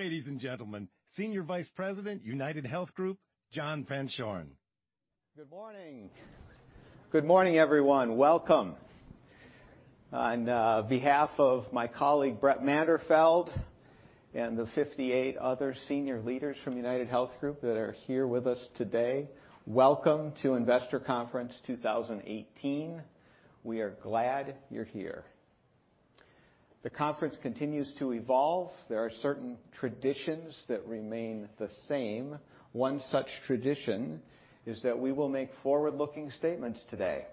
Ladies and gentlemen, Senior Vice President, UnitedHealth Group, John Penshorn. Good morning. Good morning, everyone. Welcome. On behalf of my colleague, Brett Manderfeld, and the 58 other Senior Leaders from UnitedHealth Group that are here with us today, welcome to Investor Conference 2018. We are glad you're here. The conference continues to evolve. There are certain traditions that remain the same. One such tradition is that we will make forward-looking statements today.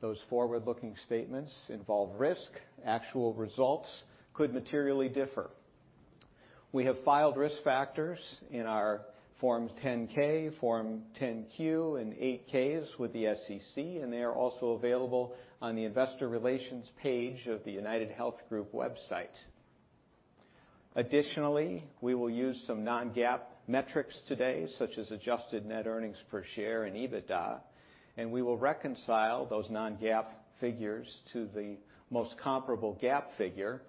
Those forward-looking statements involve risk. Actual results could materially differ. We have filed risk factors in our Forms 10-K, Form 10-Q, and 8-Ks with the SEC, and they are also available on the investor relations page of the unitedhealthgroup website. Additionally, we will use some non-GAAP metrics today, such as adjusted net earnings per share and EBITDA, and we will reconcile those non-GAAP figures to the most comparable GAAP figure.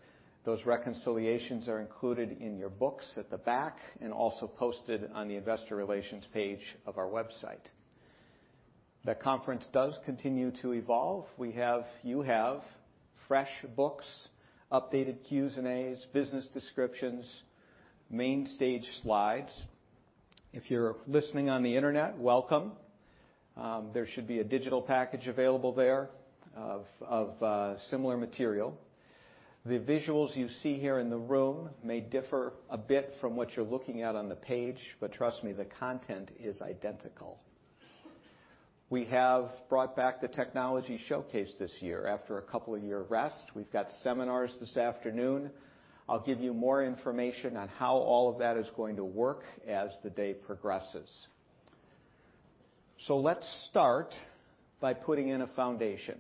Those reconciliations are included in your books at the back and also posted on the investor relations page of our website. The conference does continue to evolve. You have fresh books, updated Qs and As, business descriptions, main stage slides. If you're listening on the internet, welcome. There should be a digital package available there of similar material. The visuals you see here in the room may differ a bit from what you're looking at on the page, but trust me, the content is identical. We have brought back the technology showcase this year after a couple of year rest. We've got seminars this afternoon. I'll give you more information on how all of that is going to work as the day progresses. Let's start by putting in a foundation.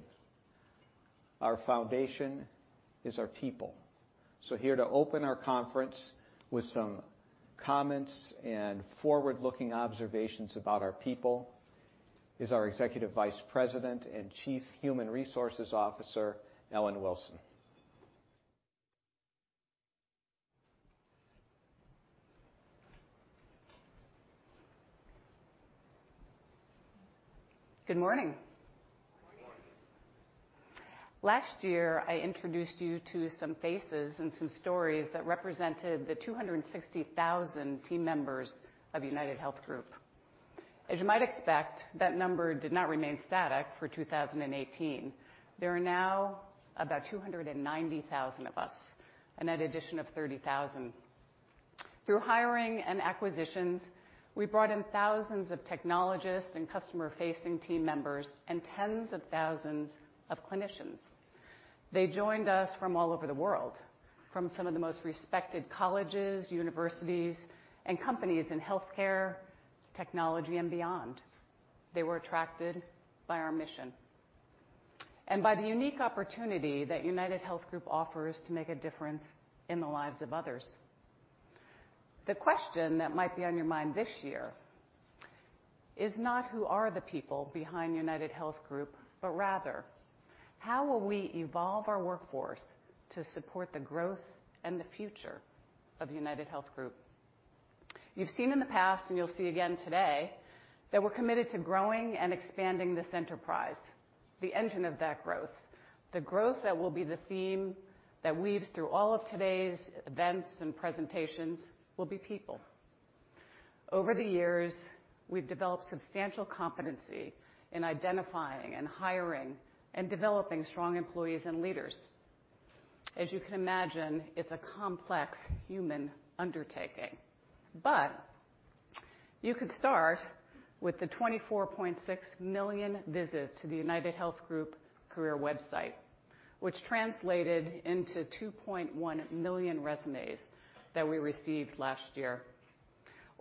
Our foundation is our people. Here to open our conference with some comments and forward-looking observations about our people is our Executive Vice President and Chief People Officer, Erin McSweeney. Good morning. Good morning. Last year, I introduced you to some faces and some stories that represented the 260,000 team members of UnitedHealth Group. As you might expect, that number did not remain static for 2018. There are now about 290,000 of us, a net addition of 30,000. Through hiring and acquisitions, we brought in thousands of technologists and customer-facing team members and tens of thousands of clinicians. They joined us from all over the world, from some of the most respected colleges, universities, and companies in healthcare, technology, and beyond. They were attracted by our mission and by the unique opportunity that UnitedHealth Group offers to make a difference in the lives of others. The question that might be on your mind this year is not who are the people behind UnitedHealth Group, but rather, how will we evolve our workforce to support the growth and the future of UnitedHealth Group? You've seen in the past, and you'll see again today, that we're committed to growing and expanding this enterprise. The engine of that growth, the growth that will be the theme that weaves through all of today's events and presentations will be people. Over the years, we've developed substantial competency in identifying and hiring and developing strong employees and leaders. As you can imagine, it's a complex human undertaking. You could start with the 24.6 million visits to the UnitedHealth Group career website, which translated into 2.1 million resumes that we received last year.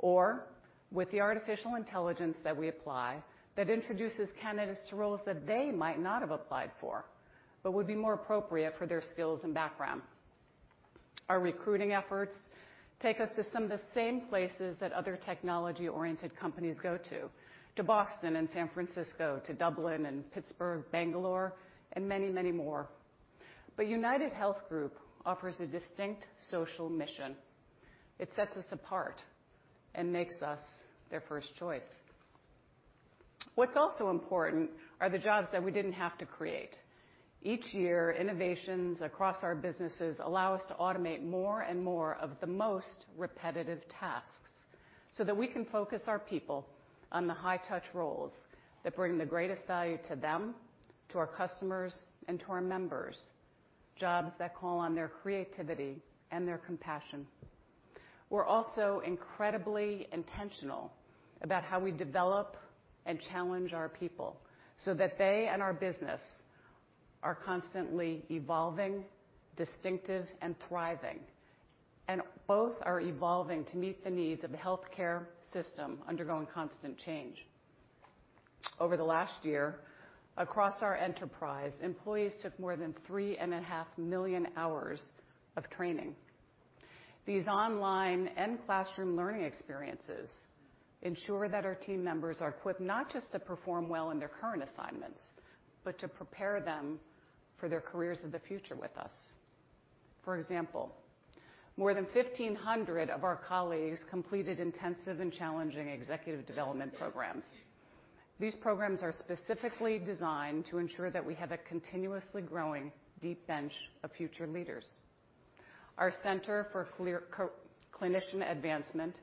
With the artificial intelligence that we apply that introduces candidates to roles that they might not have applied for but would be more appropriate for their skills and background. Our recruiting efforts take us to some of the same places that other technology-oriented companies go to Boston and San Francisco, to Dublin and Pittsburgh, Bangalore, and many more. UnitedHealth Group offers a distinct social mission. It sets us apart and makes us their first choice. What's also important are the jobs that we didn't have to create. Each year, innovations across our businesses allow us to automate more and more of the most repetitive tasks so that we can focus our people on the high-touch roles that bring the greatest value to them, to our customers, and to our members, jobs that call on their creativity and their compassion. We're also incredibly intentional about how we develop and challenge our people so that they and our business are constantly evolving, distinctive, and thriving, and both are evolving to meet the needs of a healthcare system undergoing constant change. Over the last year, across our enterprise, employees took more than three and a half million hours of training. These online and classroom learning experiences ensure that our team members are equipped not just to perform well in their current assignments, but to prepare them for their careers of the future with us. For example, more than 1,500 of our colleagues completed intensive and challenging executive development programs. These programs are specifically designed to ensure that we have a continuously growing deep bench of future leaders. Our Center for Clinician Advancement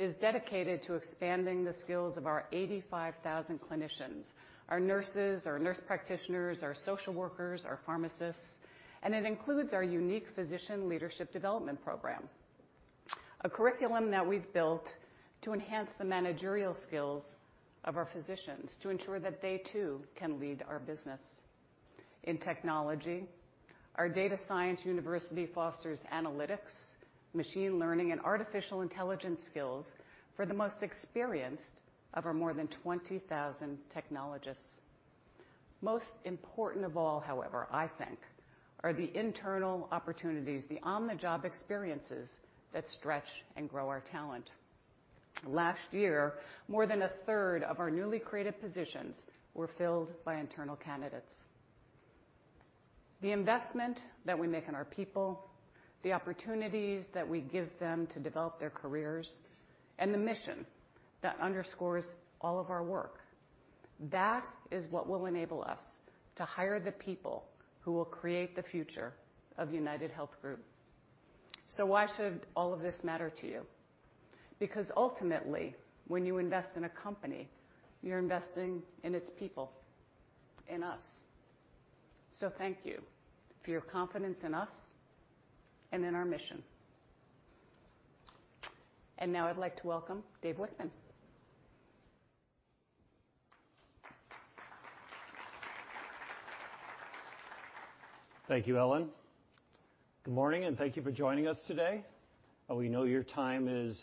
is dedicated to expanding the skills of our 85,000 clinicians, our nurses, our nurse practitioners, our social workers, our pharmacists, and it includes our unique physician leadership development program, a curriculum that we've built to enhance the managerial skills of our physicians to ensure that they too can lead our business. In technology, our Data Science University fosters analytics, machine learning, and artificial intelligence skills for the most experienced of our more than 20,000 technologists. Most important of all, however, I think, are the internal opportunities, the on-the-job experiences that stretch and grow our talent. Last year, more than a third of our newly created positions were filled by internal candidates. The investment that we make in our people, the opportunities that we give them to develop their careers, and the mission that underscores all of our work, that is what will enable us to hire the people who will create the future of UnitedHealth Group. Why should all of this matter to you? Ultimately, when you invest in a company, you're investing in its people, in us. Thank you for your confidence in us and in our mission. Now I'd like to welcome David Wichmann. Thank you, Erin. Good morning, and thank you for joining us today. We know your time is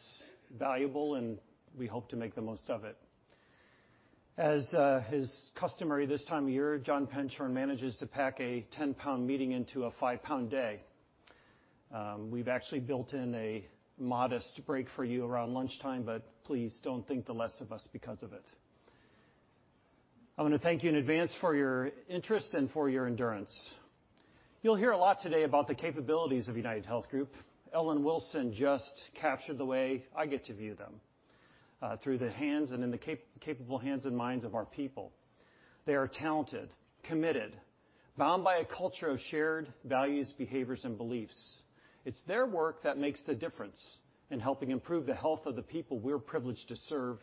valuable, and we hope to make the most of it. As is customary this time of year, John Penshorn manages to pack a 10-pound meeting into a five-pound day. We've actually built in a modest break for you around lunchtime, but please don't think the less of us because of it. I want to thank you in advance for your interest and for your endurance. You'll hear a lot today about the capabilities of UnitedHealth Group. Ellen Wilson just captured the way I get to view them, through the capable hands and minds of our people. They are talented, committed, bound by a culture of shared values, behaviors, and beliefs. It's their work that makes the difference in helping improve the health of the people we're privileged to serve,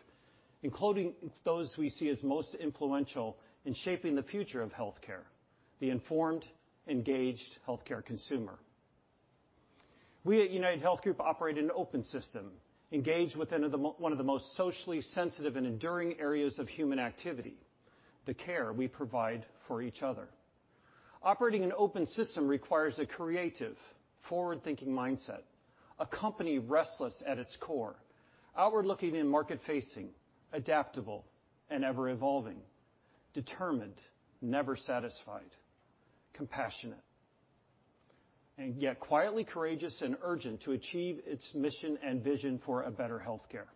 including those we see as most influential in shaping the future of healthcare, the informed, engaged healthcare consumer. We at UnitedHealth Group operate an open system, engaged with one of the most socially sensitive and enduring areas of human activity, the care we provide for each other. Operating an open system requires a creative, forward-thinking mindset, a company restless at its core, outward-looking and market-facing, adaptable and ever-evolving, determined, never satisfied, compassionate, yet quietly courageous and urgent to achieve its mission and vision for a better healthcare.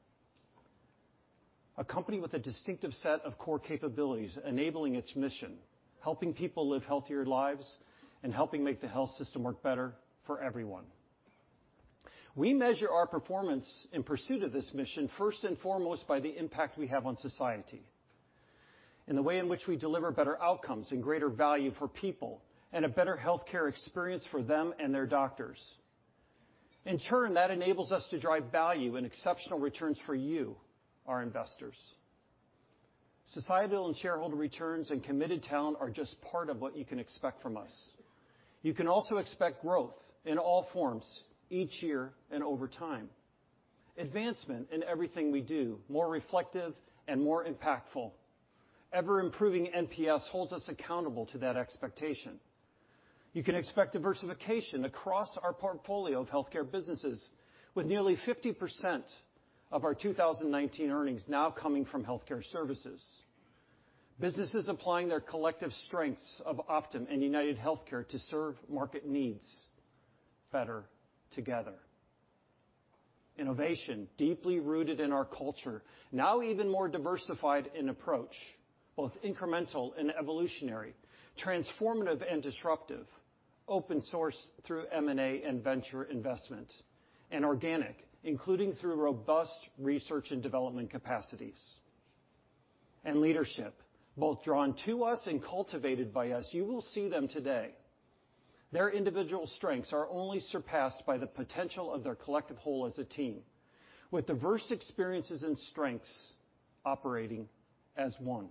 A company with a distinctive set of core capabilities enabling its mission, helping people live healthier lives and helping make the health system work better for everyone. We measure our performance in pursuit of this mission first and foremost by the impact we have on society, and the way in which we deliver better outcomes and greater value for people and a better healthcare experience for them and their doctors. In turn, that enables us to drive value and exceptional returns for you, our investors. Societal and shareholder returns and committed talent are just part of what you can expect from us. You can also expect growth in all forms each year and over time. Advancement in everything we do, more reflective and more impactful. Ever-improving NPS holds us accountable to that expectation. You can expect diversification across our portfolio of healthcare businesses, with nearly 50% of our 2019 earnings now coming from healthcare services. Businesses applying their collective strengths of Optum and UnitedHealthcare to serve market needs better together. Innovation deeply rooted in our culture, now even more diversified in approach, both incremental and evolutionary, transformative and disruptive, open source through M&A and venture investment, and organic, including through robust research and development capacities. Leadership, both drawn to us and cultivated by us. You will see them today. Their individual strengths are only surpassed by the potential of their collective whole as a team. With diverse experiences and strengths operating as one.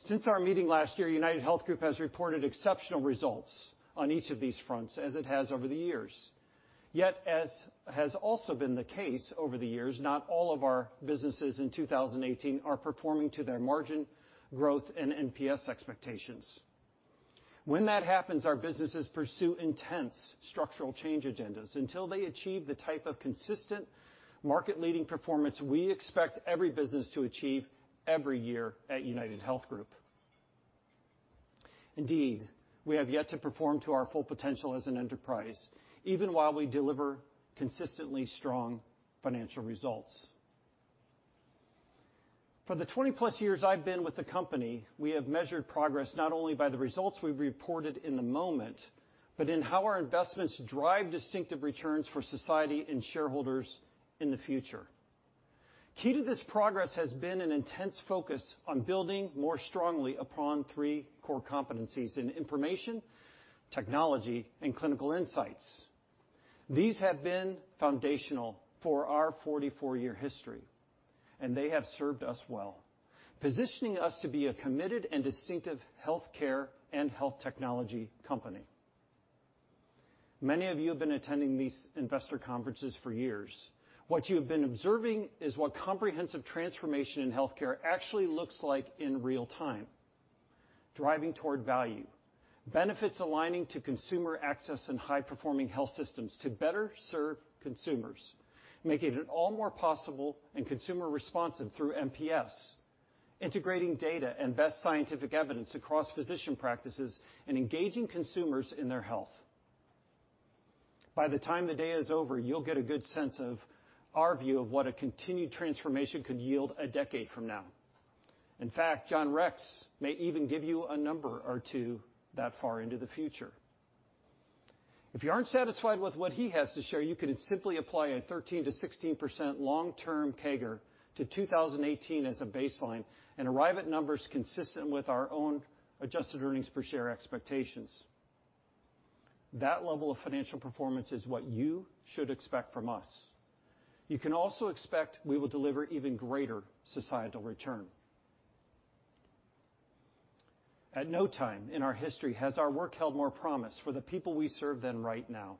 Since our meeting last year, UnitedHealth Group has reported exceptional results on each of these fronts, as it has over the years. Yet, as has also been the case over the years, not all of our businesses in 2018 are performing to their margin, growth, and NPS expectations. When that happens, our businesses pursue intense structural change agendas until they achieve the type of consistent market-leading performance we expect every business to achieve every year at UnitedHealth Group. Indeed, we have yet to perform to our full potential as an enterprise, even while we deliver consistently strong financial results. For the 20-plus years I've been with the company, we have measured progress not only by the results we've reported in the moment, but in how our investments drive distinctive returns for society and shareholders in the future. Key to this progress has been an intense focus on building more strongly upon three core competencies in information, technology, and clinical insights. These have been foundational for our 44-year history, and they have served us well, positioning us to be a committed and distinctive healthcare and health technology company. Many of you have been attending these investor conferences for years. What you have been observing is what comprehensive transformation in healthcare actually looks like in real time, driving toward value, benefits aligning to consumer access and high-performing health systems to better serve consumers, making it all more possible and consumer-responsive through NPS, integrating data and best scientific evidence across physician practices, and engaging consumers in their health. By the time the day is over, you'll get a good sense of our view of what a continued transformation could yield a decade from now. In fact, John Rex may even give you a number or two that far into the future. If you aren't satisfied with what he has to share, you could simply apply a 13%-16% long-term CAGR to 2018 as a baseline and arrive at numbers consistent with our own adjusted earnings per share expectations. That level of financial performance is what you should expect from us. You can also expect we will deliver even greater societal return. At no time in our history has our work held more promise for the people we serve than right now.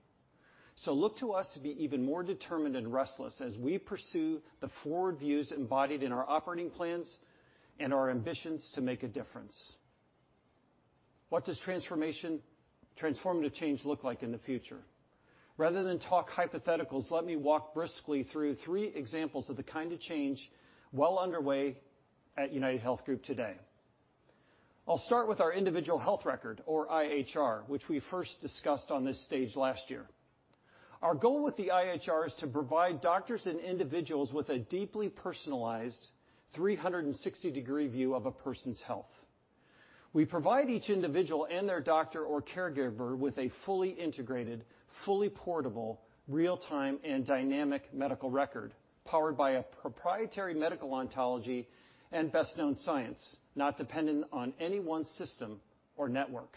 Look to us to be even more determined and restless as we pursue the forward views embodied in our operating plans and our ambitions to make a difference. What does transformative change look like in the future? Rather than talk hypotheticals, let me walk briskly through three examples of the kind of change well underway at UnitedHealth Group today. I'll start with our individual health record, or IHR, which we first discussed on this stage last year. Our goal with the IHR is to provide doctors and individuals with a deeply personalized 360-degree view of a person's health. We provide each individual and their doctor or caregiver with a fully integrated, fully portable, real-time, and dynamic medical record powered by a proprietary medical ontology and best-known science, not dependent on any one system or network.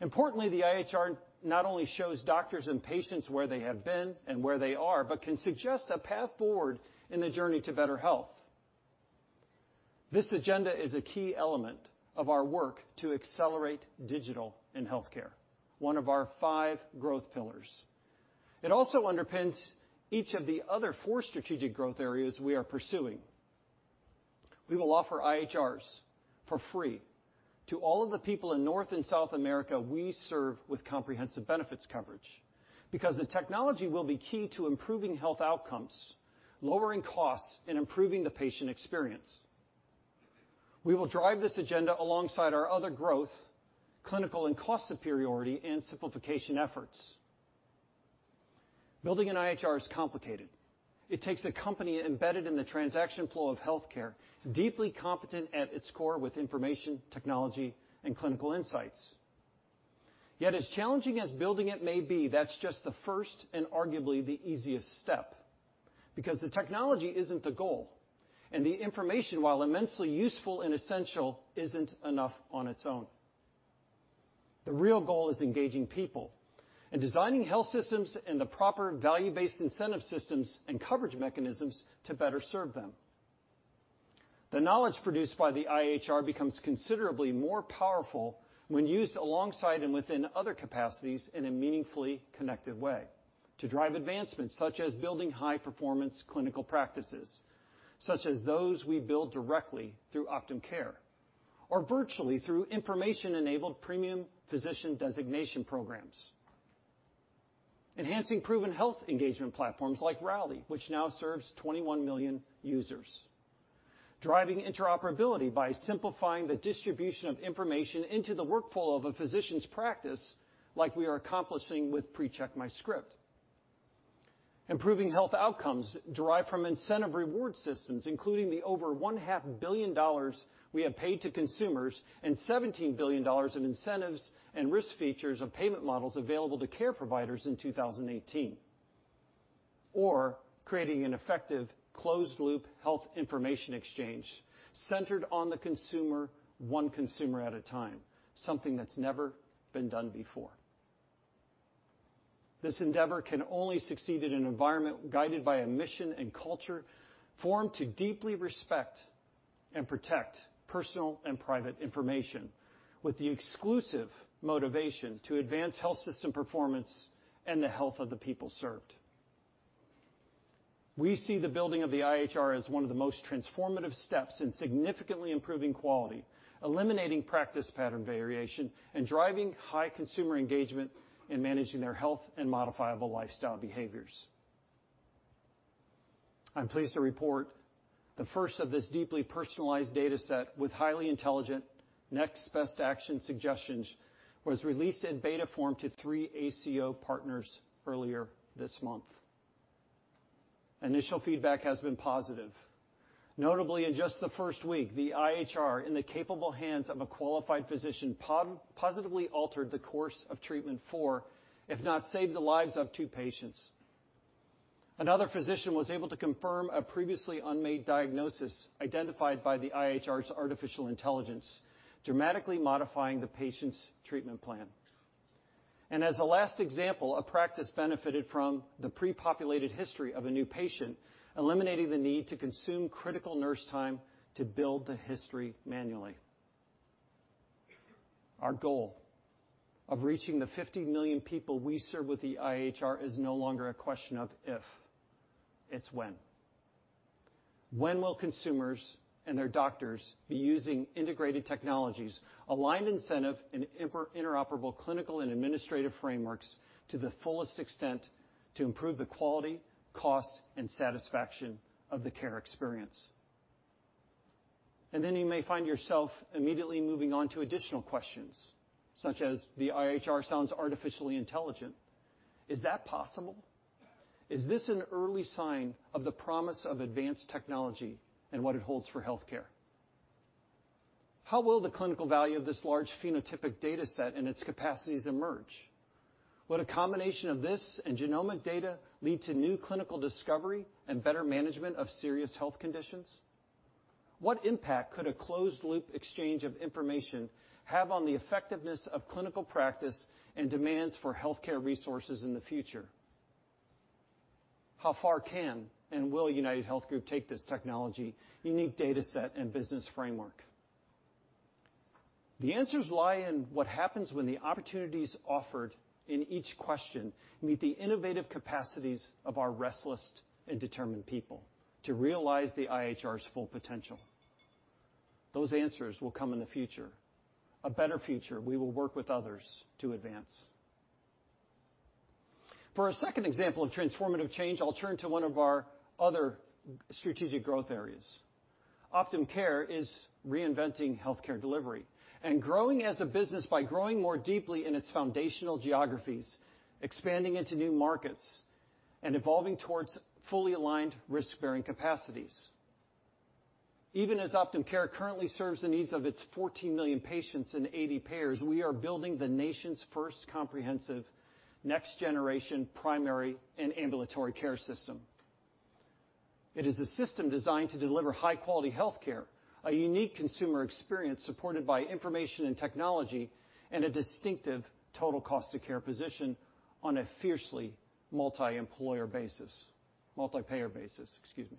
Importantly, the IHR not only shows doctors and patients where they have been and where they are, but can suggest a path forward in the journey to better health. This agenda is a key element of our work to accelerate digital in healthcare, one of our five growth pillars. It also underpins each of the other four strategic growth areas we are pursuing. We will offer IHRs for free to all of the people in North and South America we serve with comprehensive benefits coverage because the technology will be key to improving health outcomes, lowering costs, and improving the patient experience. We will drive this agenda alongside our other growth, clinical, and cost superiority, and simplification efforts. Building an IHR is complicated. It takes a company embedded in the transaction flow of healthcare, deeply competent at its core with information, technology, and clinical insights. Yet, as challenging as building it may be, that's just the first and arguably the easiest step, because the technology isn't the goal, and the information, while immensely useful and essential, isn't enough on its own. The real goal is engaging people and designing health systems and the proper value-based incentive systems and coverage mechanisms to better serve them. The knowledge produced by the IHR becomes considerably more powerful when used alongside and within other capacities in a meaningfully connected way to drive advancements such as building high-performance clinical practices, such as those we build directly through Optum Care or virtually through information-enabled premium physician designation programs. Enhancing proven health engagement platforms like Rally, which now serves 21 million users. Driving interoperability by simplifying the distribution of information into the workflow of a physician's practice, like we are accomplishing with PreCheck MyScript. Improving health outcomes derived from incentive reward systems, including the over one half billion dollars we have paid to consumers and $17 billion of incentives and risk features of payment models available to care providers in 2018. Creating an effective closed-loop health information exchange centered on the consumer, one consumer at a time, something that's never been done before. This endeavor can only succeed in an environment guided by a mission and culture formed to deeply respect and protect personal and private information with the exclusive motivation to advance health system performance and the health of the people served. We see the building of the IHR as one of the most transformative steps in significantly improving quality, eliminating practice pattern variation, and driving high consumer engagement in managing their health and modifiable lifestyle behaviors. I'm pleased to report the first of this deeply personalized data set with highly intelligent Next Best Action suggestions was released in beta form to three ACO partners earlier this month. Initial feedback has been positive. Notably, in just the first week, the IHR, in the capable hands of a qualified physician, positively altered the course of treatment for, if not saved the lives of two patients. Another physician was able to confirm a previously unmade diagnosis identified by the IHR's artificial intelligence, dramatically modifying the patient's treatment plan. As a last example, a practice benefited from the pre-populated history of a new patient, eliminating the need to consume critical nurse time to build the history manually. Our goal of reaching the 50 million people we serve with the IHR is no longer a question of if, it's when. When will consumers and their doctors be using integrated technologies, aligned incentive, and interoperable clinical and administrative frameworks to the fullest extent to improve the quality, cost, and satisfaction of the care experience? Then you may find yourself immediately moving on to additional questions, such as the IHR sounds artificially intelligent. Is that possible? Is this an early sign of the promise of advanced technology and what it holds for healthcare? How will the clinical value of this large phenotypic data set and its capacities emerge? Would a combination of this and genomic data lead to new clinical discovery and better management of serious health conditions? What impact could a closed loop exchange of information have on the effectiveness of clinical practice and demands for healthcare resources in the future? How far can and will UnitedHealth Group take this technology, unique data set, and business framework? The answers lie in what happens when the opportunities offered in each question meet the innovative capacities of our restless and determined people to realize the IHR's full potential. Those answers will come in the future, a better future we will work with others to advance. For our second example of transformative change, I'll turn to one of our other strategic growth areas. Optum Care is reinventing healthcare delivery and growing as a business by growing more deeply in its foundational geographies, expanding into new markets, and evolving towards fully aligned risk-bearing capacities. Even as Optum Care currently serves the needs of its 14 million patients and 80 payers, we are building the nation's first comprehensive next generation primary and ambulatory care system. It is a system designed to deliver high-quality healthcare, a unique consumer experience supported by information and technology, and a distinctive total cost of care position on a fiercely multi-employer basis. Multi-payer basis, excuse me.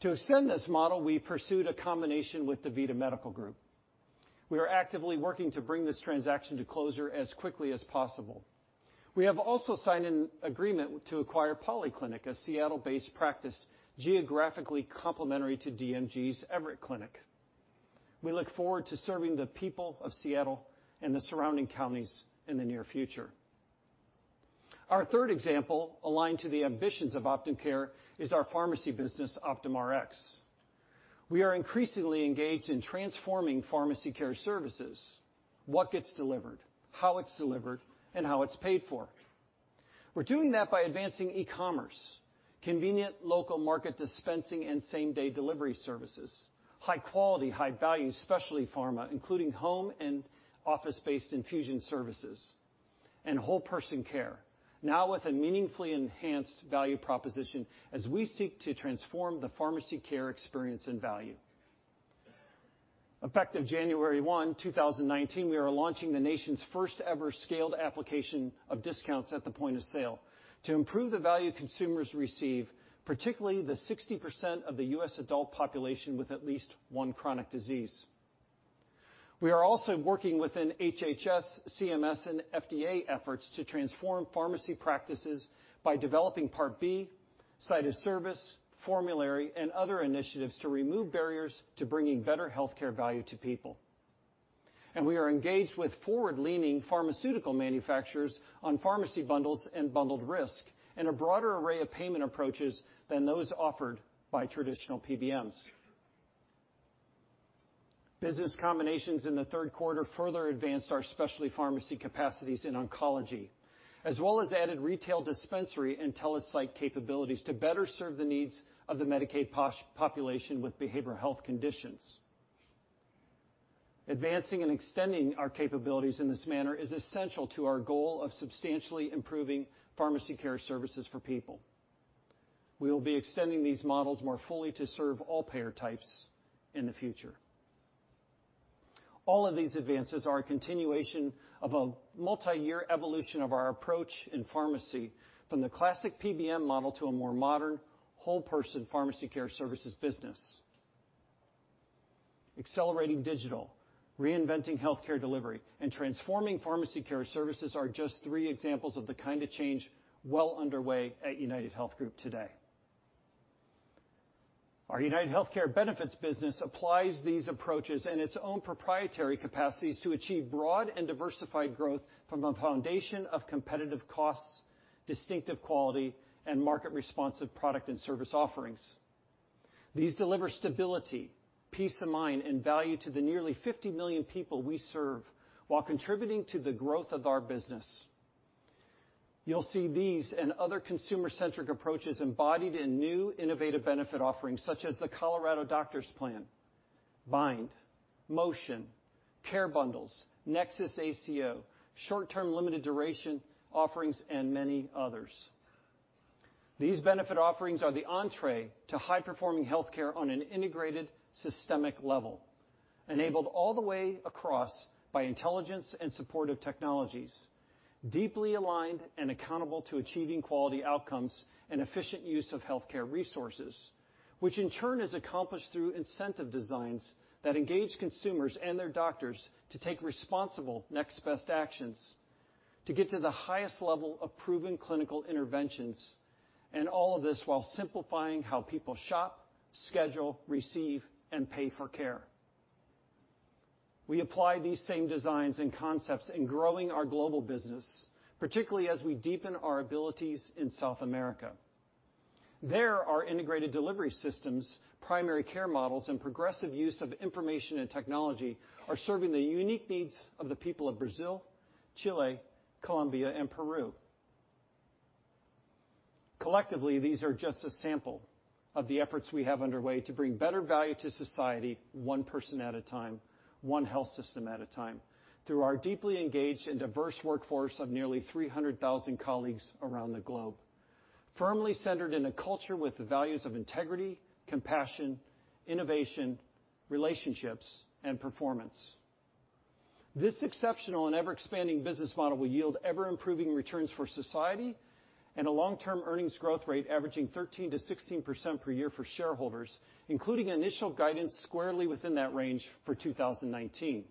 To extend this model, we pursued a combination with DaVita Medical Group. We are actively working to bring this transaction to closure as quickly as possible. We have also signed an agreement to acquire The Polyclinic, a Seattle-based practice geographically complementary to DMG's The Everett Clinic. We look forward to serving the people of Seattle and the surrounding counties in the near future. Our third example, aligned to the ambitions of Optum Care, is our pharmacy business, Optum Rx. We are increasingly engaged in transforming pharmacy care services. What gets delivered, how it's delivered, and how it's paid for. We're doing that by advancing e-commerce, convenient local market dispensing and same-day delivery services, high quality, high value specialty pharma, including home and office-based infusion services, and whole person care, now with a meaningfully enhanced value proposition as we seek to transform the pharmacy care experience and value. Effective January 1, 2019, we are launching the nation's first ever scaled application of discounts at the point of sale to improve the value consumers receive, particularly the 60% of the U.S. adult population with at least one chronic disease. We are also working within HHS, CMS, and FDA efforts to transform pharmacy practices by developing Part B, site of service, formulary, and other initiatives to remove barriers to bringing better healthcare value to people. We are engaged with forward-leaning pharmaceutical manufacturers on pharmacy bundles and bundled risk and a broader array of payment approaches than those offered by traditional PBMs. Business combinations in the third quarter further advanced our specialty pharmacy capacities in oncology, as well as added retail dispensary and tele-site capabilities to better serve the needs of the Medicaid population with behavioral health conditions. Advancing and extending our capabilities in this manner is essential to our goal of substantially improving pharmacy care services for people. We will be extending these models more fully to serve all payer types in the future. All of these advances are a continuation of a multi-year evolution of our approach in pharmacy from the classic PBM model to a more modern whole person pharmacy care services business. Accelerating digital, reinventing healthcare delivery, and transforming pharmacy care services are just three examples of the kind of change well underway at UnitedHealth Group today. Our UnitedHealthcare benefits business applies these approaches and its own proprietary capacities to achieve broad and diversified growth from a foundation of competitive costs, distinctive quality, and market-responsive product and service offerings. These deliver stability, peace of mind, and value to the nearly 50 million people we serve while contributing to the growth of our business. You'll see these and other consumer-centric approaches embodied in new innovative benefit offerings, such as the Colorado Doctors Plan, Bind, Motion, Care Bundles, Nexus ACO, short-term limited duration offerings, and many others. These benefit offerings are the entrée to high-performing healthcare on an integrated, systemic level, enabled all the way across by intelligence and supportive technologies, deeply aligned and accountable to achieving quality outcomes and efficient use of healthcare resources. Which in turn is accomplished through incentive designs that engage consumers and their doctors to take responsible Next Best Actions to get to the highest level of proven clinical interventions, and all of this while simplifying how people shop, schedule, receive, and pay for care. We apply these same designs and concepts in growing our global business, particularly as we deepen our abilities in South America. There, our integrated delivery systems, primary care models, and progressive use of information and technology are serving the unique needs of the people of Brazil, Chile, Colombia, and Peru. Collectively, these are just a sample of the efforts we have underway to bring better value to society one person at a time, one health system at a time, through our deeply engaged and diverse workforce of nearly 300,000 colleagues around the globe. Firmly centered in a culture with the values of integrity, compassion, innovation, relationships, and performance. This exceptional and ever-expanding business model will yield ever-improving returns for society and a long-term earnings growth rate averaging 13%-16% per year for shareholders, including initial guidance squarely within that range for 2019,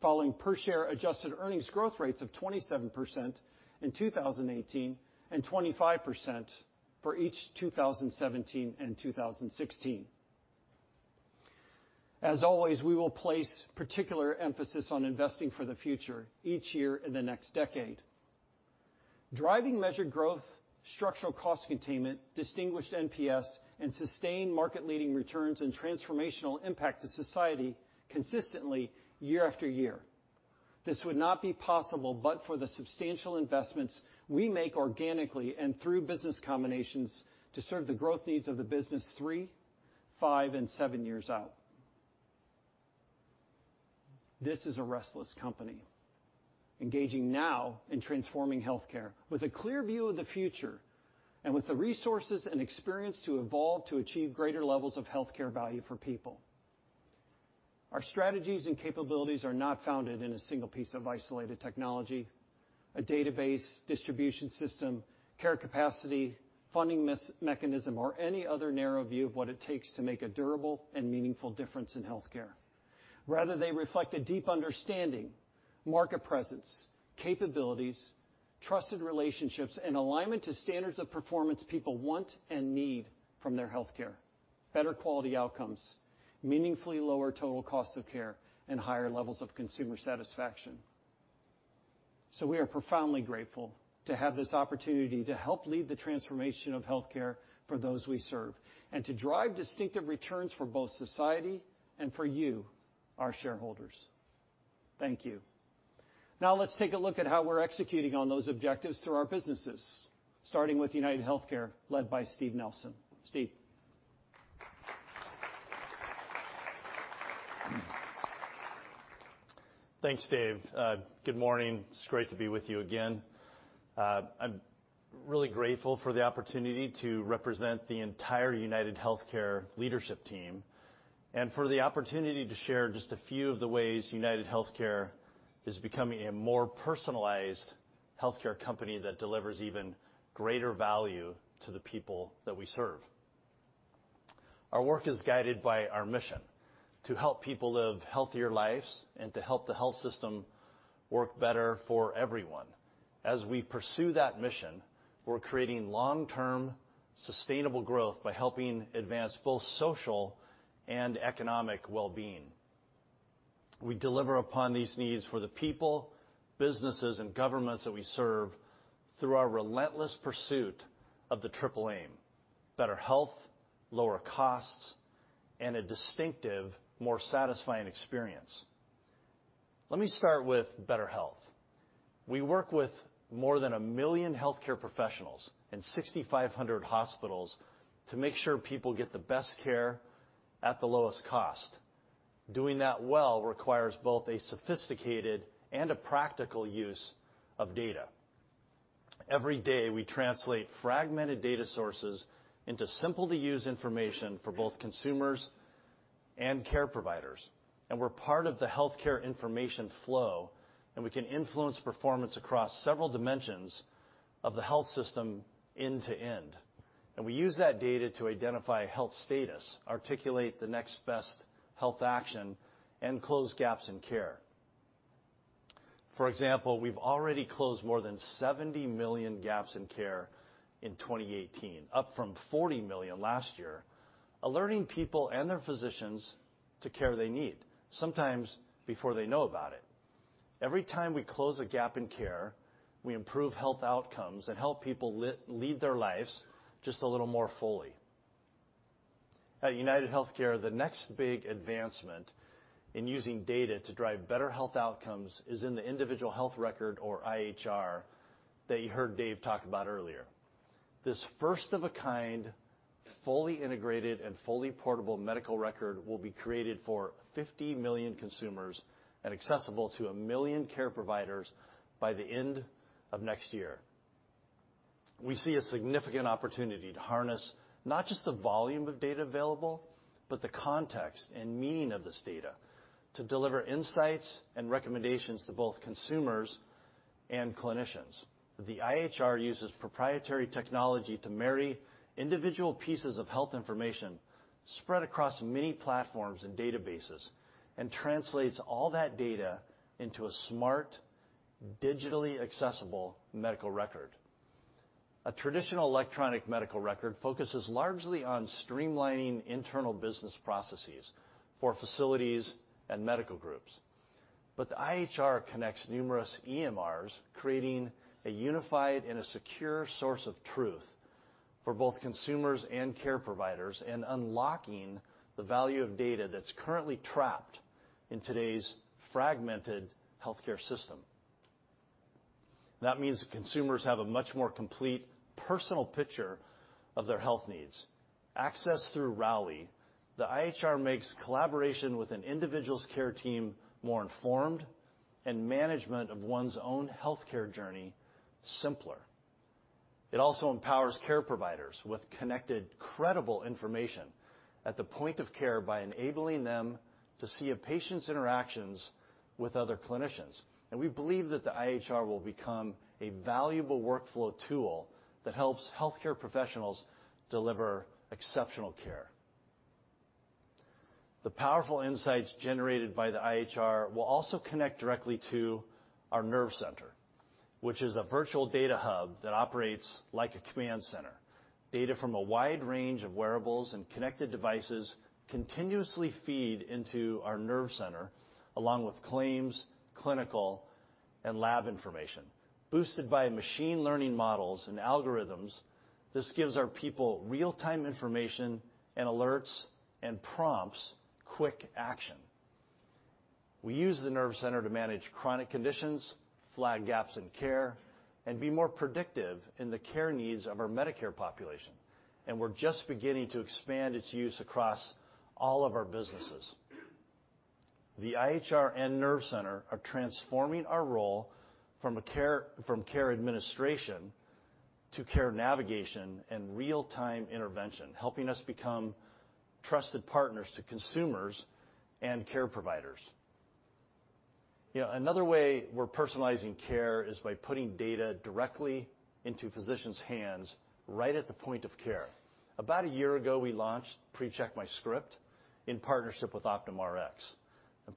following per-share adjusted earnings growth rates of 27% in 2018 and 25% for each 2017 and 2016. As always, we will place particular emphasis on investing for the future each year in the next decade. Driving measured growth, structural cost containment, distinguished NPS, and sustained market-leading returns and transformational impact to society consistently year after year. This would not be possible but for the substantial investments we make organically and through business combinations to serve the growth needs of the business three, five, and seven years out. This is a restless company, engaging now in transforming healthcare with a clear view of the future and with the resources and experience to evolve to achieve greater levels of healthcare value for people. Our strategies and capabilities are not founded in a single piece of isolated technology, a database distribution system, care capacity, funding mechanism, or any other narrow view of what it takes to make a durable and meaningful difference in healthcare. Rather, they reflect a deep understanding, market presence, capabilities, trusted relationships, and alignment to standards of performance people want and need from their healthcare. Better quality outcomes, meaningfully lower total cost of care, and higher levels of consumer satisfaction. We are profoundly grateful to have this opportunity to help lead the transformation of healthcare for those we serve and to drive distinctive returns for both society and for you, our shareholders. Thank you. Now let's take a look at how we're executing on those objectives through our businesses, starting with UnitedHealthcare, led by Steve Nelson. Steve. Thanks, Dave. Good morning. It's great to be with you again. I'm really grateful for the opportunity to represent the entire UnitedHealthcare leadership team and for the opportunity to share just a few of the ways UnitedHealthcare is becoming a more personalized healthcare company that delivers even greater value to the people that we serve. Our work is guided by our mission to help people live healthier lives and to help the health system work better for everyone. As we pursue that mission, we're creating long-term, sustainable growth by helping advance both social and economic well-being. We deliver upon these needs for the people, businesses, and governments that we serve through our relentless pursuit of the triple aim, better health, lower costs, and a distinctive, more satisfying experience. Let me start with better health. We work with more than 1 million healthcare professionals and 6,500 hospitals to make sure people get the best care at the lowest cost. Doing that well requires both a sophisticated and a practical use of data. Every day, we translate fragmented data sources into simple-to-use information for both consumers and care providers. We're part of the healthcare information flow, and we can influence performance across several dimensions of the health system end to end. We use that data to identify health status, articulate the next best health action, and close gaps in care. For example, we've already closed more than 70 million gaps in care in 2018, up from 40 million last year, alerting people and their physicians to care they need, sometimes before they know about it. Every time we close a gap in care, we improve health outcomes and help people lead their lives just a little more fully. At UnitedHealthcare, the next big advancement in using data to drive better health outcomes is in the individual health record or IHR that you heard Dave talk about earlier. This first-of-a-kind, fully integrated, and fully portable medical record will be created for 50 million consumers and accessible to 1 million care providers by the end of next year. We see a significant opportunity to harness not just the volume of data available, but the context and meaning of this data to deliver insights and recommendations to both consumers and clinicians. The IHR uses proprietary technology to marry individual pieces of health information spread across many platforms and databases and translates all that data into a smart, digitally accessible medical record. A traditional electronic medical record focuses largely on streamlining internal business processes for facilities and medical groups. The IHR connects numerous EMRs, creating a unified and a secure source of truth for both consumers and care providers and unlocking the value of data that's currently trapped in today's fragmented healthcare system. That means that consumers have a much more complete personal picture of their health needs. Accessed through Rally, the IHR makes collaboration with an individual's care team more informed and management of one's own healthcare journey simpler. It also empowers care providers with connected, credible information at the point of care by enabling them to see a patient's interactions with other clinicians. We believe that the IHR will become a valuable workflow tool that helps healthcare professionals deliver exceptional care. The powerful insights generated by the IHR will also connect directly to our Nerve Center, which is a virtual data hub that operates like a command center. Data from a wide range of wearables and connected devices continuously feed into our Nerve Center along with claims, clinical, and lab information. Boosted by machine learning models and algorithms, this gives our people real-time information and alerts and prompts quick action. We use the Nerve Center to manage chronic conditions, flag gaps in care, and be more predictive in the care needs of our Medicare population. We're just beginning to expand its use across all of our businesses. The IHR and Nerve Center are transforming our role from care administration to care navigation and real-time intervention, helping us become trusted partners to consumers and care providers. Another way we're personalizing care is by putting data directly into physicians' hands right at the point of care. About a year ago, we launched PreCheck MyScript in partnership with Optum Rx.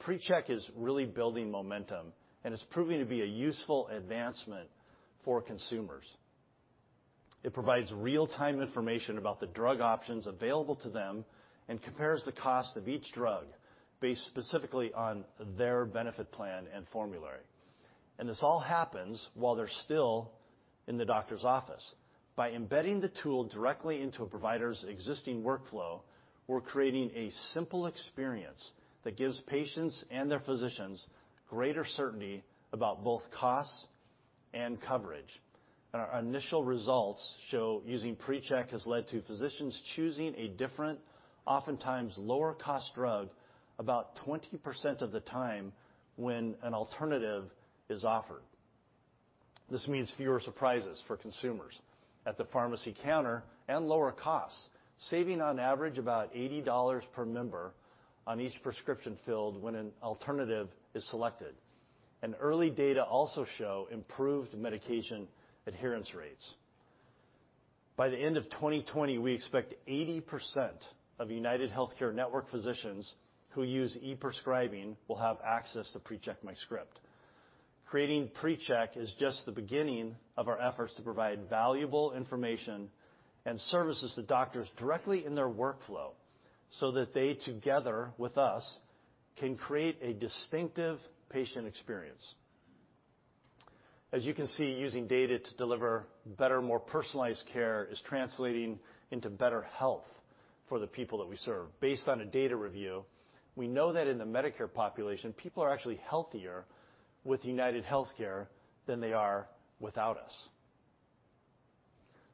PreCheck is really building momentum and is proving to be a useful advancement for consumers. It provides real-time information about the drug options available to them and compares the cost of each drug based specifically on their benefit plan and formulary. This all happens while they're still in the doctor's office. By embedding the tool directly into a provider's existing workflow, we're creating a simple experience that gives patients and their physicians greater certainty about both costs and coverage. Our initial results show using PreCheck has led to physicians choosing a different, oftentimes lower cost drug about 20% of the time when an alternative is offered. This means fewer surprises for consumers at the pharmacy counter and lower costs, saving on average about $80 per member on each prescription filled when an alternative is selected. Early data also show improved medication adherence rates. By the end of 2020, we expect 80% of UnitedHealthcare network physicians who use e-prescribing will have access to PreCheck MyScript. Creating PreCheck is just the beginning of our efforts to provide valuable information and services to doctors directly in their workflow so that they, together with us, can create a distinctive patient experience. As you can see, using data to deliver better, more personalized care is translating into better health for the people that we serve. Based on a data review, we know that in the Medicare population, people are actually healthier with UnitedHealthcare than they are without us.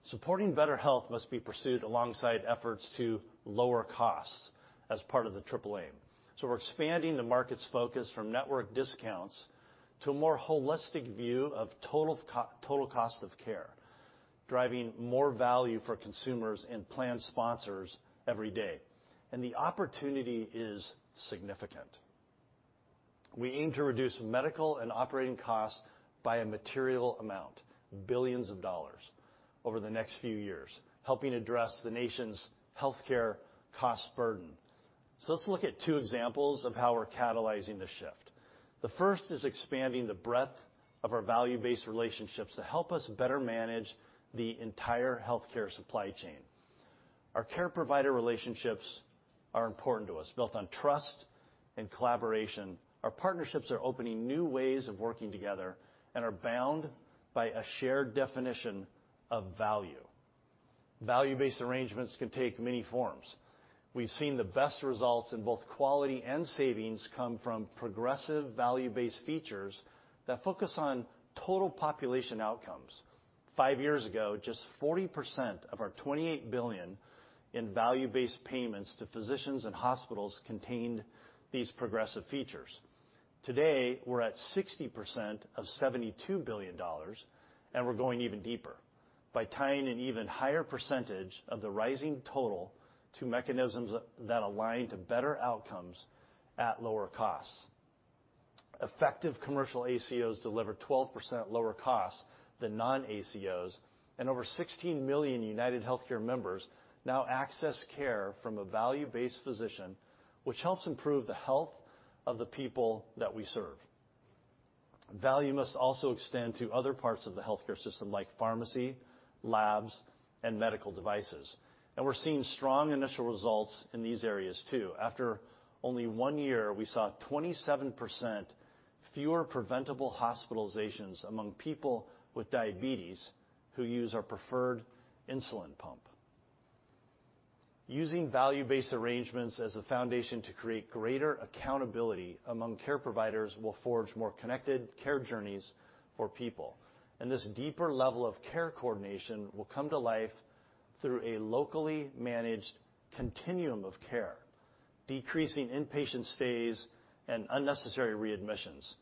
Supporting better health must be pursued alongside efforts to lower costs as part of the triple aim. We're expanding the market's focus from network discounts to a more holistic view of total cost of care, driving more value for consumers and plan sponsors every day. The opportunity is significant. We aim to reduce medical and operating costs by a material amount, billions of dollars over the next few years, helping address the nation's health care cost burden. Let's look at two examples of how we're catalyzing the shift. The first is expanding the breadth of our value-based relationships to help us better manage the entire health care supply chain. Our care provider relationships are important to us, built on trust and collaboration. Our partnerships are opening new ways of working together and are bound by a shared definition of value. Value-based arrangements can take many forms. We've seen the best results in both quality and savings come from progressive value-based features that focus on total population outcomes. Five years ago, just 40% of our $28 billion in value-based payments to physicians and hospitals contained these progressive features. Today, we're at 60% of $72 billion. We're going even deeper by tying an even higher percentage of the rising total to mechanisms that align to better outcomes at lower costs. Effective commercial ACOs deliver 12% lower costs than non-ACOs, and over 16 million UnitedHealthcare members now access care from a value-based physician, which helps improve the health of the people that we serve. Value must also extend to other parts of the health care system like pharmacy, labs, and medical devices. We're seeing strong initial results in these areas, too. After only one year, we saw 27% fewer preventable hospitalizations among people with diabetes who use our preferred insulin pump. Using value-based arrangements as a foundation to create greater accountability among care providers will forge more connected care journeys for people. This deeper level of care coordination will come to life through a locally managed continuum of care, decreasing inpatient stays and unnecessary readmissions,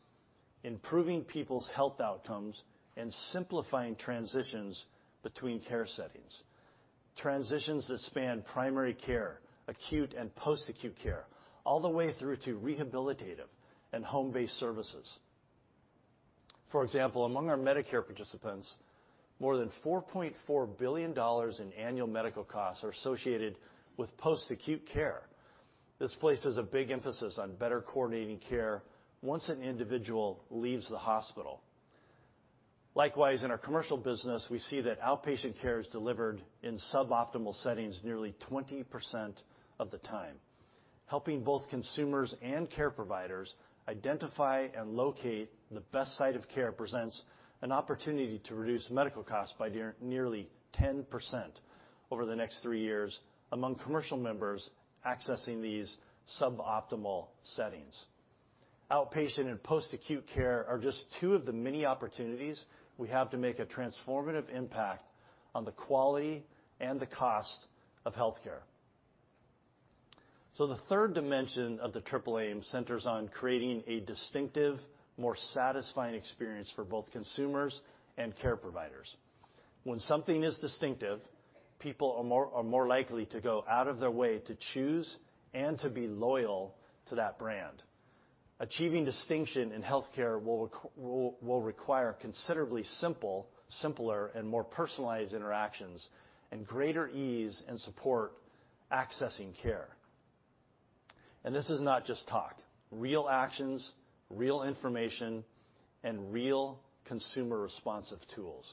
improving people's health outcomes, and simplifying transitions between care settings. Transitions that span primary care, acute and post-acute care, all the way through to rehabilitative and home-based services. For example, among our Medicare participants, more than $4.4 billion in annual medical costs are associated with post-acute care. This places a big emphasis on better coordinating care once an individual leaves the hospital. Likewise, in our commercial business, we see that outpatient care is delivered in suboptimal settings nearly 20% of the time. Helping both consumers and care providers identify and locate the best site of care presents an opportunity to reduce medical costs by nearly 10% over the next three years among commercial members accessing these suboptimal settings. Outpatient and post-acute care are just two of the many opportunities we have to make a transformative impact on the quality and the cost of health care. The third dimension of the triple aim centers on creating a distinctive, more satisfying experience for both consumers and care providers. When something is distinctive, people are more likely to go out of their way to choose and to be loyal to that brand. Achieving distinction in health care will require considerably simpler, and more personalized interactions and greater ease and support accessing care. This is not just talk. Real actions, real information, and real consumer-responsive tools.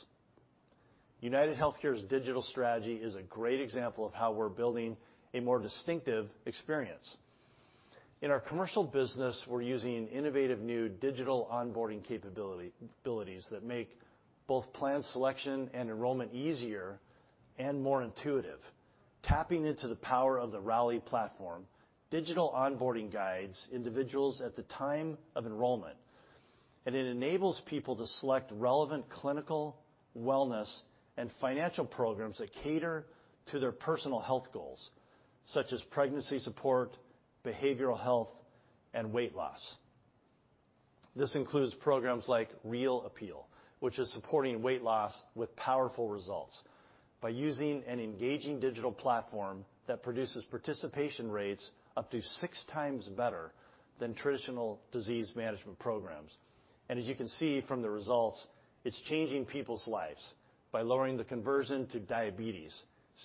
UnitedHealthcare's digital strategy is a great example of how we're building a more distinctive experience. In our commercial business, we're using innovative new digital onboarding capabilities that make both plan selection and enrollment easier and more intuitive. Tapping into the power of the Rally platform, digital onboarding guides individuals at the time of enrollment, and it enables people to select relevant clinical wellness and financial programs that cater to their personal health goals, such as pregnancy support, behavioral health, and weight loss. This includes programs like Real Appeal, which is supporting weight loss with powerful results by using an engaging digital platform that produces participation rates up to six times better than traditional disease management programs. As you can see from the results, it's changing people's lives by lowering the conversion to diabetes,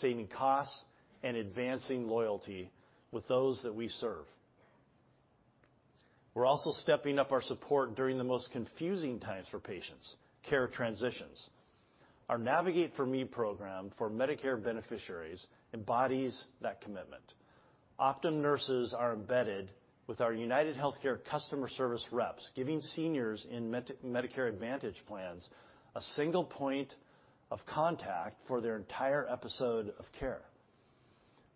saving costs, and advancing loyalty with those that we serve. We're also stepping up our support during the most confusing times for patients, care transitions. Our Navigate4Me program for Medicare beneficiaries embodies that commitment. Optum nurses are embedded with our UnitedHealthcare customer service reps, giving seniors in Medicare Advantage plans a single point of contact for their entire episode of care.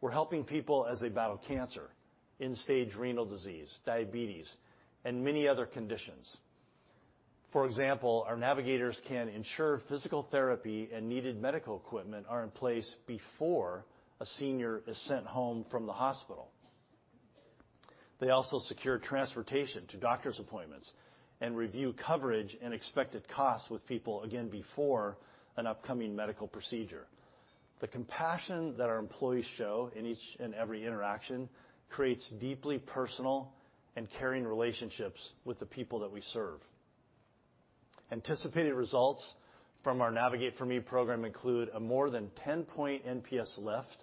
We're helping people as they battle cancer, end-stage renal disease, diabetes, and many other conditions. For example, our navigators can ensure physical therapy and needed medical equipment are in place before a senior is sent home from the hospital. They also secure transportation to doctor's appointments and review coverage and expected costs with people, again before an upcoming medical procedure. The compassion that our employees show in each and every interaction creates deeply personal and caring relationships with the people that we serve. Anticipated results from our Navigate4Me program include a more than 10-point NPS lift,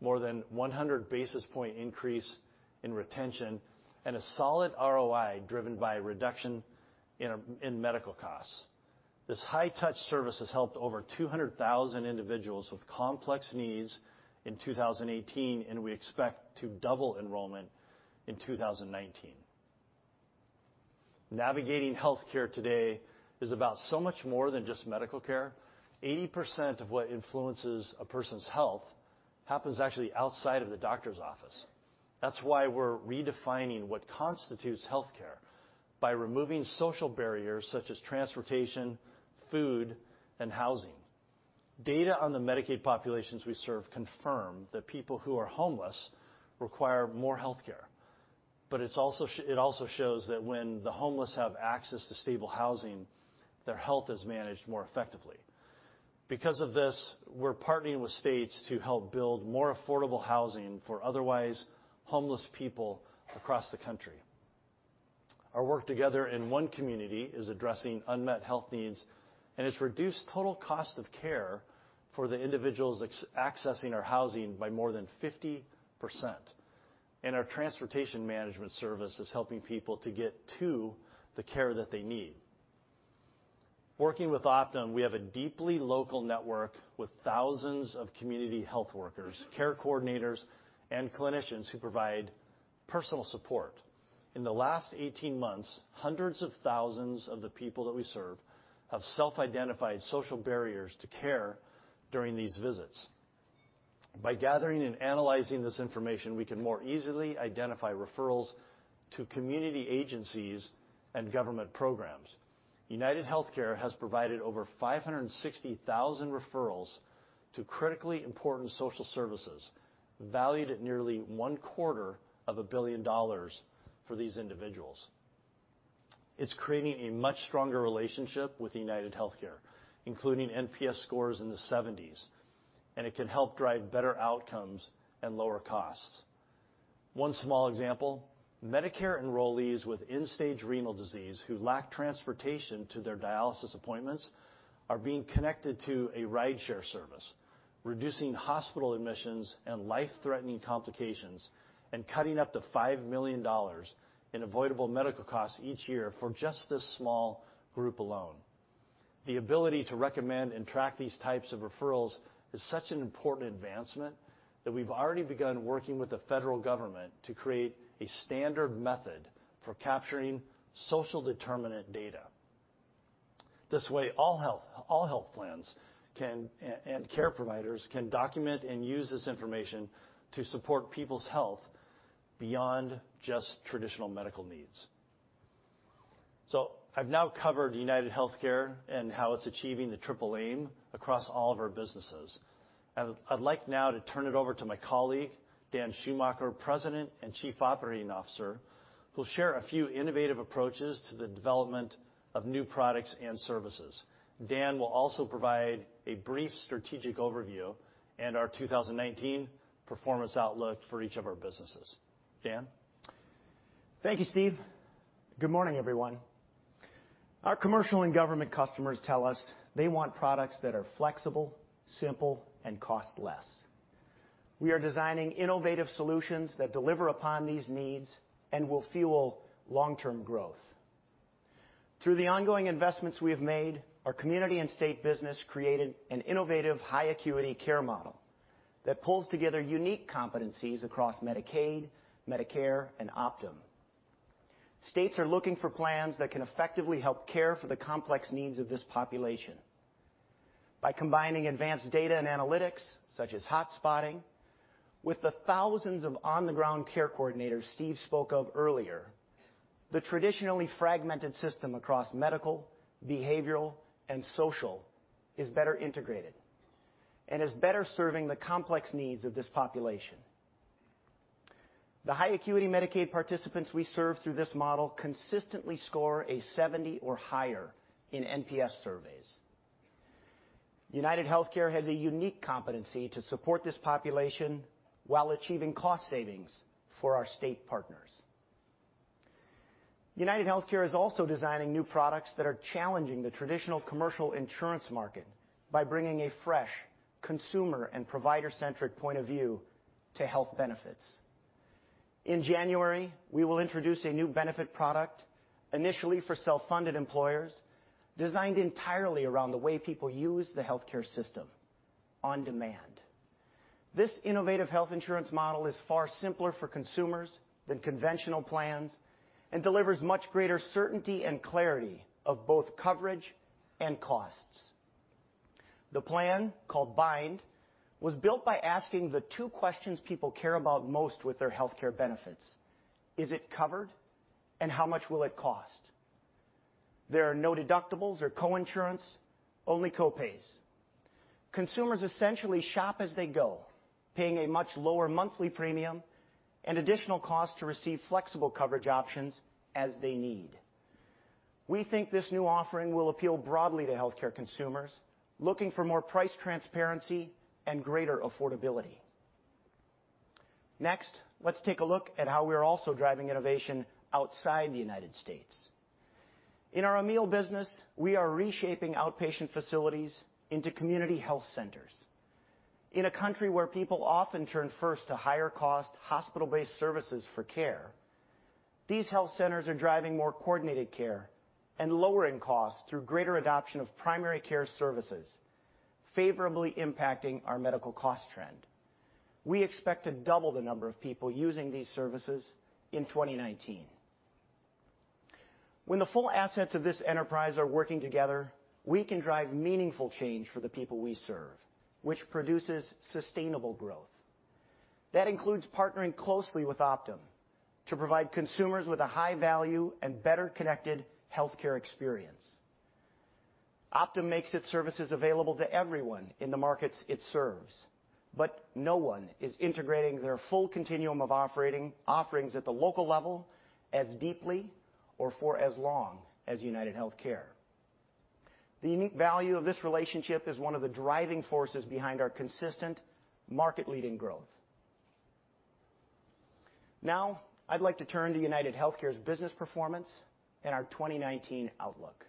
more than 100 basis point increase in retention, and a solid ROI driven by a reduction in medical costs. This high-touch service has helped over 200,000 individuals with complex needs in 2018, and we expect to double enrollment in 2019. Navigating healthcare today is about so much more than just medical care. 80% of what influences a person's health happens actually outside of the doctor's office. That's why we're redefining what constitutes healthcare by removing social barriers such as transportation, food, and housing. Data on the Medicaid populations we serve confirm that people who are homeless require more healthcare. It also shows that when the homeless have access to stable housing, their health is managed more effectively. Because of this, we're partnering with states to help build more affordable housing for otherwise homeless people across the country. Our work together in one community is addressing unmet health needs and has reduced total cost of care for the individuals accessing our housing by more than 50%. Our transportation management service is helping people to get to the care that they need. Working with Optum, we have a deeply local network with thousands of community health workers, care coordinators, and clinicians who provide personal support. In the last 18 months, hundreds of thousands of the people that we serve have self-identified social barriers to care during these visits. By gathering and analyzing this information, we can more easily identify referrals to community agencies and government programs. UnitedHealthcare has provided over 560,000 referrals to critically important social services valued at nearly one-quarter of a billion dollars for these individuals. It's creating a much stronger relationship with UnitedHealthcare, including NPS scores in the 70s, and it can help drive better outcomes and lower costs. One small example, Medicare enrollees with end-stage renal disease who lack transportation to their dialysis appointments are being connected to a rideshare service, reducing hospital admissions and life-threatening complications and cutting up to $5 million in avoidable medical costs each year for just this small group alone. The ability to recommend and track these types of referrals is such an important advancement that we've already begun working with the Federal Government to create a standard method for capturing social determinant data. This way, all health plans and care providers can document and use this information to support people's health beyond just traditional medical needs. I've now covered UnitedHealthcare and how it's achieving the triple aim across all of our businesses. I'd like now to turn it over to my colleague, Dan Schumacher, President and Chief Operating Officer, who'll share a few innovative approaches to the development of new products and services. Dan will also provide a brief strategic overview and our 2019 performance outlook for each of our businesses. Dan? Thank you, Steve. Good morning, everyone. Our commercial and government customers tell us they want products that are flexible, simple, and cost less. We are designing innovative solutions that deliver upon these needs and will fuel long-term growth. Through the ongoing investments we have made, our UnitedHealthcare Community & State business created an innovative high acuity care model that pulls together unique competencies across Medicaid, Medicare, and Optum. States are looking for plans that can effectively help care for the complex needs of this population. By combining advanced data and analytics, such as hotspotting, with the thousands of on-the-ground care coordinators Steve spoke of earlier, the traditionally fragmented system across medical, behavioral, and social is better integrated and is better serving the complex needs of this population. The high acuity Medicaid participants we serve through this model consistently score a 70 or higher in NPS surveys. UnitedHealthcare has a unique competency to support this population while achieving cost savings for our state partners. UnitedHealthcare is also designing new products that are challenging the traditional commercial insurance market by bringing a fresh consumer and provider-centric point of view to health benefits. In January, we will introduce a new benefit product initially for self-funded employers designed entirely around the way people use the healthcare system, on demand. This innovative health insurance model is far simpler for consumers than conventional plans and delivers much greater certainty and clarity of both coverage and costs. The plan, called Bind, was built by asking the two questions people care about most with their healthcare benefits: Is it covered? How much will it cost? There are no deductibles or co-insurance, only co-pays. Consumers essentially shop as they go, paying a much lower monthly premium and additional cost to receive flexible coverage options as they need. We think this new offering will appeal broadly to healthcare consumers looking for more price transparency and greater affordability. Next, let's take a look at how we're also driving innovation outside the U.S. In our Amil business, we are reshaping outpatient facilities into community health centers. In a country where people often turn first to higher cost hospital-based services for care, these health centers are driving more coordinated care and lowering costs through greater adoption of primary care services, favorably impacting our medical cost trend. We expect to double the number of people using these services in 2019. When the full assets of this enterprise are working together, we can drive meaningful change for the people we serve, which produces sustainable growth. That includes partnering closely with Optum to provide consumers with a high value and better connected healthcare experience. Optum makes its services available to everyone in the markets it serves, but no one is integrating their full continuum of offerings at the local level as deeply or for as long as UnitedHealthcare. The unique value of this relationship is one of the driving forces behind our consistent market leading growth. Now, I'd like to turn to UnitedHealthcare's business performance and our 2019 outlook.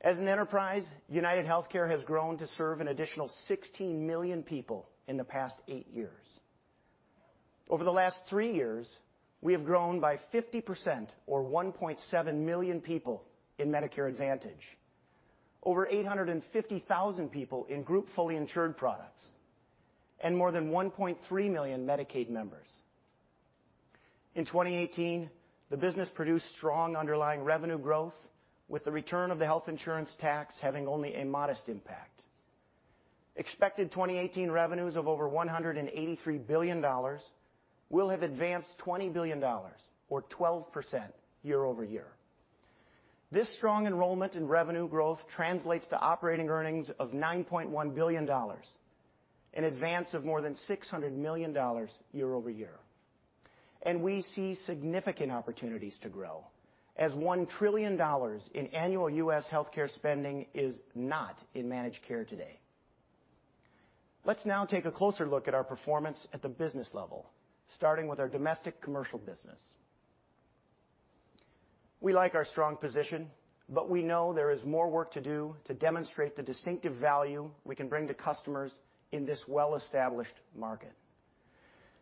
As an enterprise, UnitedHealthcare has grown to serve an additional 16 million people in the past eight years. Over the last three years, we have grown by 50% or 1.7 million people in Medicare Advantage, over 850,000 people in group fully insured products, and more than 1.3 million Medicaid members. In 2018, the business produced strong underlying revenue growth with the return of the health insurance tax having only a modest impact. Expected 2018 revenues of over $183 billion will have advanced $20 billion or 12% year-over-year. This strong enrollment in revenue growth translates to operating earnings of $9.1 billion, an advance of more than $600 million year-over-year. We see significant opportunities to grow as $1 trillion in annual U.S. healthcare spending is not in managed care today. Let's now take a closer look at our performance at the business level, starting with our domestic commercial business. We like our strong position, but we know there is more work to do to demonstrate the distinctive value we can bring to customers in this well-established market.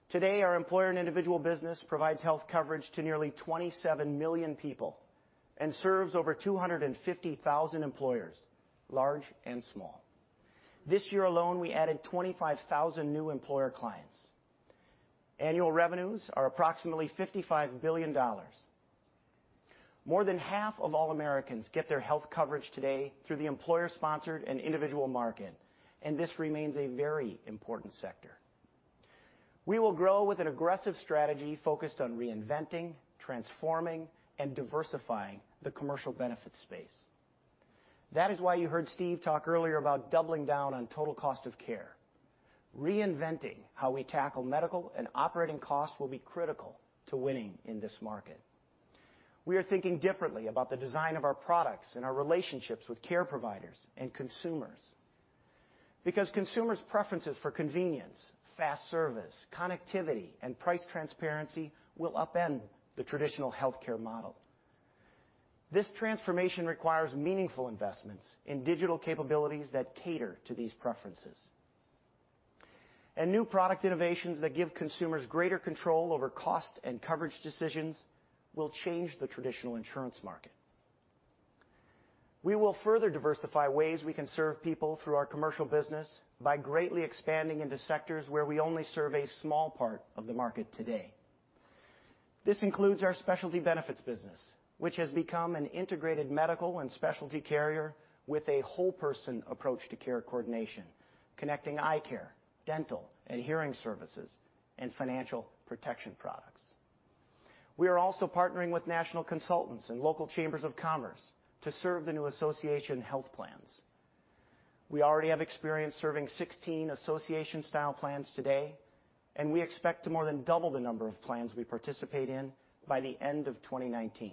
Today, our employer and individual business provides health coverage to nearly 27 million people and serves over 250,000 employers, large and small. This year alone, we added 25,000 new employer clients. Annual revenues are approximately $55 billion. More than half of all Americans get their health coverage today through the employer-sponsored and individual market, and this remains a very important sector. We will grow with an aggressive strategy focused on reinventing, transforming, and diversifying the commercial benefit space. That is why you heard Steve talk earlier about doubling down on total cost of care. Reinventing how we tackle medical and operating costs will be critical to winning in this market. We are thinking differently about the design of our products and our relationships with care providers and consumers. Because consumers' preferences for convenience, fast service, connectivity, and price transparency will upend the traditional healthcare model. This transformation requires meaningful investments in digital capabilities that cater to these preferences. New product innovations that give consumers greater control over cost and coverage decisions will change the traditional insurance market. We will further diversify ways we can serve people through our commercial business by greatly expanding into sectors where we only serve a small part of the market today. This includes our specialty benefits business, which has become an integrated medical and specialty carrier with a whole person approach to care coordination, connecting eye care, dental, and hearing services, and financial protection products. We are also partnering with national consultants and local chambers of commerce to serve the new association health plans. We already have experience serving 16 association style plans today, and we expect to more than double the number of plans we participate in by the end of 2019.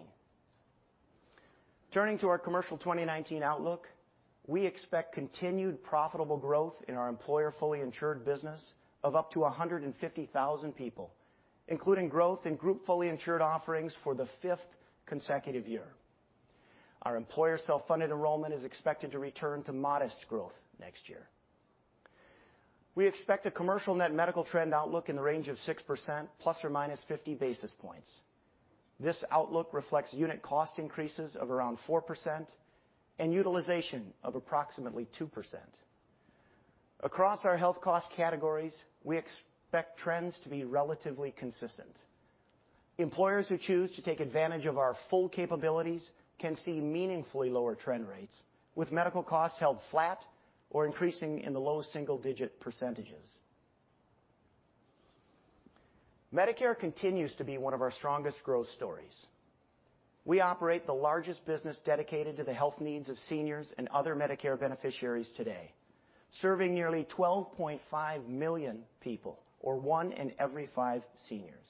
Turning to our commercial 2019 outlook, we expect continued profitable growth in our employer fully insured business of up to 150,000 people, including growth in group fully insured offerings for the fifth consecutive year. Our employer self-funded enrollment is expected to return to modest growth next year. We expect a commercial net medical trend outlook in the range of 6% ± 50 basis points. This outlook reflects unit cost increases of around 4% and utilization of approximately 2%. Across our health cost categories, we expect trends to be relatively consistent. Employers who choose to take advantage of our full capabilities can see meaningfully lower trend rates with medical costs held flat or increasing in the low single digit %. Medicare continues to be one of our strongest growth stories. We operate the largest business dedicated to the health needs of seniors and other Medicare beneficiaries today, serving nearly 12.5 million people or one in every five seniors.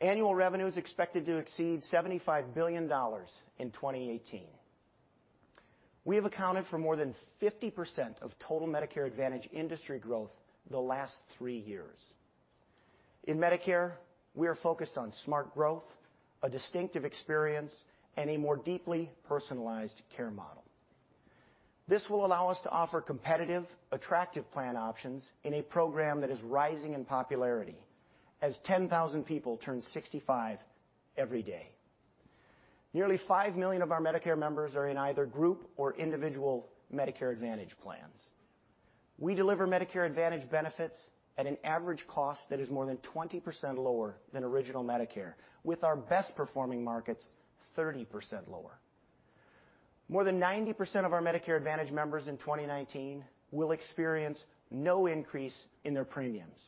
Annual revenue is expected to exceed $75 billion in 2018. We have accounted for more than 50% of total Medicare Advantage industry growth the last three years. In Medicare, we are focused on smart growth, a distinctive experience, and a more deeply personalized care model. This will allow us to offer competitive, attractive plan options in a program that is rising in popularity as 10,000 people turn 65 every day. Nearly five million of our Medicare members are in either group or individual Medicare Advantage plans. We deliver Medicare Advantage benefits at an average cost that is more than 20% lower than original Medicare. With our best-performing markets, 30% lower. More than 90% of our Medicare Advantage members in 2019 will experience no increase in their premiums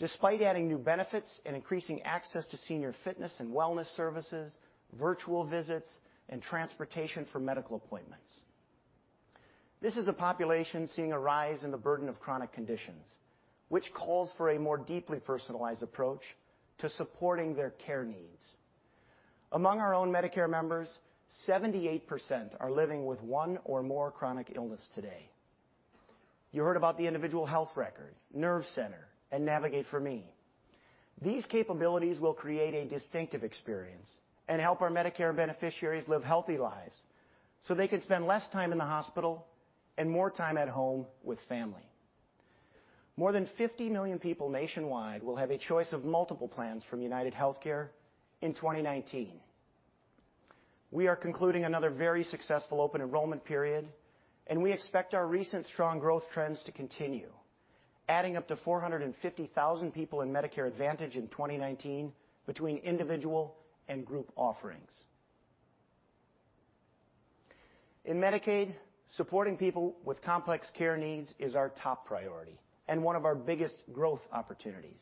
despite adding new benefits and increasing access to senior fitness and wellness services, virtual visits, and transportation for medical appointments. This is a population seeing a rise in the burden of chronic conditions, which calls for a more deeply personalized approach to supporting their care needs. Among our own Medicare members, 78% are living with one or more chronic illness today. You heard about the individual health record, Nerve Center, and Navigate4Me. These capabilities will create a distinctive experience and help our Medicare beneficiaries live healthy lives so they can spend less time in the hospital and more time at home with family. More than 50 million people nationwide will have a choice of multiple plans from UnitedHealthcare in 2019. We are concluding another very successful open enrollment period, we expect our recent strong growth trends to continue, adding up to 450,000 people in Medicare Advantage in 2019 between individual and group offerings. In Medicaid, supporting people with complex care needs is our top priority and one of our biggest growth opportunities.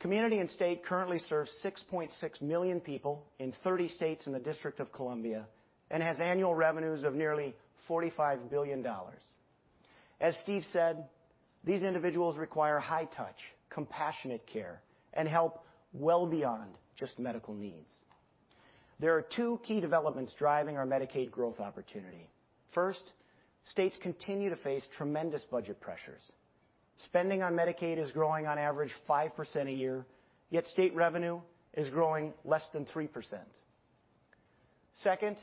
Community & State currently serves 6.6 million people in 30 states and the District of Columbia and has annual revenues of nearly $45 billion. As Steve said, these individuals require high-touch, compassionate care, and help well beyond just medical needs. There are two key developments driving our Medicaid growth opportunity. First, states continue to face tremendous budget pressures. Spending on Medicaid is growing on average 5% a year, yet state revenue is growing less than 3%. Second,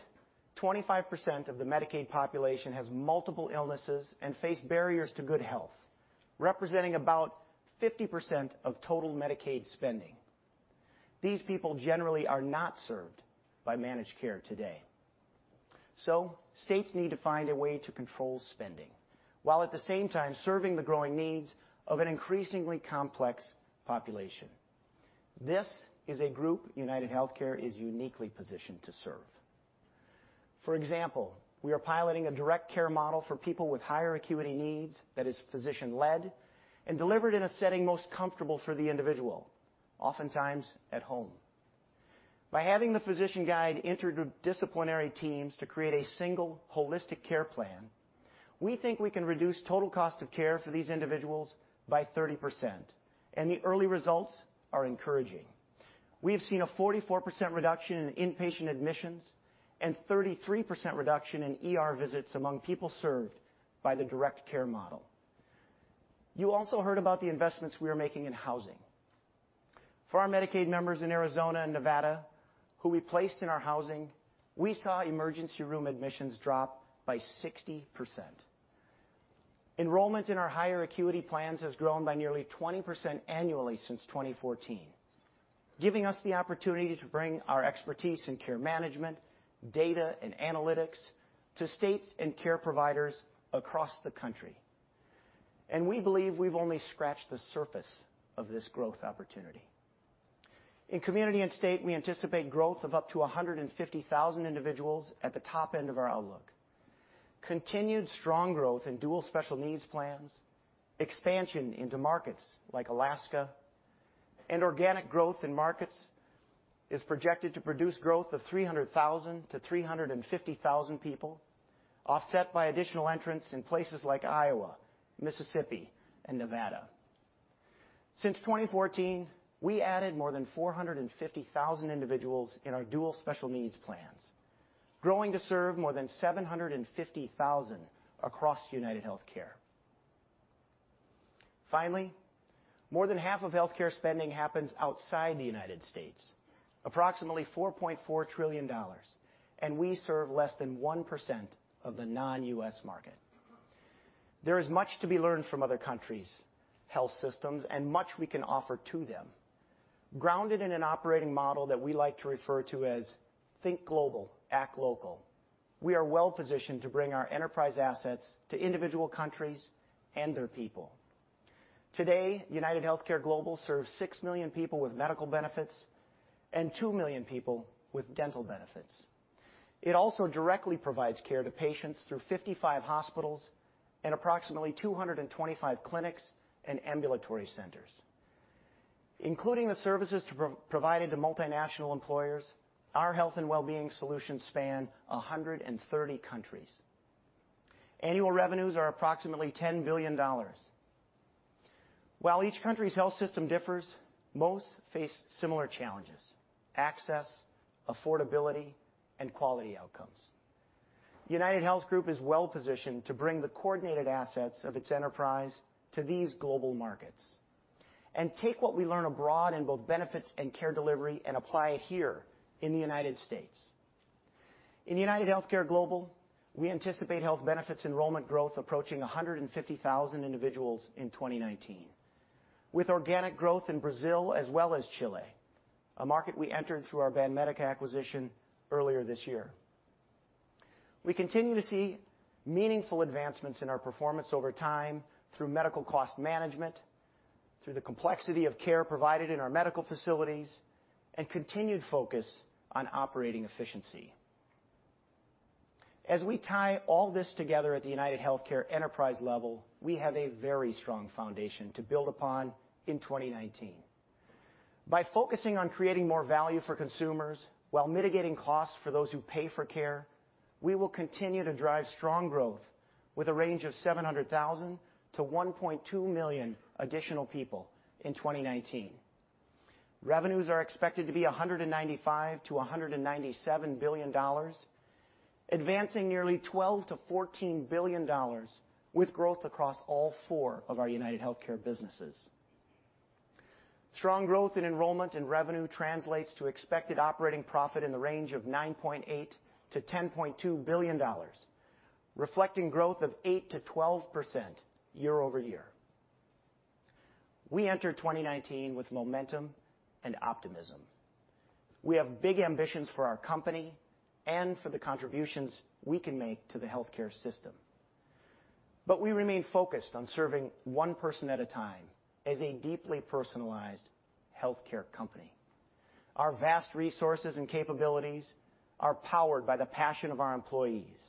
25% of the Medicaid population has multiple illnesses and face barriers to good health, representing about 50% of total Medicaid spending. These people generally are not served by managed care today. States need to find a way to control spending while at the same time serving the growing needs of an increasingly complex population. This is a group UnitedHealthcare is uniquely positioned to serve. For example, we are piloting a direct care model for people with higher acuity needs that is physician-led and delivered in a setting most comfortable for the individual, oftentimes at home. By having the physician guide interdisciplinary teams to create a single holistic care plan, we think we can reduce total cost of care for these individuals by 30%, the early results are encouraging. We have seen a 44% reduction in inpatient admissions and 33% reduction in ER visits among people served by the direct care model. You also heard about the investments we are making in housing. For our Medicaid members in Arizona and Nevada who we placed in our housing, we saw emergency room admissions drop by 60%. Enrollment in our higher acuity plans has grown by nearly 20% annually since 2014, giving us the opportunity to bring our expertise in care management, data, and analytics to states and care providers across the country. We believe we've only scratched the surface of this growth opportunity. In Community & State, we anticipate growth of up to 150,000 individuals at the top end of our outlook. Continued strong growth in dual special needs plans, expansion into markets like Alaska, and organic growth in markets is projected to produce growth of 300,000 to 350,000 people, offset by additional entrants in places like Iowa, Mississippi, and Nevada. Since 2014, we added more than 450,000 individuals in our dual special needs plans, growing to serve more than 750,000 across UnitedHealthcare. Finally, more than half of healthcare spending happens outside the United States, approximately $4.4 trillion, we serve less than 1% of the non-U.S. market. There is much to be learned from other countries' health systems and much we can offer to them. Grounded in an operating model that we like to refer to as think global, act local, we are well-positioned to bring our enterprise assets to individual countries and their people. Today, UnitedHealthcare Global serves 6 million people with medical benefits and 2 million people with dental benefits. It also directly provides care to patients through 55 hospitals and approximately 225 clinics and ambulatory centers. Including the services provided to multinational employers, our health and well-being solutions span 130 countries. Annual revenues are approximately $10 billion. Each country's health system differs, most face similar challenges: access, affordability, and quality outcomes. UnitedHealth Group is well-positioned to bring the coordinated assets of its enterprise to these global markets and take what we learn abroad in both benefits and care delivery and apply it here in the U.S. In UnitedHealthcare Global, we anticipate health benefits enrollment growth approaching 150,000 individuals in 2019, with organic growth in Brazil as well as Chile, a market we entered through our Banmédica acquisition earlier this year. We continue to see meaningful advancements in our performance over time through medical cost management, through the complexity of care provided in our medical facilities, and continued focus on operating efficiency. We tie all this together at the UnitedHealthcare enterprise level, we have a very strong foundation to build upon in 2019. Focusing on creating more value for consumers while mitigating costs for those who pay for care, we will continue to drive strong growth with a range of 700,000-1.2 million additional people in 2019. Revenues are expected to be $195 billion-$197 billion, advancing nearly $12 billion-$14 billion with growth across all four of our UnitedHealthcare businesses. Strong growth in enrollment and revenue translates to expected operating profit in the range of $9.8 billion-$10.2 billion, reflecting growth of 8%-12% year-over-year. We enter 2019 with momentum and optimism. We have big ambitions for our company and for the contributions we can make to the healthcare system. We remain focused on serving one person at a time as a deeply personalized healthcare company. Our vast resources and capabilities are powered by the passion of our employees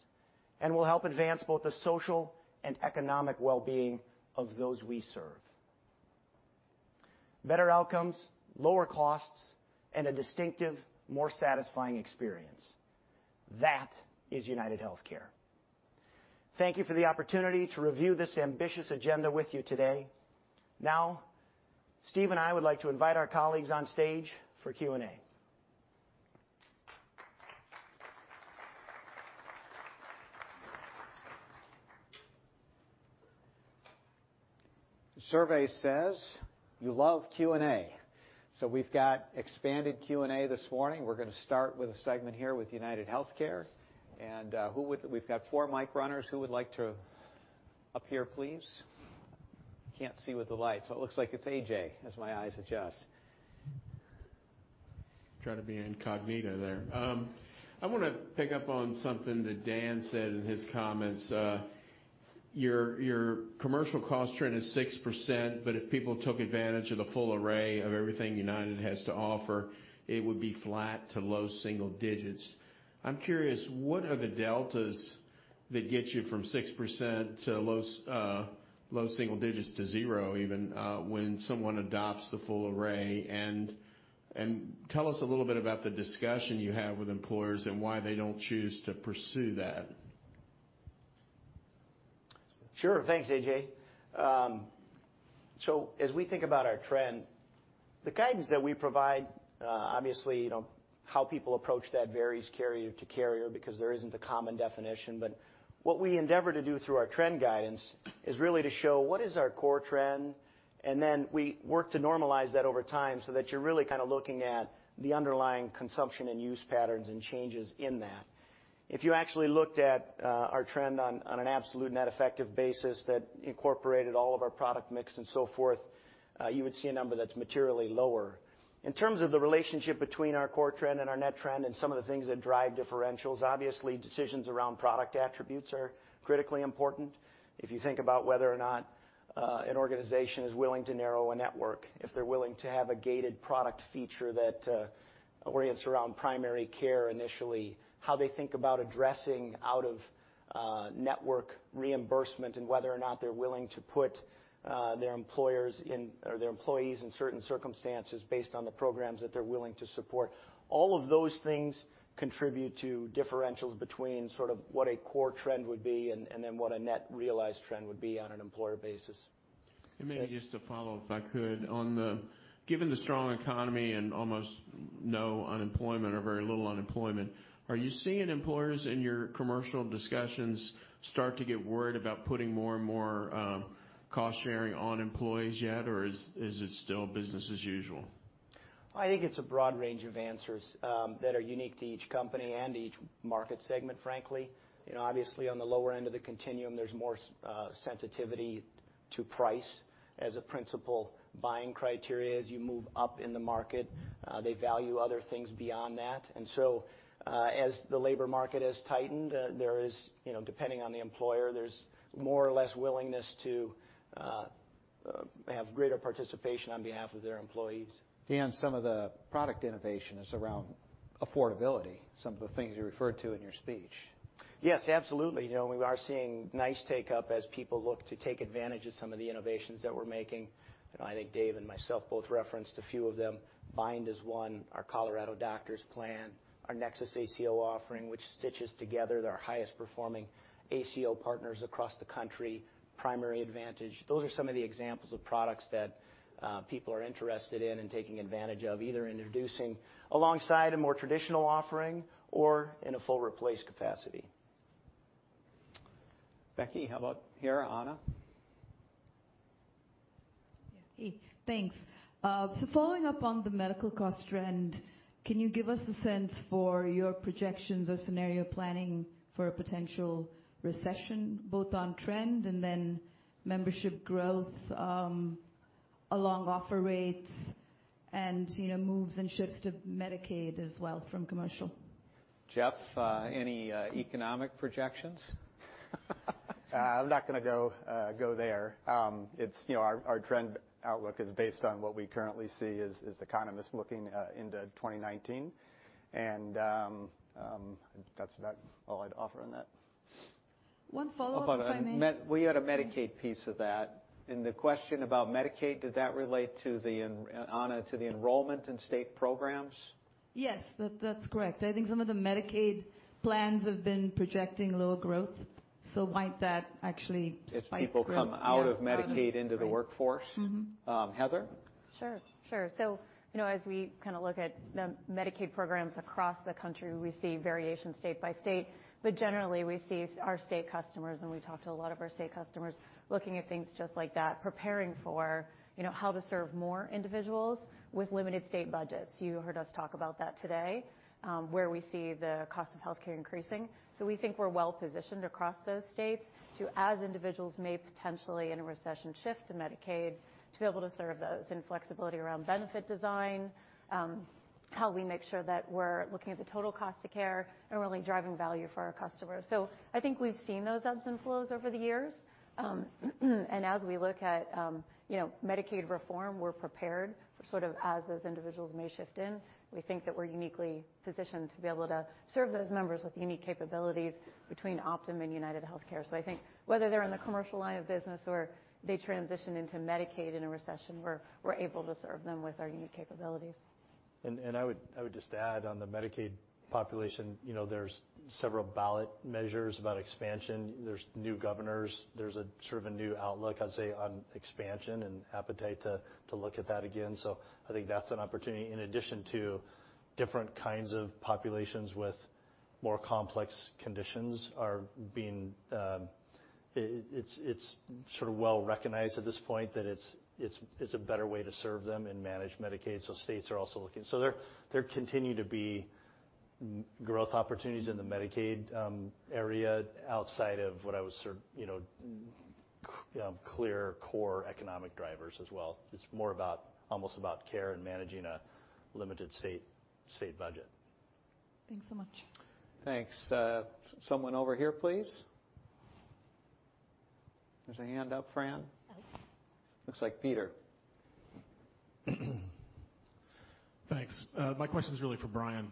and will help advance both the social and economic well-being of those we serve. Better outcomes, lower costs, and a distinctive, more satisfying experience. That is UnitedHealthcare. Thank you for the opportunity to review this ambitious agenda with you today. Steve and I would like to invite our colleagues on stage for Q&A. The survey says you love Q&A. We've got expanded Q&A this morning. We're going to start with a segment here with UnitedHealthcare. We've got four mic runners. Who would like to appear, please? Can't see with the lights. It looks like it's A.J., as my eyes adjust. Trying to be incognito there. I want to pick up on something that Dan said in his comments. Your commercial cost trend is 6%, but if people took advantage of the full array of everything United has to offer, it would be flat to low single digits. I'm curious, what are the deltas that get you from 6% to low single digits to zero even, when someone adopts the full array? Tell us a little bit about the discussion you have with employers and why they don't choose to pursue that. Sure. Thanks, A.J. As we think about our trend, the guidance that we provide, obviously, how people approach that varies carrier to carrier because there isn't a common definition. What we endeavor to do through our trend guidance is really to show what is our core trend, then we work to normalize that over time so that you're really looking at the underlying consumption and use patterns and changes in that. If you actually looked at our trend on an absolute net effective basis that incorporated all of our product mix and so forth, you would see a number that's materially lower. In terms of the relationship between our core trend and our net trend and some of the things that drive differentials, obviously, decisions around product attributes are critically important. If you think about whether or not an organization is willing to narrow a network, if they're willing to have a gated product feature that orients around primary care initially, how they think about addressing out-of-network reimbursement, whether or not they're willing to put their employees in certain circumstances based on the programs that they're willing to support. All of those things contribute to differentials between what a core trend would be and then what a net realized trend would be on an employer basis. Maybe just to follow up, if I could. Given the strong economy and almost no unemployment or very little unemployment, are you seeing employers in your commercial discussions start to get worried about putting more and more cost-sharing on employees yet? Is it still business as usual? I think it's a broad range of answers that are unique to each company and each market segment, frankly. Obviously, on the lower end of the continuum, there's more sensitivity to price as a principal buying criteria. As you move up in the market, they value other things beyond that. As the labor market has tightened, depending on the employer, there's more or less willingness to have greater participation on behalf of their employees. Dan, some of the product innovation is around affordability, some of the things you referred to in your speech. Yes, absolutely. We are seeing nice take-up as people look to take advantage of some of the innovations that we're making. I think Dave and myself both referenced a few of them. Surest is one, our Colorado Doctor's Plan, our UnitedHealthcare NexusACO offering, which stitches together our highest performing ACO partners across the country, Primary Advantage. Those are some of the examples of products that people are interested in and taking advantage of, either introducing alongside a more traditional offering or in a full replace capacity. Becky, how about here, Anna? Yeah. Hey, thanks. Following up on the medical cost trend, can you give us a sense for your projections or scenario planning for a potential recession, both on trend and then membership growth along offer rates and moves and shifts to Medicaid as well from commercial? Jeff, any economic projections? I'm not going to go there. Our trend outlook is based on what we currently see as economists looking into 2019. That's about all I'd offer on that. One follow-up, if I may. We had a Medicaid piece of that, and the question about Medicaid, did that relate to the, Anna, to the enrollment in state programs? Yes. That's correct. I think some of the Medicaid plans have been projecting lower growth. Might that actually spike growth? Yeah. If people come out of Medicaid into the workforce. Heather? Sure. As we look at the Medicaid programs across the country, we see variation state by state, but generally, we see our state customers, and we talk to a lot of our state customers looking at things just like that, preparing for how to serve more individuals with limited state budgets. You heard us talk about that today, where we see the cost of healthcare increasing. We think we're well-positioned across those states to, as individuals may potentially in a recession shift to Medicaid, to be able to serve those in flexibility around benefit design, how we make sure that we're looking at the total cost of care and really driving value for our customers. I think we've seen those ebbs and flows over the years. As we look at Medicaid reform, we're prepared for as those individuals may shift in. We think that we're uniquely positioned to be able to serve those members with unique capabilities between Optum and UnitedHealthcare. I think whether they're in the commercial line of business or they transition into Medicaid in a recession, we're able to serve them with our unique capabilities. I would just add on the Medicaid population, there's several ballot measures about expansion. There's new governors. There's a new outlook, I'd say, on expansion and appetite to look at that again. I think that's an opportunity, in addition to different kinds of populations with more complex conditions. It's well-recognized at this point that it's a better way to serve them and manage Medicaid. States are also looking. There continue to be growth opportunities in the Medicaid area outside of what I would serve clear core economic drivers as well. It's more almost about care and managing a limited state budget. Thanks so much. Thanks. Someone over here, please. There's a hand up, Fran. Looks like Peter. Thanks. My question's really for Brian.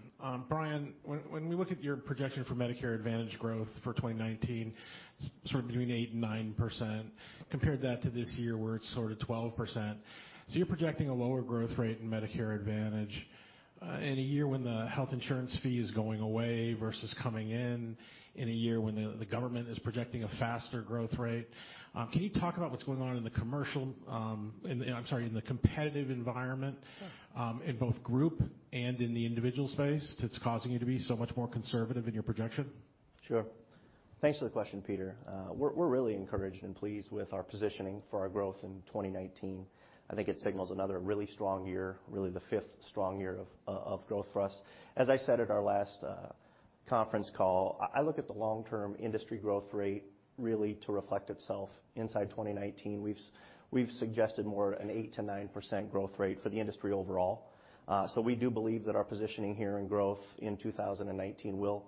Brian, when we look at your projection for Medicare Advantage growth for 2019, sort of between 8% and 9%, compare that to this year where it's sort of 12%. You're projecting a lower growth rate in Medicare Advantage in a year when the health insurance fee is going away versus coming in a year when the government is projecting a faster growth rate. Can you talk about what's going on in the commercial, I'm sorry, in the competitive environment in both group and in the individual space that's causing you to be so much more conservative in your projection? Sure. Thanks for the question, Peter. We're really encouraged and pleased with our positioning for our growth in 2019. I think it signals another really strong year, really the fifth strong year of growth for us. As I said at our last conference call, I look at the long-term industry growth rate really to reflect itself inside 2019. We've suggested more an 8% to 9% growth rate for the industry overall. We do believe that our positioning here in growth in 2019 will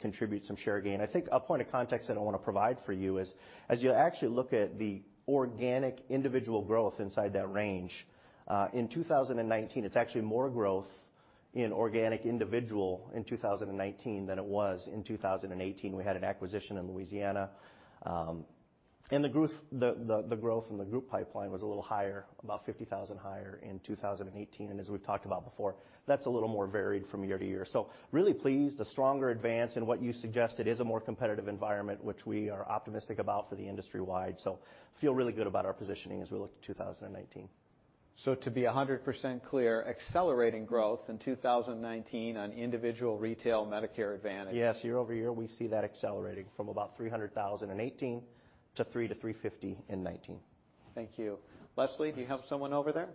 contribute some share gain. I think a point of context that I want to provide for you is as you actually look at the organic individual growth inside that range, in 2019, it's actually more growth in organic individual in 2019 than it was in 2018. We had an acquisition in Louisiana. The growth in the group pipeline was a little higher, about 50,000 higher in 2018. As we've talked about before, that's a little more varied from year to year. Really pleased. A stronger advance in what you suggested is a more competitive environment, which we are optimistic about for the industry wide. Feel really good about our positioning as we look to 2019. To be 100% clear, accelerating growth in 2019 on individual retail Medicare Advantage. Yes. Year-over-year, we see that accelerating from about 300,000 in 2018 to 300,000-350,000 in 2019. Thank you. Leslie, do you have someone over there?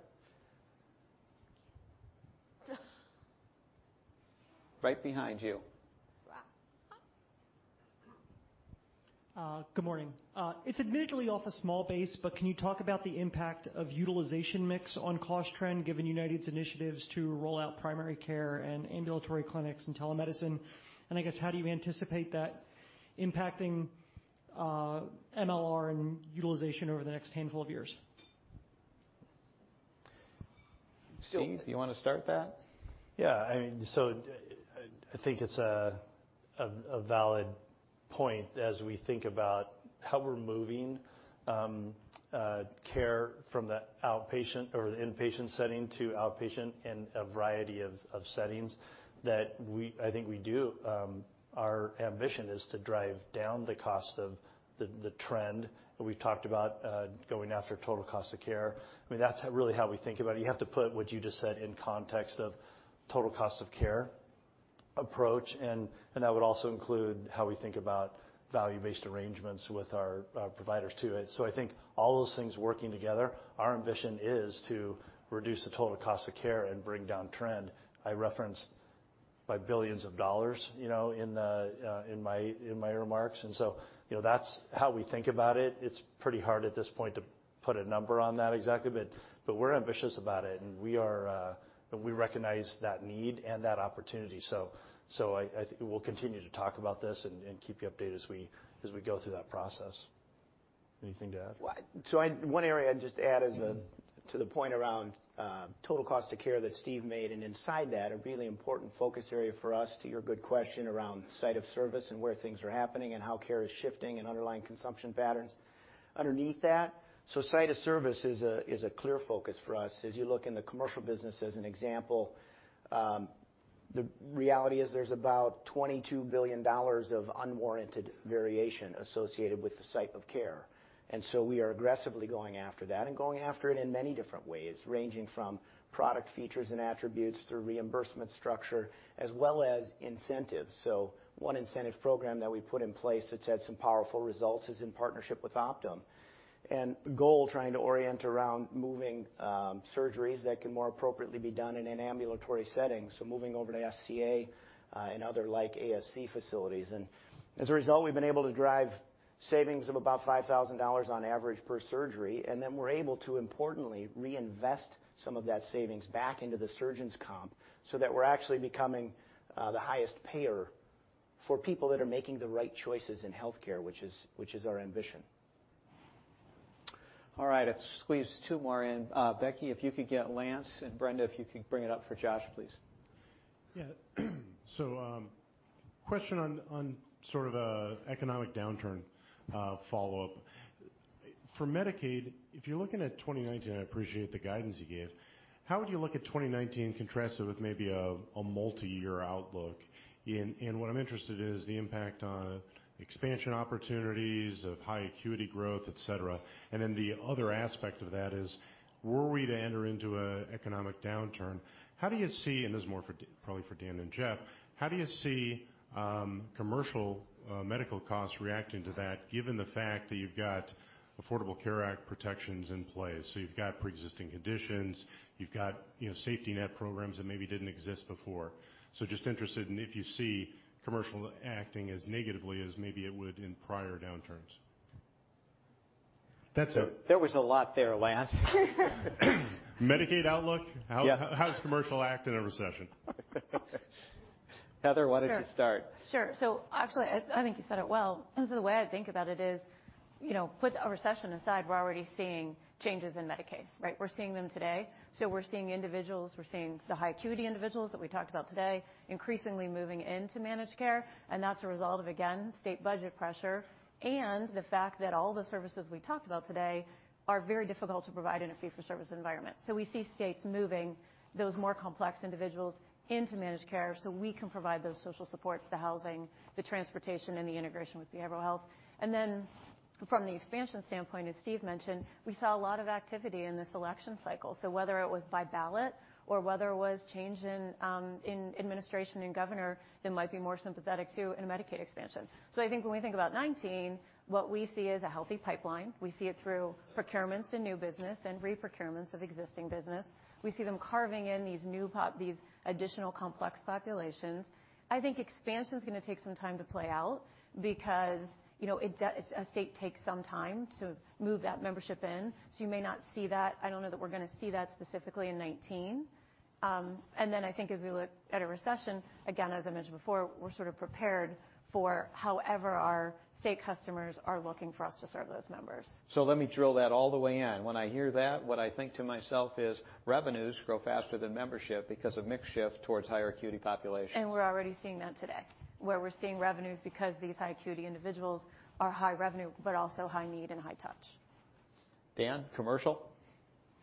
Right behind you. Good morning. It's admittedly off a small base, can you talk about the impact of utilization mix on cost trend given United's initiatives to roll out primary care and ambulatory clinics and telemedicine? I guess how do you anticipate that impacting MLR and utilization over the next handful of years? Steve, do you want to start that? I think it's a valid point as we think about how we're moving care from the inpatient setting to outpatient and a variety of settings that I think we do. Our ambition is to drive down the cost of the trend, and we've talked about going after total cost of care. That's really how we think about it. You have to put what you just said in context of total cost of care approach, and that would also include how we think about value-based arrangements with our providers, too. I think all those things working together, our ambition is to reduce the total cost of care and bring down trend. I referenced by billions of dollars in my remarks. That's how we think about it. It's pretty hard at this point to put a number on that exactly, but we're ambitious about it, and we recognize that need and that opportunity. I think we'll continue to talk about this and keep you updated as we go through that process. Anything to add? One area I'd just add is to the point around total cost of care that Steve made, and inside that, a really important focus area for us to your good question around site of service and where things are happening and how care is shifting and underlying consumption patterns underneath that. Site of service is a clear focus for us. As you look in the commercial business as an example, the reality is there's about $22 billion of unwarranted variation associated with the site of care. We are aggressively going after that and going after it in many different ways, ranging from product features and attributes through reimbursement structure as well as incentives. One incentive program that we put in place that's had some powerful results is in partnership with Optum, and goal trying to orient around moving surgeries that can more appropriately be done in an ambulatory setting. Moving over to SCA and other like ASC facilities. As a result, we've been able to drive savings of about $5,000 on average per surgery, and then we're able to importantly reinvest some of that savings back into the surgeon's comp so that we're actually becoming the highest payer for people that are making the right choices in healthcare, which is our ambition. All right. Let's squeeze two more in. Becky, if you could get Lance, and Brenda, if you could bring it up for Josh, please. Yeah. Question on sort of an economic downturn follow-up. For Medicaid, if you're looking at 2019, I appreciate the guidance you gave, how would you look at 2019 contrasted with maybe a multi-year outlook? What I'm interested in is the impact on expansion opportunities of high acuity growth, et cetera. The other aspect of that is, were we to enter into an economic downturn, how do you see, and this is more probably for Dan and Jeff, how do you see commercial medical costs reacting to that, given the fact that you've got Affordable Care Act protections in place? You've got preexisting conditions, you've got safety net programs that maybe didn't exist before. Just interested in if you see commercial acting as negatively as maybe it would in prior downturns. That's it. There was a lot there, Lance. Medicaid outlook. Yeah. How does commercial act in a recession? Heather, why don't you start? Sure. Actually, I think you said it well. The way I think about it is, put a recession aside, we're already seeing changes in Medicaid, right? We're seeing them today. We're seeing individuals, we're seeing the high acuity individuals that we talked about today, increasingly moving into managed care. That's a result of, again, state budget pressure and the fact that all the services we talked about today are very difficult to provide in a fee-for-service environment. We see states moving those more complex individuals into managed care so we can provide those social supports, the housing, the transportation, and the integration with behavioral health. Then from the expansion standpoint, as Steve mentioned, we saw a lot of activity in this election cycle. Whether it was by ballot or whether it was change in administration and governor, they might be more sympathetic to a Medicaid expansion. I think when we think about 2019, what we see is a healthy pipeline. We see it through procurements in new business and re-procurements of existing business. We see them carving in these additional complex populations. I think expansion's going to take some time to play out because a state takes some time to move that membership in. You may not see that. I don't know that we're going to see that specifically in 2019. Then I think as we look at a recession, again, as I mentioned before, we're sort of prepared for however our state customers are looking for us to serve those members. Let me drill that all the way in. When I hear that, what I think to myself is revenues grow faster than membership because of mix shift towards higher acuity populations. We're already seeing that today, where we're seeing revenues because these high acuity individuals are high revenue, but also high need and high touch. Dan, commercial?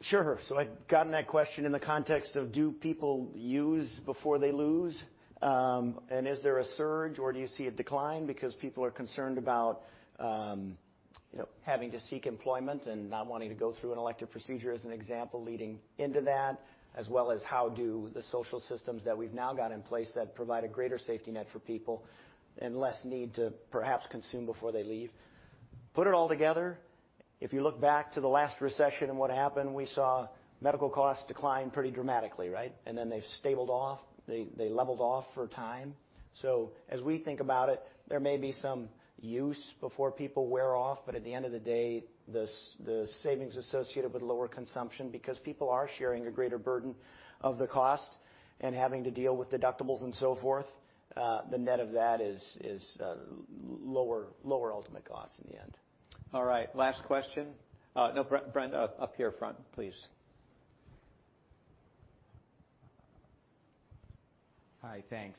Sure. I've gotten that question in the context of do people use before they lose? Is there a surge or do you see a decline because people are concerned about having to seek employment and not wanting to go through an elective procedure, as an example, leading into that, as well as how do the social systems that we've now got in place that provide a greater safety net for people and less need to perhaps consume before they leave. Put it all together, if you look back to the last recession and what happened, we saw medical costs decline pretty dramatically, right? Then they've stabilized off. They leveled off for a time. As we think about it, there may be some use before people wear off, but at the end of the day, the savings associated with lower consumption because people are sharing a greater burden of the cost and having to deal with deductibles and so forth. The net of that is lower ultimate costs in the end. last question. Brenda, up here front, please. Hi, thanks.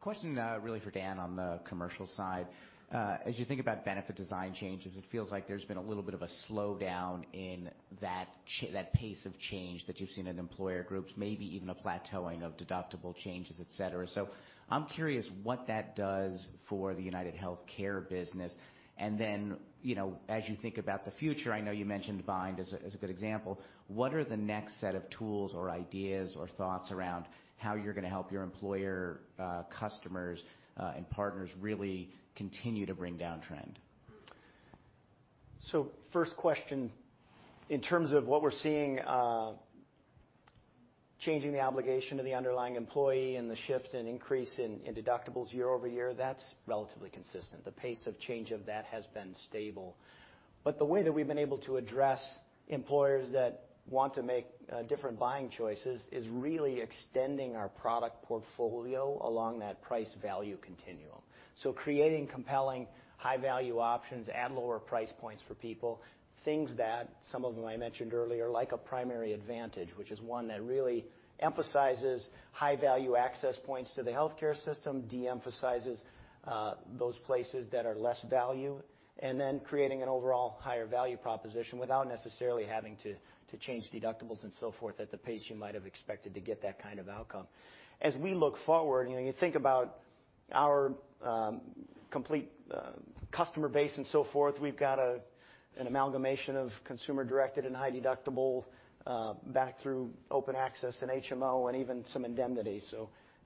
Question really for Dan on the commercial side. As you think about benefit design changes, it feels like there's been a little bit of a slowdown in that pace of change that you've seen in employer groups, maybe even a plateauing of deductible changes, et cetera. I'm curious what that does for the UnitedHealthcare business, and then, as you think about the future, I know you mentioned Surest as a good example, what are the next set of tools or ideas or thoughts around how you're going to help your employer customers and partners really continue to bring down trend? first question, in terms of what we're seeing, changing the obligation of the underlying employee and the shift in increase in deductibles year-over-year, that's relatively consistent. The pace of change of that has been stable. The way that we've been able to address employers that want to make different buying choices is really extending our product portfolio along that price value continuum. Creating compelling high-value options at lower price points for people, things that some of them I mentioned earlier, like a Primary Advantage, which is one that really emphasizes high-value access points to the healthcare system, de-emphasizes those places that are less value, and then creating an overall higher value proposition without necessarily having to change deductibles and so forth at the pace you might have expected to get that kind of outcome. As we look forward, you think about our complete customer base and so forth, we've got an amalgamation of consumer-directed and high deductible back through open access and HMO and even some indemnity.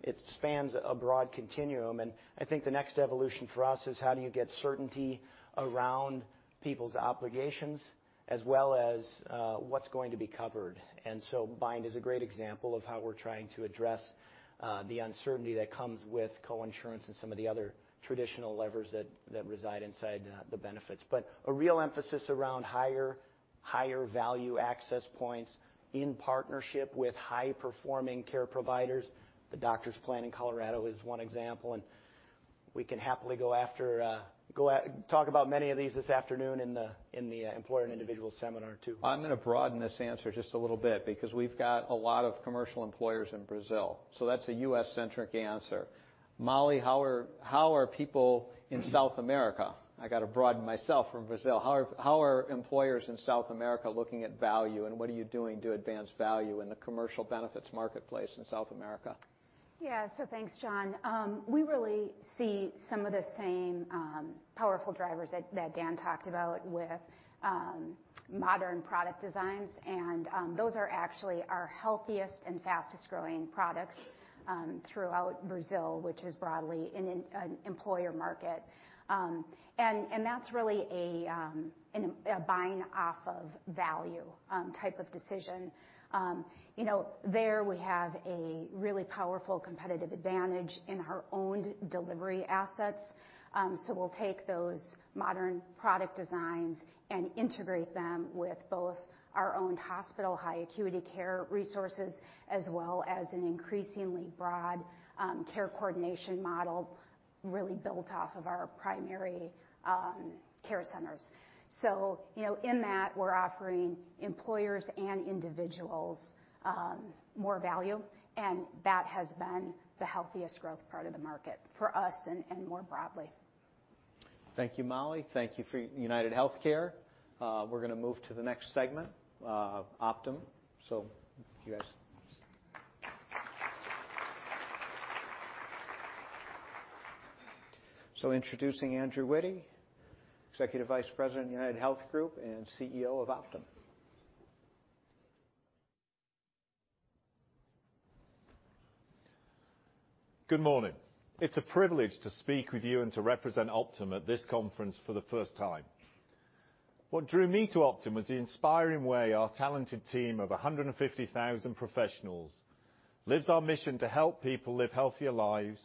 It spans a broad continuum, and I think the next evolution for us is how do you get certainty around people's obligations as well as what's going to be covered. Surest is a great example of how we're trying to address the uncertainty that comes with co-insurance and some of the other traditional levers that reside inside the benefits. A real emphasis around higher value access points in partnership with high-performing care providers. The Doctor's Plan in Colorado is one example, and we can happily go talk about many of these this afternoon in the employer and individual seminar, too. I'm going to broaden this answer just a little bit because we've got a lot of commercial employers in Brazil. That's a U.S.-centric answer. Molly, how are people in South America, I got to broaden myself from Brazil, how are employers in South America looking at value and what are you doing to advance value in the commercial benefits marketplace in South America? Thanks, John. We really see some of the same powerful drivers that Dan talked about with modern product designs. Those are actually our healthiest and fastest-growing products throughout Brazil, which is broadly an employer market. That's really a buying off of value type of decision. There we have a really powerful competitive advantage in our owned delivery assets. We'll take those modern product designs and integrate them with both our owned hospital high acuity care resources as well as an increasingly broad care coordination model really built off of our primary care centers. In that, we're offering employers and individuals more value, and that has been the healthiest growth part of the market for us and more broadly. Thank you, Molly. Thank you for UnitedHealthcare. We're going to move to the next segment, Optum. You guys. Introducing Andrew Witty, Executive Vice President of UnitedHealth Group and CEO of Optum. Good morning. It's a privilege to speak with you and to represent Optum at this conference for the first time. What drew me to Optum was the inspiring way our talented team of 150,000 professionals lives our mission to help people live healthier lives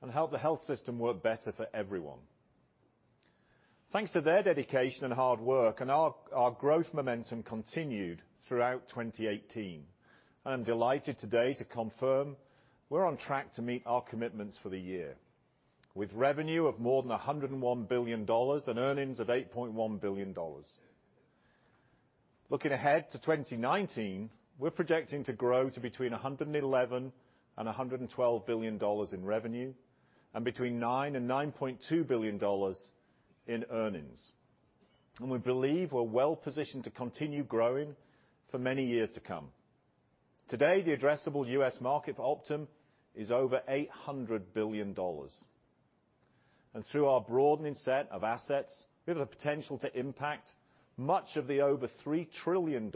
and help the health system work better for everyone. Thanks to their dedication and hard work and our growth momentum continued throughout 2018. I'm delighted today to confirm we're on track to meet our commitments for the year with revenue of more than $101 billion and earnings of $8.1 billion. Looking ahead to 2019, we're projecting to grow to between $111 billion and $112 billion in revenue and between $9 billion and $9.2 billion in earnings. We believe we're well positioned to continue growing for many years to come. Today, the addressable U.S. market for Optum is over $800 billion. Through our broadening set of assets, we have the potential to impact much of the over $3 trillion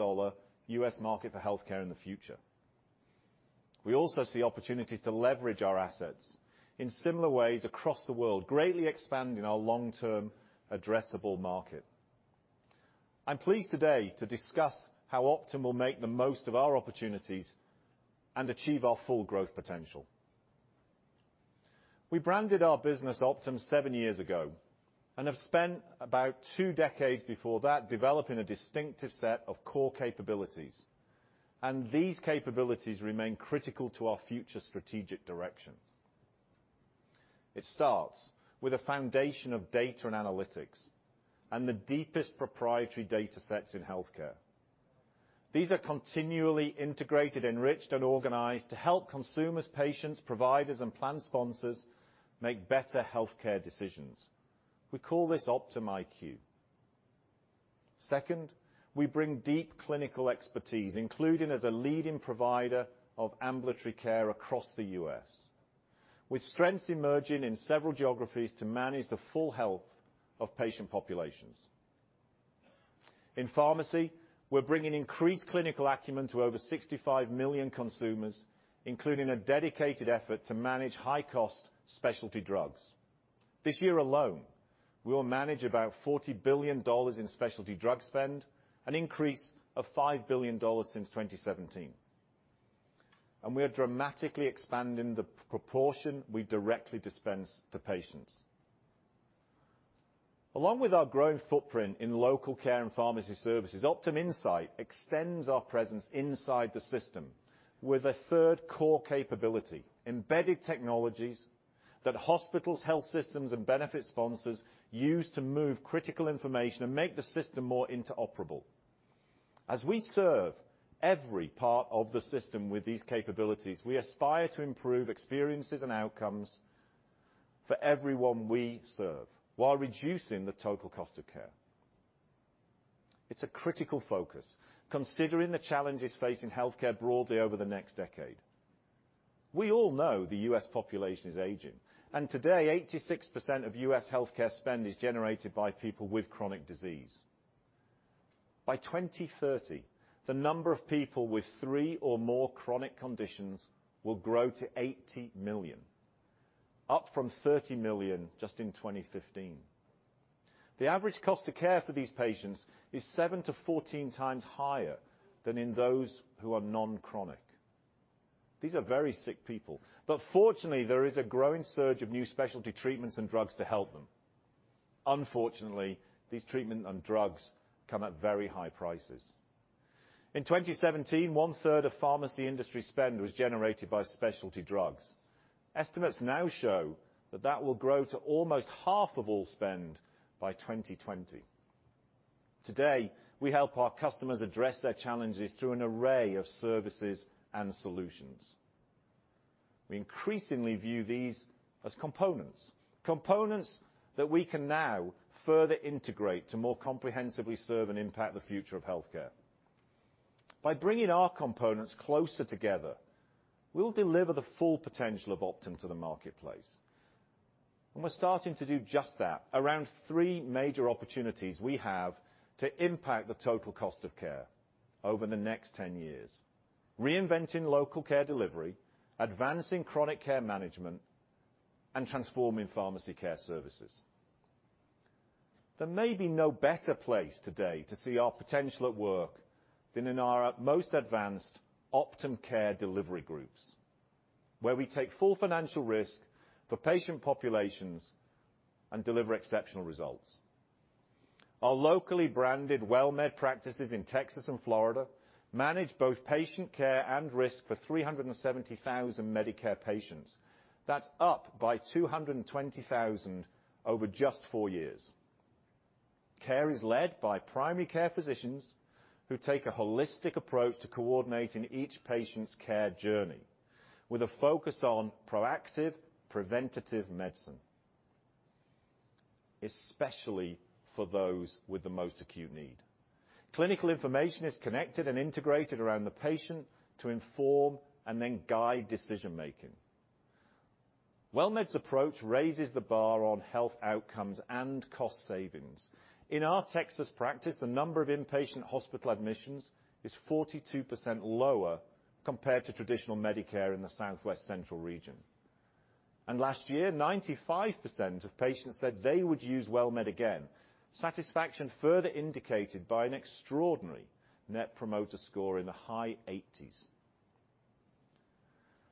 U.S. market for healthcare in the future. We also see opportunities to leverage our assets in similar ways across the world, greatly expanding our long-term addressable market. I'm pleased today to discuss how Optum will make the most of our opportunities and achieve our full growth potential. We branded our business Optum seven years ago and have spent about two decades before that developing a distinctive set of core capabilities, and these capabilities remain critical to our future strategic direction. It starts with a foundation of data and analytics and the deepest proprietary data sets in healthcare. These are continually integrated, enriched, and organized to help consumers, patients, providers, and plan sponsors make better healthcare decisions. We call this Optum IQ. Second, we bring deep clinical expertise, including as a leading provider of ambulatory care across the U.S., with strengths emerging in several geographies to manage the full health of patient populations. In pharmacy, we're bringing increased clinical acumen to over 65 million consumers, including a dedicated effort to manage high-cost specialty drugs. This year alone, we will manage about $40 billion in specialty drug spend, an increase of $5 billion since 2017. We are dramatically expanding the proportion we directly dispense to patients. Along with our growing footprint in local care and pharmacy services, Optum Insight extends our presence inside the system with a third core capability, embedded technologies that hospitals, health systems, and benefit sponsors use to move critical information and make the system more interoperable. As we serve every part of the system with these capabilities, we aspire to improve experiences and outcomes for everyone we serve while reducing the total cost of care. It's a critical focus considering the challenges facing healthcare broadly over the next decade. We all know the U.S. population is aging, today, 86% of U.S. healthcare spend is generated by people with chronic disease. By 2030, the number of people with three or more chronic conditions will grow to 80 million, up from 30 million just in 2015. The average cost of care for these patients is seven to 14 times higher than in those who are non-chronic. These are very sick people, but fortunately, there is a growing surge of new specialty treatments and drugs to help them. Unfortunately, these treatment and drugs come at very high prices. In 2017, one-third of pharmacy industry spend was generated by specialty drugs. Estimates now show that that will grow to almost half of all spend by 2020. Today, we help our customers address their challenges through an array of services and solutions. We increasingly view these as components that we can now further integrate to more comprehensively serve and impact the future of healthcare. By bringing our components closer together, we'll deliver the full potential of Optum to the marketplace. We're starting to do just that around three major opportunities we have to impact the total cost of care over the next 10 years: reinventing local care delivery, advancing chronic care management, and transforming pharmacy care services. There may be no better place today to see our potential at work than in our most advanced Optum Care delivery groups, where we take full financial risk for patient populations and deliver exceptional results. Our locally branded WellMed practices in Texas and Florida manage both patient care and risk for 370,000 Medicare patients. That is up by 220,000 over just four years. Care is led by primary care physicians who take a holistic approach to coordinating each patient's care journey with a focus on proactive preventative medicine, especially for those with the most acute need. Clinical information is connected and integrated around the patient to inform and guide decision-making. WellMed's approach raises the bar on health outcomes and cost savings. In our Texas practice, the number of inpatient hospital admissions is 42% lower compared to traditional Medicare in the Southwest Central region. Last year, 95% of patients said they would use WellMed again, satisfaction further indicated by an extraordinary NPS in the high 80s.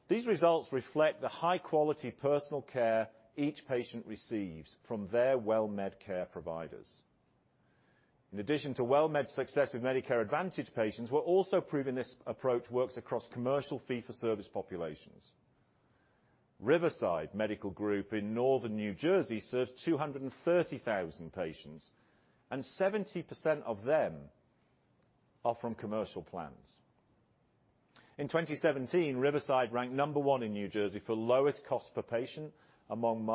These results reflect the high-quality personal care each patient receives from their WellMed care providers. In addition to WellMed's success with Medicare Advantage patients, we are also proving this approach works across commercial fee-for-service populations. Riverside Medical Group in northern New Jersey serves 230,000 patients, 70% of them are from commercial plans. In 2017, Riverside ranked number 1 in New Jersey for lowest cost per patient among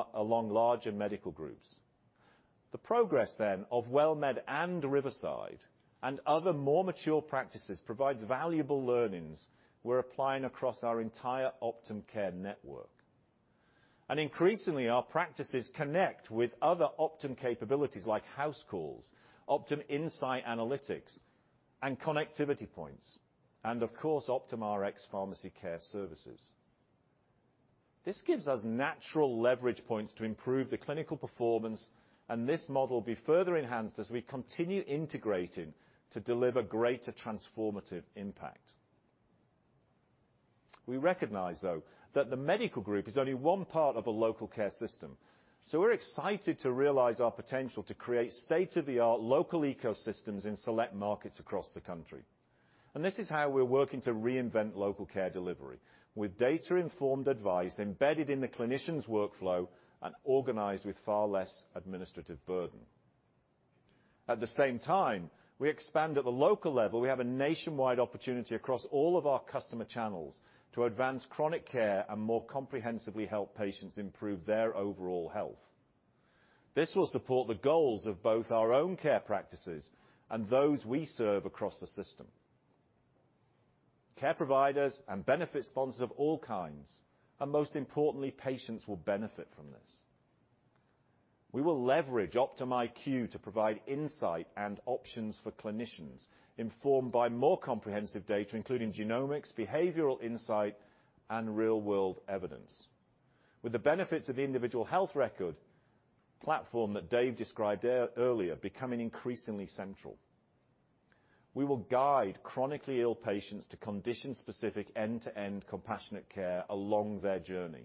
larger medical groups. The progress of WellMed and Riverside and other more mature practices provides valuable learnings we are applying across our entire Optum Care network. Increasingly, our practices connect with other Optum capabilities like HouseCalls, Optum Insight analytics, and connectivity points, of course, Optum Rx pharmacy care services. This gives us natural leverage points to improve the clinical performance, this model will be further enhanced as we continue integrating to deliver greater transformative impact. We recognize, though, that the medical group is only one part of a local care system, we are excited to realize our potential to create state-of-the-art local ecosystems in select markets across the country. This is how we are working to reinvent local care delivery, with data-informed advice embedded in the clinician's workflow and organized with far less administrative burden. At the same time, we expand at the local level. We have a nationwide opportunity across all of our customer channels to advance chronic care and more comprehensively help patients improve their overall health. This will support the goals of both our own care practices and those we serve across the system. Care providers and benefit sponsors of all kinds, most importantly, patients will benefit from this. We will leverage Optum IQ to provide insight and options for clinicians informed by more comprehensive data, including genomics, behavioral insight, and real-world evidence. With the benefits of the individual health record platform that Dave described earlier becoming increasingly central, we will guide chronically ill patients to condition-specific end-to-end compassionate care along their journey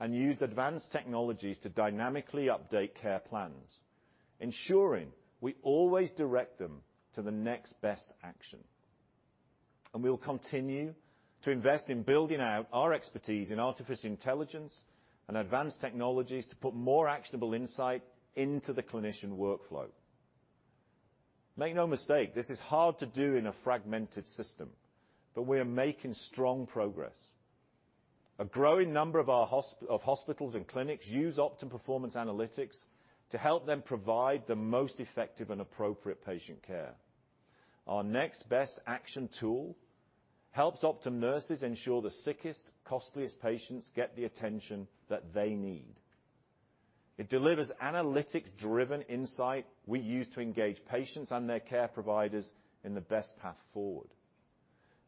and use advanced technologies to dynamically update care plans, ensuring we always direct them to the Next Best Action. We will continue to invest in building out our expertise in artificial intelligence and advanced technologies to put more actionable insight into the clinician workflow. Make no mistake, this is hard to do in a fragmented system, we are making strong progress. A growing number of hospitals and clinics use Optum Performance Analytics to help them provide the most effective and appropriate patient care. Our Next Best Action tool helps Optum nurses ensure the sickest, costliest patients get the attention that they need. It delivers analytics-driven insight we use to engage patients and their care providers in the best path forward,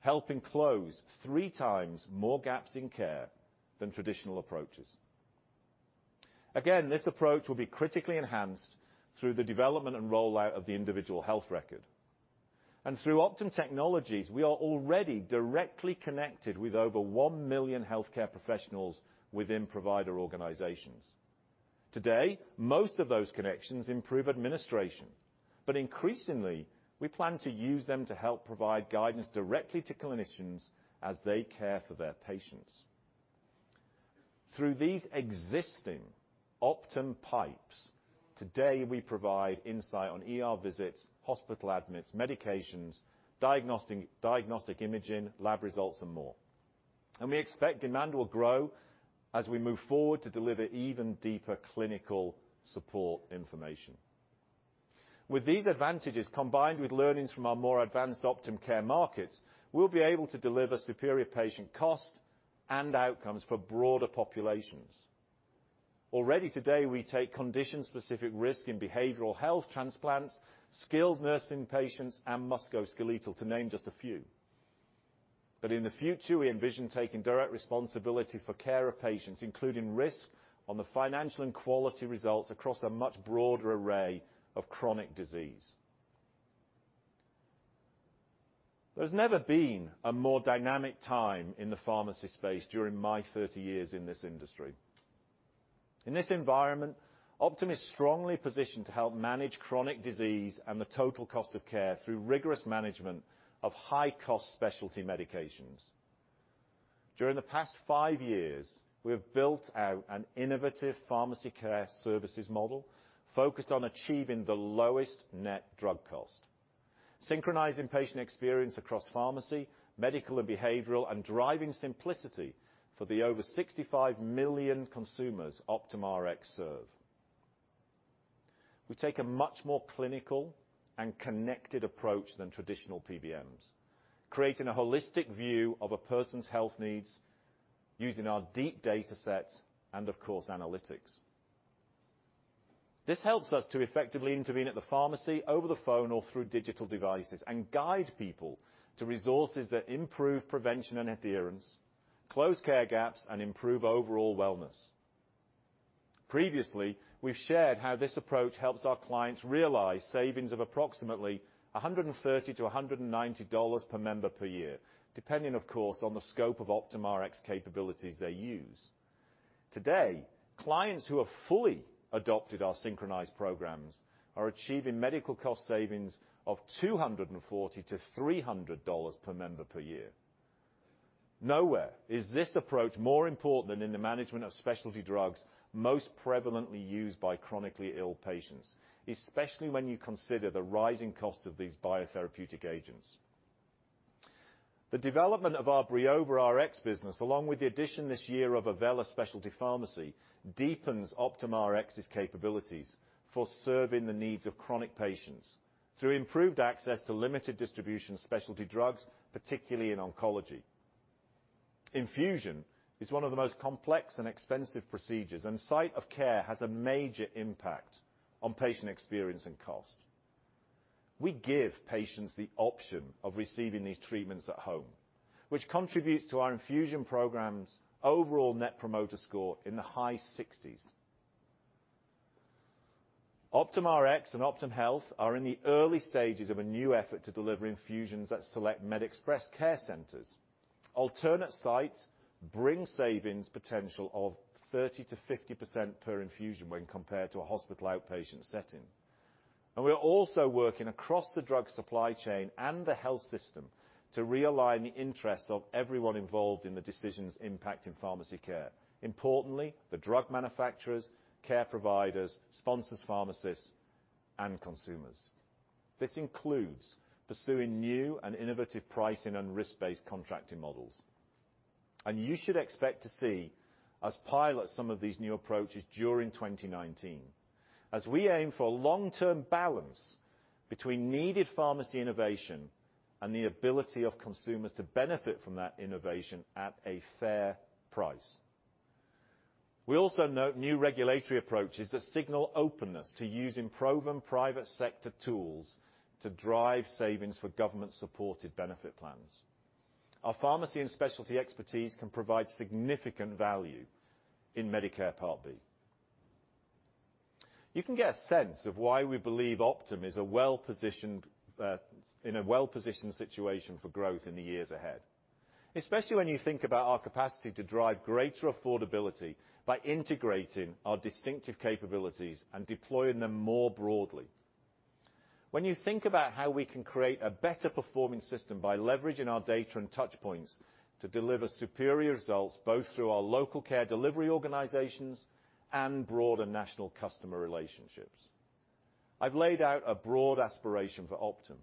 helping close three times more gaps in care than traditional approaches. Again, this approach will be critically enhanced through the development and rollout of the individual health record. Through Optum technologies, we are already directly connected with over one million healthcare professionals within provider organizations. Today, most of those connections improve administration. Increasingly, we plan to use them to help provide guidance directly to clinicians as they care for their patients. Through these existing Optum pipes, today we provide insight on ER visits, hospital admits, medications, diagnostic imaging, lab results, and more. We expect demand will grow as we move forward to deliver even deeper clinical support information. With these advantages, combined with learnings from our more advanced Optum Care markets, we'll be able to deliver superior patient cost and outcomes for broader populations. Already today, we take condition-specific risk in behavioral health, transplants, skilled nursing patients, and musculoskeletal, to name just a few. But in the future, we envision taking direct responsibility for care of patients, including risk on the financial and quality results across a much broader array of chronic disease. There's never been a more dynamic time in the pharmacy space during my 30 years in this industry. In this environment, Optum is strongly positioned to help manage chronic disease and the total cost of care through rigorous management of high-cost specialty medications. During the past five years, we have built out an innovative pharmacy care services model focused on achieving the lowest net drug cost, synchronizing patient experience across pharmacy, medical, and behavioral, and driving simplicity for the over 65 million consumers Optum Rx serve. We take a much more clinical and connected approach than traditional PBMs, creating a holistic view of a person's health needs using our deep data sets and, of course, analytics. This helps us to effectively intervene at the pharmacy over the phone or through digital devices and guide people to resources that improve prevention and adherence, close care gaps, and improve overall wellness. Previously, we have shared how this approach helps our clients realize savings of approximately $130-$190 per member per year, depending, of course, on the scope of Optum Rx capabilities they use. Today, clients who have fully adopted our synchronized programs are achieving medical cost savings of $240-$300 per member per year. Nowhere is this approach more important than in the management of specialty drugs most prevalently used by chronically ill patients, especially when you consider the rising cost of these biotherapeutic agents. The development of our BriovaRx business, along with the addition this year of Avella Specialty Pharmacy, deepens Optum Rx’s capabilities for serving the needs of chronic patients through improved access to limited distribution specialty drugs, particularly in oncology. Infusion is one of the most complex and expensive procedures, and site of care has a major impact on patient experience and cost. We give patients the option of receiving these treatments at home, which contributes to our infusion program's overall Net Promoter Score in the high 60s. Optum Rx and Optum Health are in the early stages of a new effort to deliver infusions at select MedExpress care centers. Alternate sites bring savings potential of 30%-50% per infusion when compared to a hospital outpatient setting. We are also working across the drug supply chain and the health system to realign the interests of everyone involved in the decisions impacting pharmacy care. Importantly, the drug manufacturers, care providers, sponsors, pharmacists, and consumers. This includes pursuing new and innovative pricing and risk-based contracting models. You should expect to see us pilot some of these new approaches during 2019 as we aim for a long-term balance between needed pharmacy innovation and the ability of consumers to benefit from that innovation at a fair price. We also note new regulatory approaches that signal openness to using proven private sector tools to drive savings for government-supported benefit plans. Our pharmacy and specialty expertise can provide significant value in Medicare Part B. You can get a sense of why we believe Optum is in a well-positioned situation for growth in the years ahead, especially when you think about our capacity to drive greater affordability by integrating our distinctive capabilities and deploying them more broadly. When you think about how we can create a better performing system by leveraging our data and touchpoints to deliver superior results, both through our local care delivery organizations and broader national customer relationships. I've laid out a broad aspiration for Optum.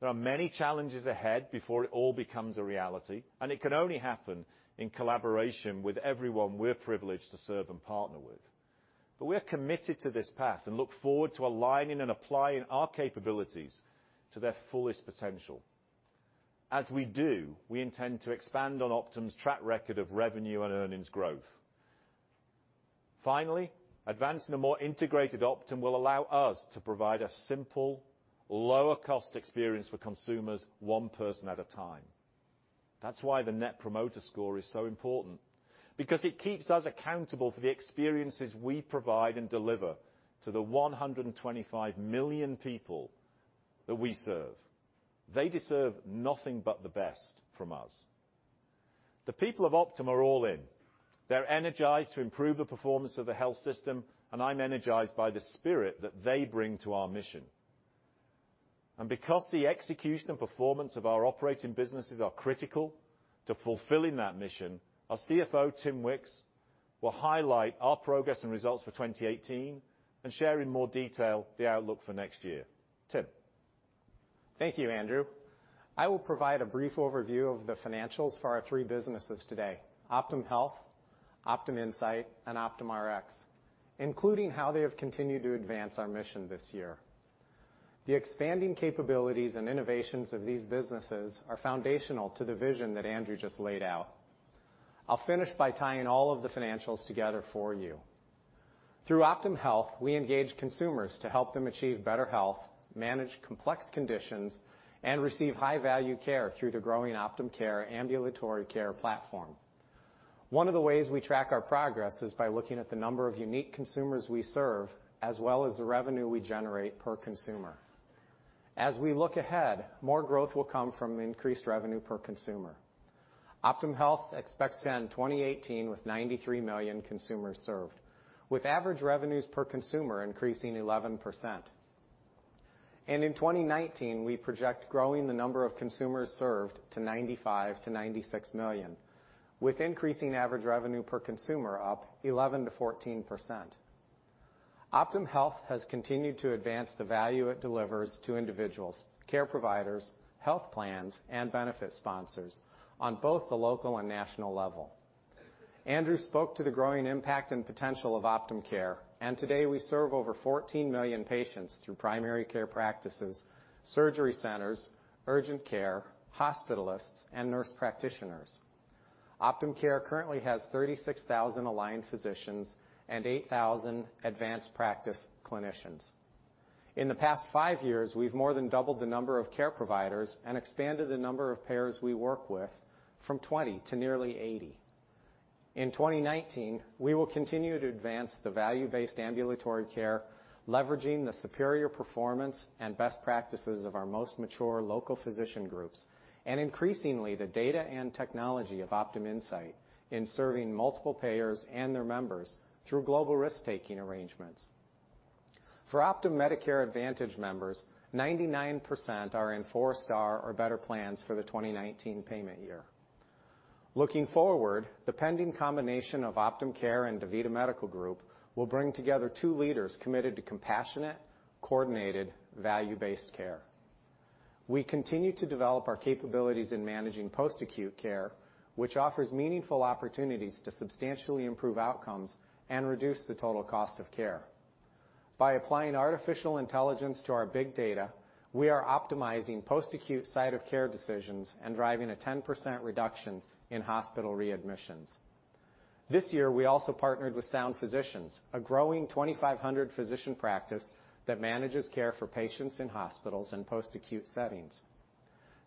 There are many challenges ahead before it all becomes a reality, and it can only happen in collaboration with everyone we're privileged to serve and partner with. We're committed to this path and look forward to aligning and applying our capabilities to their fullest potential. As we do, we intend to expand on Optum's track record of revenue and earnings growth. Finally, advancing a more integrated Optum will allow us to provide a simple, lower cost experience for consumers one person at a time. That's why the Net Promoter Score is so important, because it keeps us accountable for the experiences we provide and deliver to the 125 million people that we serve. They deserve nothing but the best from us. The people of Optum are all in. They're energized to improve the performance of the health system, and I'm energized by the spirit that they bring to our mission. Because the execution and performance of our operating businesses are critical to fulfilling that mission, our CFO, Timothy Wicks, will highlight our progress and results for 2018 and share in more detail the outlook for next year. Tim? Thank you, Andrew. I'll provide a brief overview of the financials for our three businesses today, Optum Health, Optum Insight, and Optum Rx, including how they have continued to advance our mission this year. The expanding capabilities and innovations of these businesses are foundational to the vision that Andrew just laid out. I'll finish by tying all of the financials together for you. Through Optum Health, we engage consumers to help them achieve better health, manage complex conditions, and receive high-value care through the growing Optum Care ambulatory care platform. One of the ways we track our progress is by looking at the number of unique consumers we serve, as well as the revenue we generate per consumer. As we look ahead, more growth will come from increased revenue per consumer. Optum Health expects to end 2018 with 93 million consumers served, with average revenues per consumer increasing 11%. In 2019, we project growing the number of consumers served to 95-96 million with increasing average revenue per consumer up 11%-14%. Optum Health has continued to advance the value it delivers to individuals, care providers, health plans, and benefit sponsors on both the local and national level. Andrew spoke to the growing impact and potential of Optum Care, and today we serve over 14 million patients through primary care practices, surgery centers, urgent care, hospitalists, and nurse practitioners. Optum Care currently has 36,000 aligned physicians and 8,000 advanced practice clinicians. In the past five years, we've more than doubled the number of care providers and expanded the number of payers we work with from 20 to nearly 80. In 2019, we will continue to advance the value-based ambulatory care, leveraging the superior performance and best practices of our most mature local physician groups, and increasingly, the data and technology of Optum Insight in serving multiple payers and their members through global risk-taking arrangements. For Optum Medicare Advantage members, 99% are in 4-star or better plans for the 2019 payment year. Looking forward, the pending combination of Optum Care and DaVita Medical Group will bring together two leaders committed to compassionate, coordinated, value-based care. We continue to develop our capabilities in managing post-acute care, which offers meaningful opportunities to substantially improve outcomes and reduce the total cost of care. By applying artificial intelligence to our big data, we are optimizing post-acute site of care decisions and driving a 10% reduction in hospital readmissions. This year, we also partnered with Sound Physicians, a growing 2,500 physician practice that manages care for patients in hospitals and post-acute settings.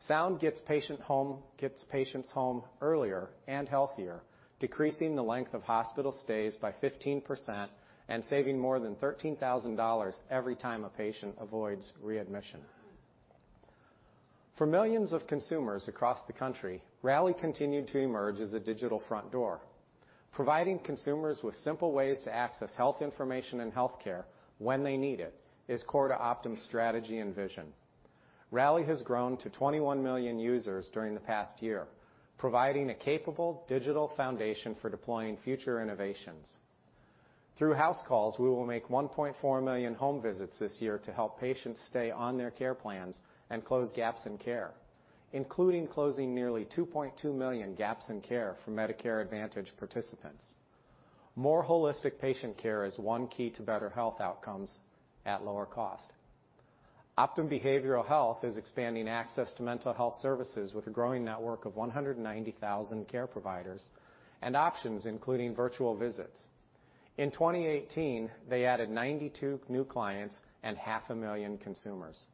Sound gets patients home earlier and healthier, decreasing the length of hospital stays by 15% and saving more than $13,000 every time a patient avoids readmission. For millions of consumers across the country, Rally continued to emerge as a digital front door. Providing consumers with simple ways to access health information and healthcare when they need it is core to Optum's strategy and vision. Rally has grown to 21 million users during the past year, providing a capable digital foundation for deploying future innovations. Through HouseCalls, we will make 1.4 million home visits this year to help patients stay on their care plans and close gaps in care, including closing nearly 2.2 million gaps in care for Medicare Advantage participants. More holistic patient care is one key to better health outcomes at lower cost. Optum Behavioral Health is expanding access to mental health services with a growing network of 190,000 care providers and options including virtual visits. In 2018, they added 92 new clients and half a million consumers.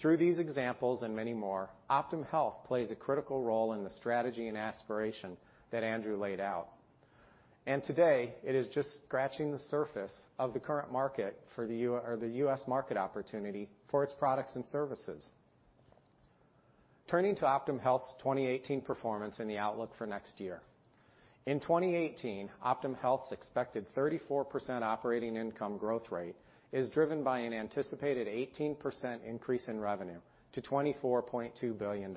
Through these examples and many more, Optum Health plays a critical role in the strategy and aspiration that Andrew laid out. Today it is just scratching the surface of the current market for the U.S. market opportunity for its products and services. Turning to Optum Health's 2018 performance and the outlook for next year. In 2018, Optum Health's expected 34% operating income growth rate is driven by an anticipated 18% increase in revenue to $24.2 billion,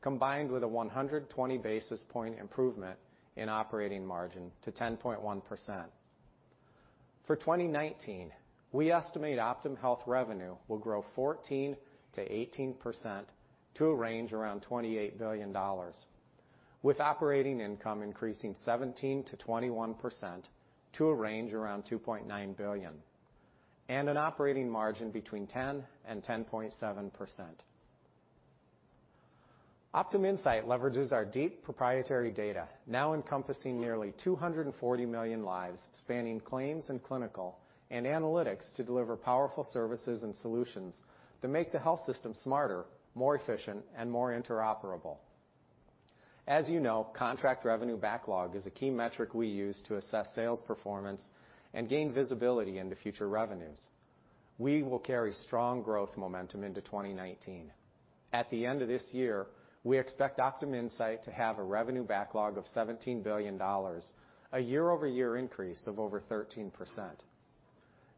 combined with a 120 basis point improvement in operating margin to 10.1%. For 2019, we estimate Optum Health revenue will grow 14%-18% to a range around $28 billion, with operating income increasing 17%-21% to a range around $2.9 billion, and an operating margin between 10% and 10.7%. Optum Insight leverages our deep proprietary data, now encompassing nearly 240 million lives, spanning claims and clinical and analytics to deliver powerful services and solutions that make the health system smarter, more efficient, and more interoperable. As you know, contract revenue backlog is a key metric we use to assess sales performance and gain visibility into future revenues. We will carry strong growth momentum into 2019. At the end of this year, we expect Optum Insight to have a revenue backlog of $17 billion, a year-over-year increase of over 13%.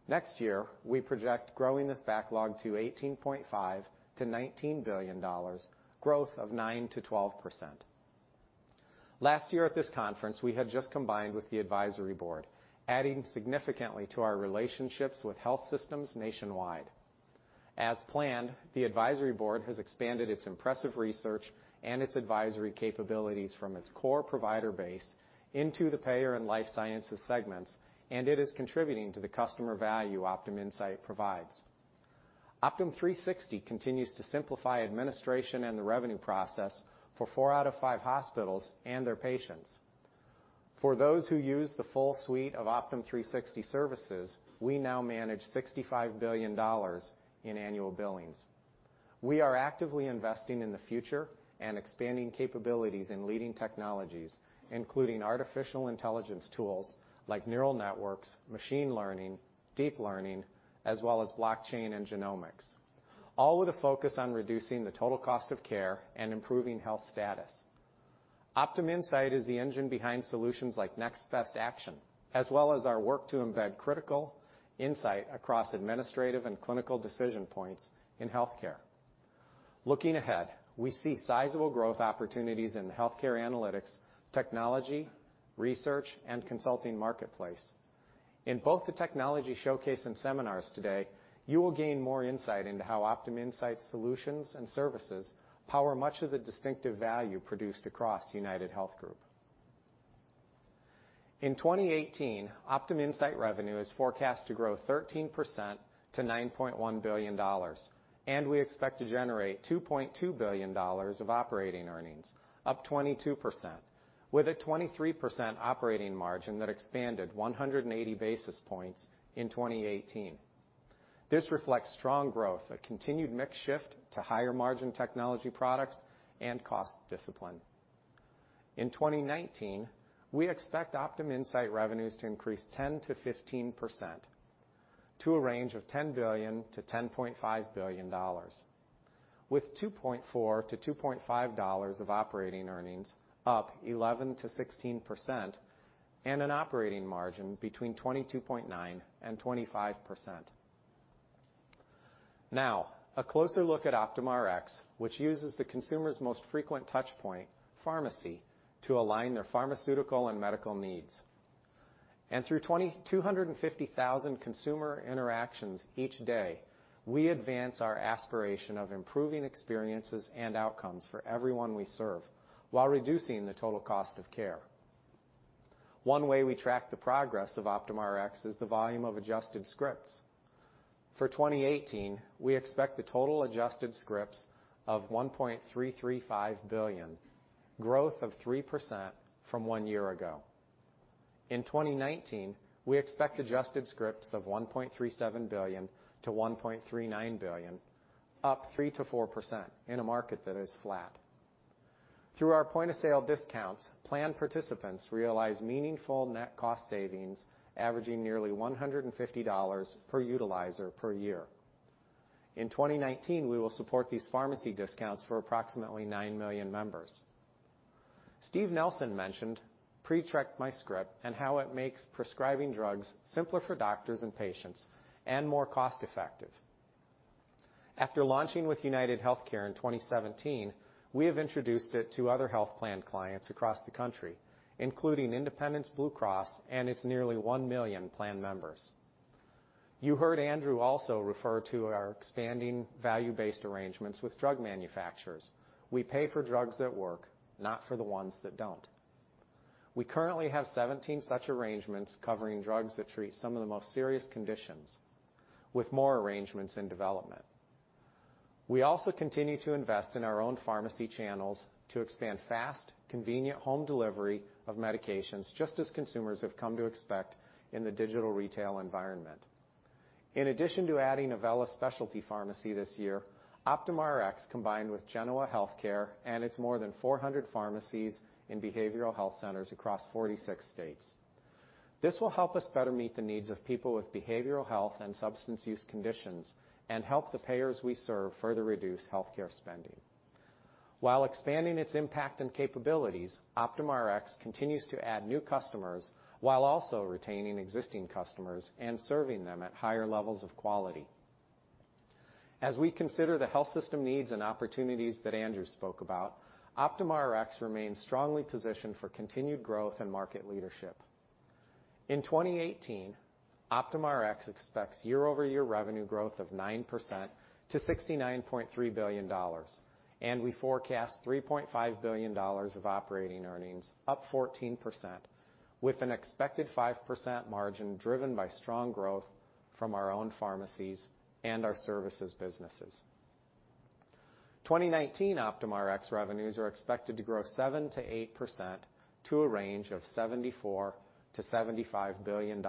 Next year, we project growing this backlog to $18.5 billion-$19 billion, growth of 9%-12%. Last year at this conference, we had just combined with The Advisory Board, adding significantly to our relationships with health systems nationwide. As planned, The Advisory Board has expanded its impressive research and its advisory capabilities from its core provider base into the payer and life sciences segments, and it is contributing to the customer value Optum Insight provides. Optum360 continues to simplify administration and the revenue process for four out of five hospitals and their patients. For those who use the full suite of Optum360 services, we now manage $65 billion in annual billings. We are actively investing in the future and expanding capabilities in leading technologies, including artificial intelligence tools like neural networks, machine learning, deep learning, as well as blockchain and genomics, all with a focus on reducing the total cost of care and improving health status. Optum Insight is the engine behind solutions like Next Best Action, as well as our work to embed critical insight across administrative and clinical decision points in healthcare. Looking ahead, we see sizable growth opportunities in the healthcare analytics, technology, research, and consulting marketplace. In both the technology showcase and seminars today, you will gain more insight into how Optum Insight solutions and services power much of the distinctive value produced across UnitedHealth Group. In 2018, Optum Insight revenue is forecast to grow 13% to $9.1 billion, and we expect to generate $2.2 billion of operating earnings, up 22%, with a 23% operating margin that expanded 180 basis points in 2018. This reflects strong growth, a continued mix shift to higher margin technology products, and cost discipline. In 2019, we expect Optum Insight revenues to increase 10%-15%, to a range of $10 billion-$10.5 billion, with $2.4-$2.5 of operating earnings up 11%-16%, and an operating margin between 22.9% and 25%. A closer look at Optum Rx, which uses the consumer's most frequent touchpoint, pharmacy, to align their pharmaceutical and medical needs. Through 250,000 consumer interactions each day, we advance our aspiration of improving experiences and outcomes for everyone we serve while reducing the total cost of care. One way we track the progress of Optum Rx is the volume of adjusted scripts. For 2018, we expect the total adjusted scripts of 1.335 billion, growth of 3% from one year ago. In 2019, we expect adjusted scripts of 1.37 billion-1.39 billion, up 3%-4% in a market that is flat. Through our point-of-sale discounts, plan participants realize meaningful net cost savings averaging nearly $150 per utilizer per year. In 2019, we will support these pharmacy discounts for approximately nine million members. Steve Nelson mentioned PreCheck MyScript and how it makes prescribing drugs simpler for doctors and patients and more cost-effective. After launching with UnitedHealthcare in 2017, we have introduced it to other health plan clients across the country, including Independence Blue Cross and its nearly one million plan members. You heard Andrew also refer to our expanding value-based arrangements with drug manufacturers. We pay for drugs that work, not for the ones that don't. We currently have 17 such arrangements covering drugs that treat some of the most serious conditions, with more arrangements in development. We also continue to invest in our own pharmacy channels to expand fast, convenient home delivery of medications, just as consumers have come to expect in the digital retail environment. In addition to adding Avella Specialty Pharmacy this year, Optum Rx combined with Genoa Healthcare and its more than 400 pharmacies in behavioral health centers across 46 states. This will help us better meet the needs of people with behavioral health and substance use conditions and help the payers we serve further reduce healthcare spending. While expanding its impact and capabilities, Optum Rx continues to add new customers while also retaining existing customers and serving them at higher levels of quality. As we consider the health system needs and opportunities that Andrew spoke about, Optum Rx remains strongly positioned for continued growth and market leadership. In 2018, Optum Rx expects year-over-year revenue growth of 9% to $69.3 billion, and we forecast $3.5 billion of operating earnings, up 14%, with an expected 5% margin driven by strong growth from our own pharmacies and our services businesses. 2019 Optum Rx revenues are expected to grow 7%-8% to a range of $74 billion-$75 billion.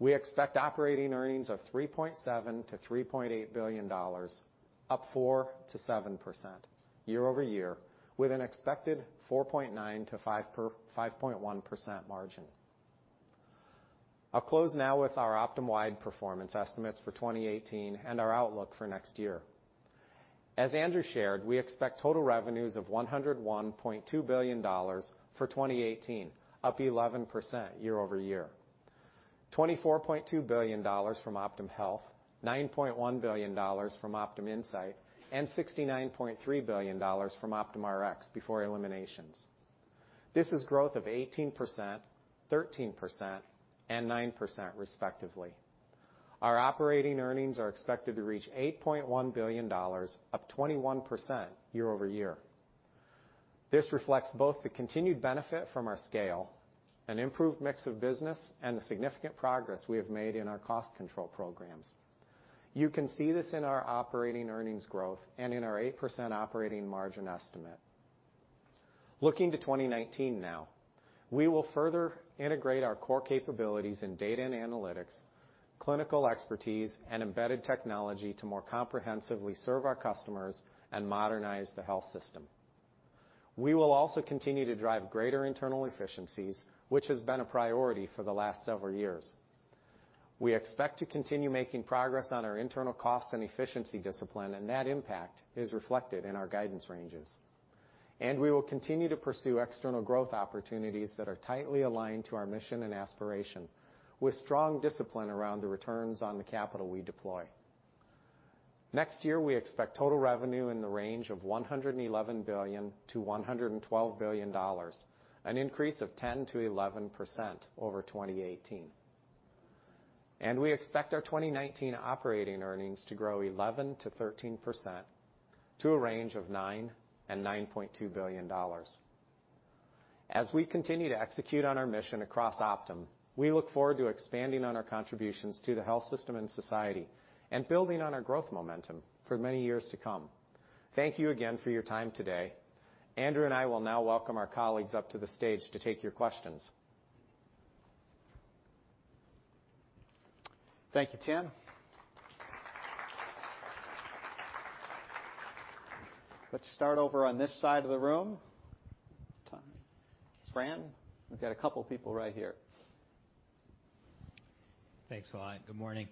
We expect operating earnings of $3.7 billion-$3.8 billion, up 4%-7% year-over-year, with an expected 4.9%-5.1% margin. I'll close now with our Optum-wide performance estimates for 2018 and our outlook for next year. As Andrew shared, we expect total revenues of $101.2 billion for 2018, up 11% year-over-year, $24.2 billion from Optum Health, $9.1 billion from Optum Insight, and $69.3 billion from Optum Rx before eliminations. This is growth of 18%, 13%, and 9%, respectively. Our operating earnings are expected to reach $8.1 billion, up 21% year-over-year. This reflects both the continued benefit from our scale, an improved mix of business, and the significant progress we have made in our cost control programs. You can see this in our operating earnings growth and in our 8% operating margin estimate. Looking to 2019 now, we will further integrate our core capabilities in data and analytics, clinical expertise, and embedded technology to more comprehensively serve our customers and modernize the health system. We will also continue to drive greater internal efficiencies, which has been a priority for the last several years. We expect to continue making progress on our internal cost and efficiency discipline, and that impact is reflected in our guidance ranges. We will continue to pursue external growth opportunities that are tightly aligned to our mission and aspiration, with strong discipline around the returns on the capital we deploy. Next year, we expect total revenue in the range of $111 billion to $112 billion, an increase of 10%-11% over 2018. We expect our 2019 operating earnings to grow 11%-13%, to a range of $9 billion-$9.2 billion. As we continue to execute on our mission across Optum, we look forward to expanding on our contributions to the health system and society and building on our growth momentum for many years to come. Thank you again for your time today. Andrew and I will now welcome our colleagues up to the stage to take your questions. Thank you, Tim. Let's start over on this side of the room. Tom. Fran. We've got a couple people right here. Thanks a lot. Good morning.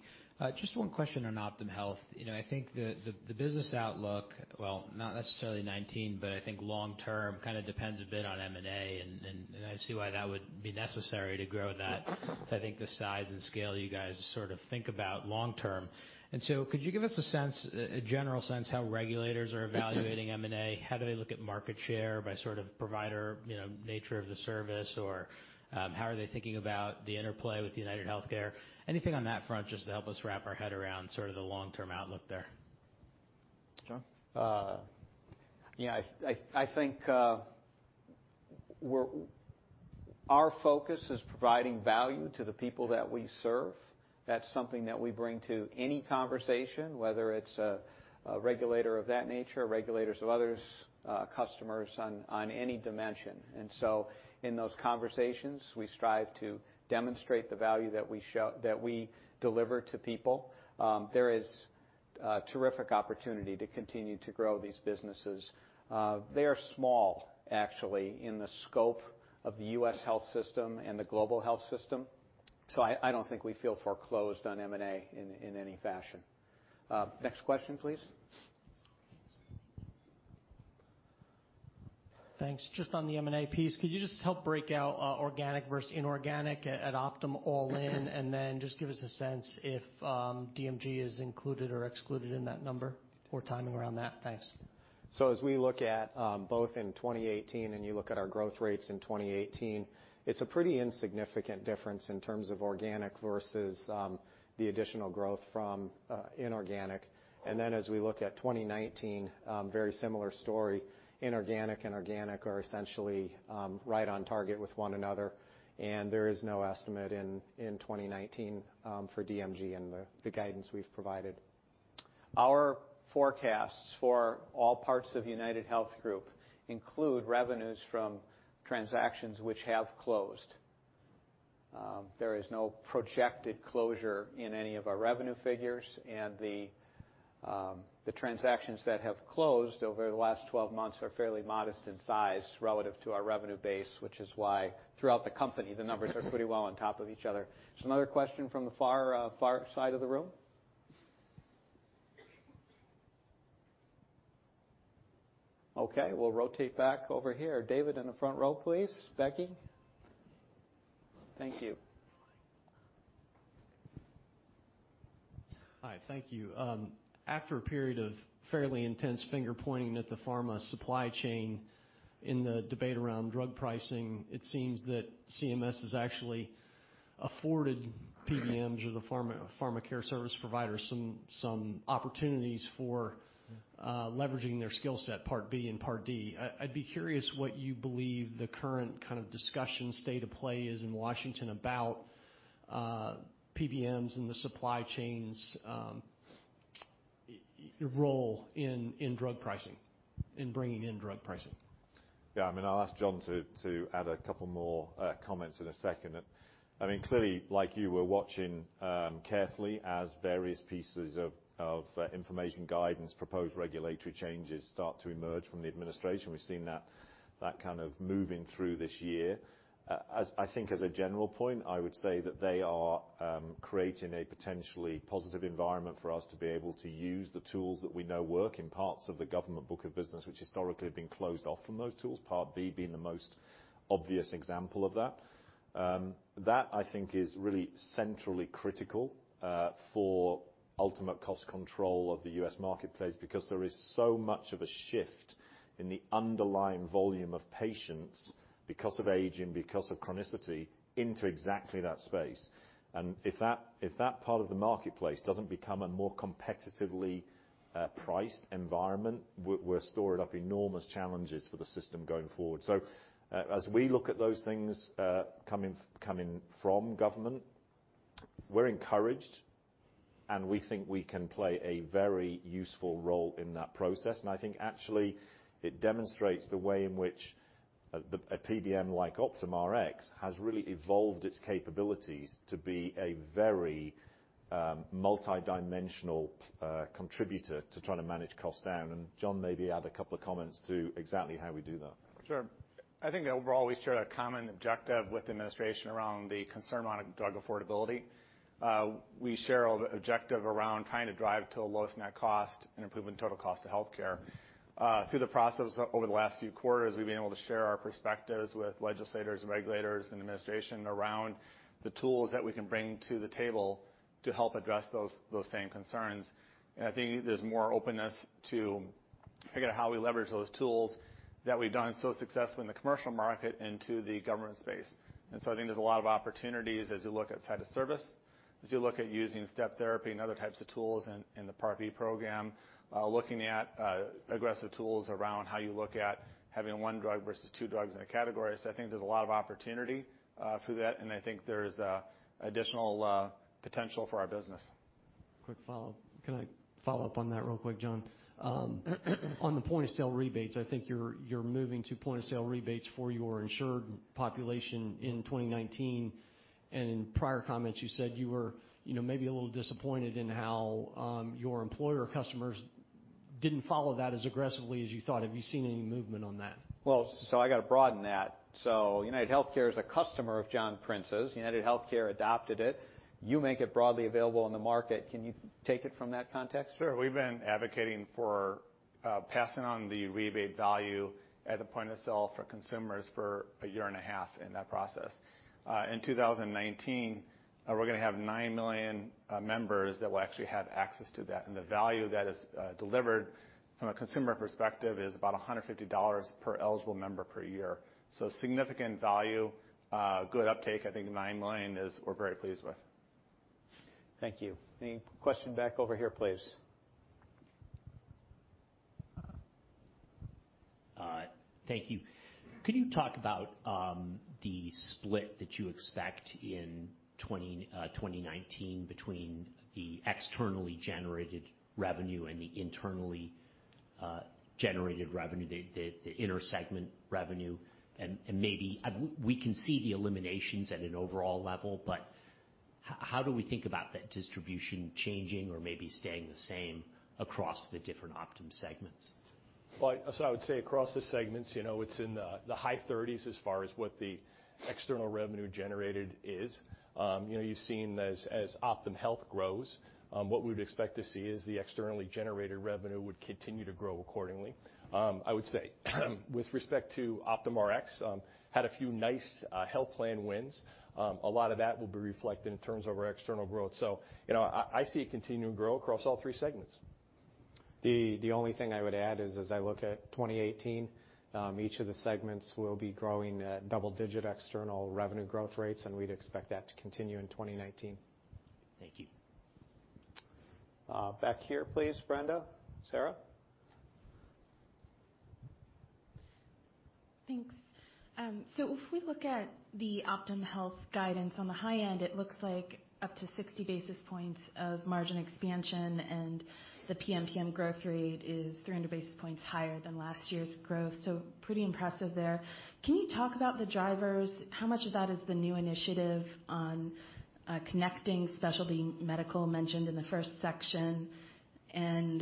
Just one question on Optum Health. I think the business outlook, well, not necessarily 2019, but I think long term, depends a bit on M&A, I see why that would be necessary to grow that to, I think, the size and scale you guys think about long term. Could you give us a general sense how regulators are evaluating M&A? How do they look at market share by sort of provider, nature of the service, or how are they thinking about the interplay with UnitedHealthcare? Anything on that front just to help us wrap our head around the long-term outlook there. John? Yeah. I think our focus is providing value to the people that we serve. That's something that we bring to any conversation, whether it's a regulator of that nature, regulators of others, customers on any dimension. In those conversations, we strive to demonstrate the value that we deliver to people. There is A terrific opportunity to continue to grow these businesses. They are small, actually, in the scope of the U.S. health system and the global health system. I don't think we feel foreclosed on M&A in any fashion. Next question, please. Thanks. Just on the M&A piece, could you just help break out organic versus inorganic at Optum all in, and then just give us a sense if DMG is included or excluded in that number, or timing around that? Thanks. As we look at both in 2018, and you look at our growth rates in 2018, it's a pretty insignificant difference in terms of organic versus the additional growth from inorganic. As we look at 2019, very similar story. Inorganic and organic are essentially right on target with one another, and there is no estimate in 2019 for DMG in the guidance we've provided. Our forecasts for all parts of UnitedHealth Group include revenues from transactions which have closed. There is no projected closure in any of our revenue figures, and the transactions that have closed over the last 12 months are fairly modest in size relative to our revenue base, which is why throughout the company, the numbers are pretty well on top of each other. Another question from the far side of the room. Okay, we'll rotate back over here. David in the front row, please. Becky? Thank you. Hi. Thank you. After a period of fairly intense finger-pointing at the pharma supply chain in the debate around drug pricing, it seems that CMS has actually afforded PBMs or the pharma care service providers some opportunities for leveraging their skill set, Part B and Part D. I'd be curious what you believe the current kind of discussion state of play is in Washington about PBMs and the supply chains' role in drug pricing, in bringing in drug pricing. Yeah, I'll ask John to add a couple more comments in a second. Clearly, like you, we're watching carefully as various pieces of information, guidance, proposed regulatory changes start to emerge from the administration. We've seen that kind of moving through this year. I think as a general point, I would say that they are creating a potentially positive environment for us to be able to use the tools that we know work in parts of the government book of business, which historically have been closed off from those tools, Part B being the most obvious example of that. That, I think, is really centrally critical for ultimate cost control of the U.S. marketplace because there is so much of a shift in the underlying volume of patients because of aging, because of chronicity, into exactly that space. If that part of the marketplace doesn't become a more competitively priced environment, we're storing up enormous challenges for the system going forward. As we look at those things coming from government, we're encouraged, and we think we can play a very useful role in that process. I think actually it demonstrates the way in which a PBM like Optum Rx has really evolved its capabilities to be a very multidimensional contributor to trying to manage costs down. John maybe add a couple of comments to exactly how we do that. Sure. I think overall, we share a common objective with the administration around the concern on drug affordability. We share objective around trying to drive to a lowest net cost and improving total cost of healthcare. Through the process over the last few quarters, we've been able to share our perspectives with legislators, regulators, and administration around the tools that we can bring to the table to help address those same concerns. I think there's more openness to figure out how we leverage those tools that we've done so successfully in the commercial market into the government space. I think there's a lot of opportunities as you look at site of service, as you look at using step therapy and other types of tools in the Part B program, looking at aggressive tools around how you look at having one drug versus two drugs in a category. I think there's a lot of opportunity for that, and I think there's additional potential for our business. Quick follow-up. Can I follow up on that real quick, John? On the point-of-sale rebates, I think you're moving to point-of-sale rebates for your insured population in 2019, and in prior comments you said you were maybe a little disappointed in how your employer customers didn't follow that as aggressively as you thought. Have you seen any movement on that? I got to broaden that. UnitedHealthcare is a customer of John Prince's. UnitedHealthcare adopted it. You make it broadly available on the market. Can you take it from that context? Sure. We've been advocating for passing on the rebate value at the point of sale for consumers for a year and a half in that process. In 2019, we're going to have 9 million members that will actually have access to that, and the value that is delivered from a consumer perspective is about $150 per eligible member per year. Significant value, good uptake. I think 9 million we're very pleased with. Thank you. Any question back over here, please? Thank you. Could you talk about the split that you expect in 2019 between the externally generated revenue and the internally generated revenue, the inter-segment revenue. Maybe we can see the eliminations at an overall level, but how do we think about that distribution changing or maybe staying the same across the different Optum segments? I would say across the segments, it's in the high 30s as far as what the external revenue generated is. You've seen as Optum Health grows, what we would expect to see is the externally generated revenue would continue to grow accordingly. I would say, with respect to Optum Rx, had a few nice health plan wins. A lot of that will be reflected in terms of our external growth. I see it continuing to grow across all three segments. The only thing I would add is, as I look at 2018, each of the segments will be growing at double-digit external revenue growth rates, and we'd expect that to continue in 2019. Thank you. Back here, please, Brenda. Sarah? Thanks. If we look at the Optum Health guidance on the high end, it looks like up to 60 basis points of margin expansion, and the PMPM growth rate is 300 basis points higher than last year's growth. Pretty impressive there. Can you talk about the drivers? How much of that is the new initiative on connecting specialty medical mentioned in the first section?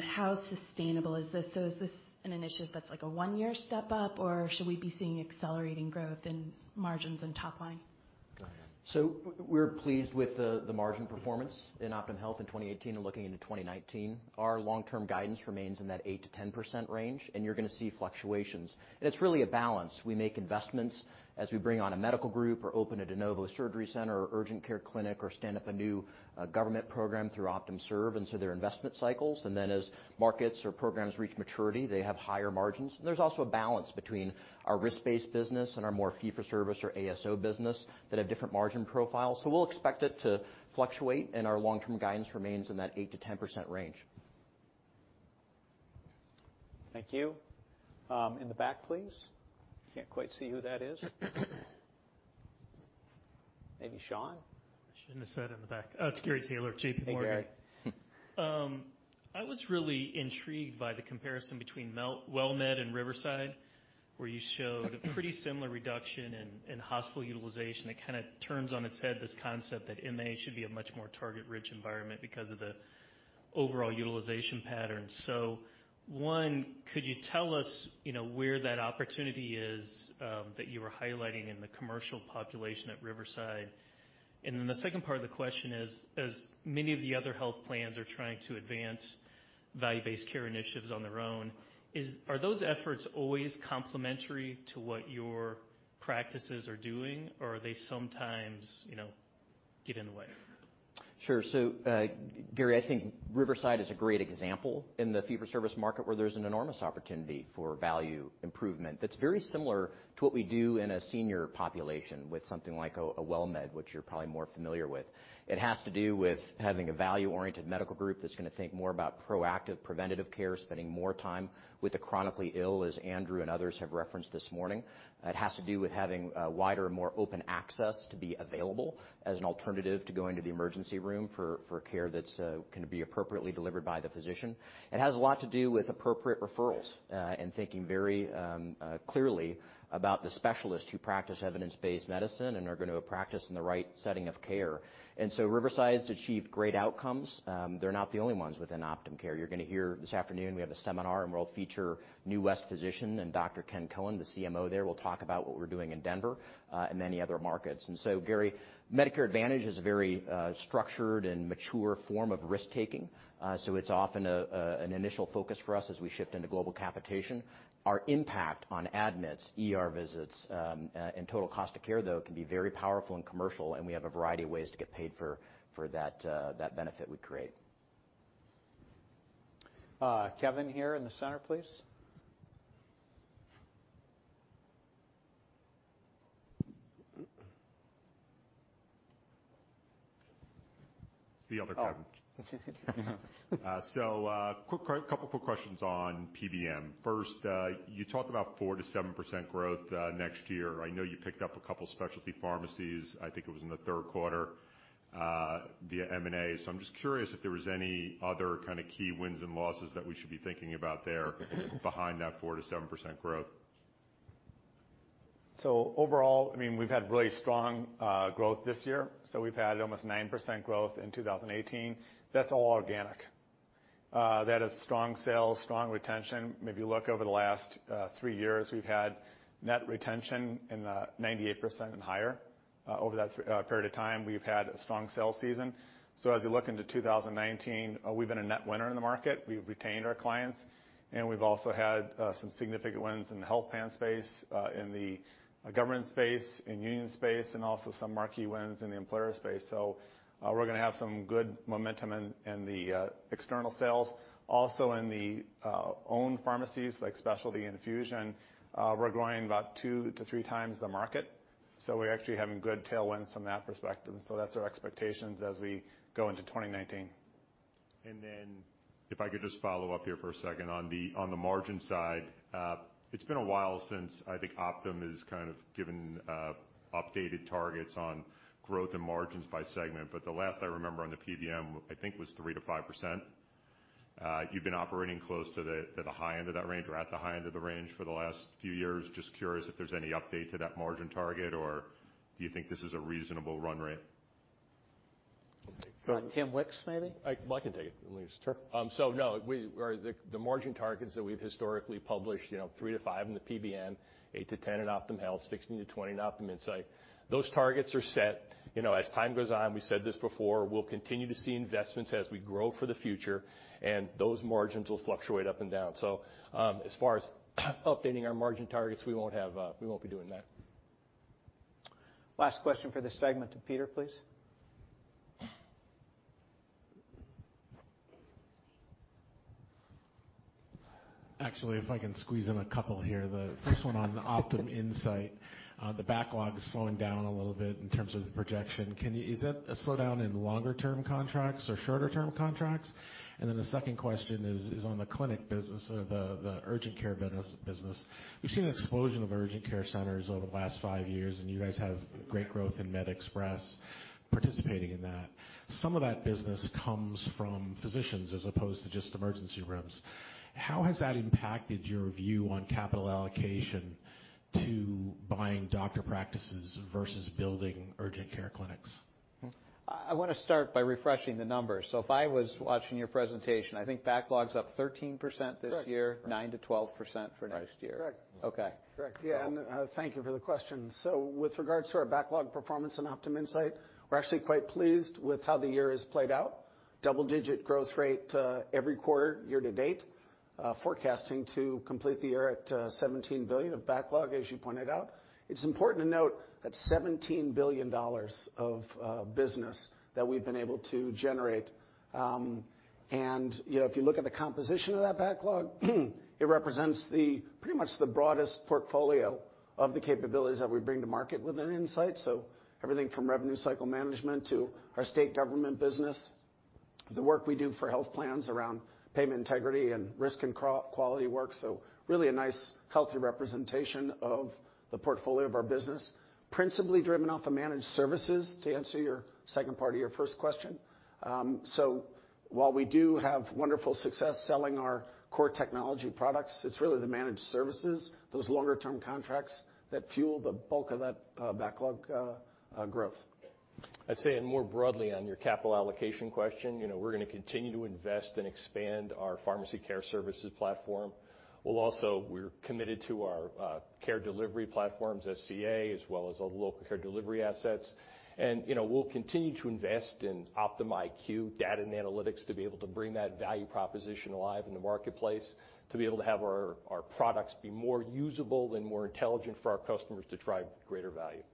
How sustainable is this? Is this an initiative that's like a one-year step up, or should we be seeing accelerating growth in margins and top line? Go ahead. We're pleased with the margin performance in Optum Health in 2018 and looking into 2019. Our long-term guidance remains in that 8%-10% range, and you're going to see fluctuations. It's really a balance. We make investments as we bring on a medical group or open a de novo surgery center or urgent care clinic or stand up a new government program through Optum Serve, so there are investment cycles. As markets or programs reach maturity, they have higher margins. There's also a balance between our risk-based business and our more fee-for-service or ASO business that have different margin profiles. We'll expect it to fluctuate, and our long-term guidance remains in that 8%-10% range. Thank you. In the back, please. Can't quite see who that is. Maybe Sean? I shouldn't have said in the back. It's Gary Taylor, JPMorgan. Hey, Gary. I was really intrigued by the comparison between WellMed and Riverside, where you showed a pretty similar reduction in hospital utilization. It kind of turns on its head this concept that MA should be a much more target-rich environment because of the overall utilization pattern. One, could you tell us where that opportunity is that you were highlighting in the commercial population at Riverside? The second part of the question is, as many of the other health plans are trying to advance value-based care initiatives on their own, are those efforts always complementary to what your practices are doing, or are they sometimes get in the way? Sure. Gary, I think Riverside is a great example in the fee-for-service market where there's an enormous opportunity for value improvement that's very similar to what we do in a senior population with something like a WellMed, which you're probably more familiar with. It has to do with having a value-oriented medical group that's going to think more about proactive preventative care, spending more time with the chronically ill, as Andrew and others have referenced this morning. It has to do with having a wider, more open access to be available as an alternative to going to the emergency room for care that's going to be appropriately delivered by the physician. It has a lot to do with appropriate referrals, and thinking very clearly about the specialists who practice evidence-based medicine and are going to practice in the right setting of care. Riverside's achieved great outcomes. They're not the only ones within Optum Care. You're going to hear this afternoon, we have a seminar, and we'll feature New West Physicians and Dr. Ken Cohen, the CMO there, will talk about what we're doing in Denver, and many other markets. Gary, Medicare Advantage is a very structured and mature form of risk-taking. It's often an initial focus for us as we shift into global capitation. Our impact on admits, ER visits, and total cost of care, though, can be very powerful and commercial, and we have a variety of ways to get paid for that benefit we create. Kevin here in the center, please. It's the other Kevin. A couple quick questions on PBM. First, you talked about 4%-7% growth next year. I know you picked up a couple specialty pharmacies, I think it was in the third quarter, via M&A. I'm just curious if there was any other kind of key wins and losses that we should be thinking about there behind that 4%-7% growth. Overall, we've had really strong growth this year. We've had almost 9% growth in 2018. That's all organic. That is strong sales, strong retention. Maybe look over the last three years, we've had net retention in the 98% and higher. Over that period of time, we've had a strong sales season. As we look into 2019, we've been a net winner in the market. We've retained our clients, and we've also had some significant wins in the health plan space, in the government space, in union space, and also some marquee wins in the employer space. We're going to have some good momentum in the external sales. Also in the owned pharmacies, like specialty infusion, we're growing about two to three times the market. We're actually having good tailwinds from that perspective. That's our expectations as we go into 2019. If I could just follow up here for a second. On the margin side, it's been a while since I think Optum has given updated targets on growth and margins by segment. The last I remember on the PBM, I think, was 3%-5%. You've been operating close to the high end of that range or at the high end of the range for the last few years. Just curious if there's any update to that margin target, or do you think this is a reasonable run rate? Timothy Wicks, maybe? I can take it, unless. Sure. No, the margin targets that we've historically published, 3%-5% in the PBM, 8%-10% in Optum Health, 16%-20% in Optum Insight. Those targets are set. As time goes on, we said this before, we'll continue to see investments as we grow for the future, and those margins will fluctuate up and down. As far as updating our margin targets, we won't be doing that. Last question for this segment to Peter, please. Excuse me. Actually, if I can squeeze in a couple here. The first one on Optum Insight, the backlog's slowing down a little bit in terms of the projection. Is that a slowdown in longer term contracts or shorter term contracts? Then the second question is on the clinic business, the urgent care business. We've seen an explosion of urgent care centers over the last five years, and you guys have great growth in MedExpress participating in that. Some of that business comes from physicians as opposed to just emergency rooms. How has that impacted your view on capital allocation to buying doctor practices versus building urgent care clinics? I want to start by refreshing the numbers. If I was watching your presentation, I think backlog's up 13% this year. Right. Nine to 12% for next year. Right. Correct. Okay. Correct. Thank you for the question. With regards to our backlog performance in Optum Insight, we're actually quite pleased with how the year has played out. Double-digit growth rate every quarter year to date, forecasting to complete the year at $17 billion of backlog, as you pointed out. It's important to note that $17 billion of business that we've been able to generate. If you look at the composition of that backlog, it represents pretty much the broadest portfolio of the capabilities that we bring to market within Insight. Everything from revenue cycle management to our state government business, the work we do for health plans around payment integrity and risk and quality work. Really a nice healthy representation of the portfolio of our business, principally driven off of managed services to answer your second part of your first question. While we do have wonderful success selling our core technology products, it's really the managed services, those longer-term contracts that fuel the bulk of that backlog growth. I'd say more broadly on your capital allocation question, we're going to continue to invest and expand our pharmacy care services platform. We're committed to our care delivery platforms, SCA, as well as other local care delivery assets. We'll continue to invest in Optum IQ data and analytics to be able to bring that value proposition alive in the marketplace, to be able to have our products be more usable and more intelligent for our customers to drive greater value.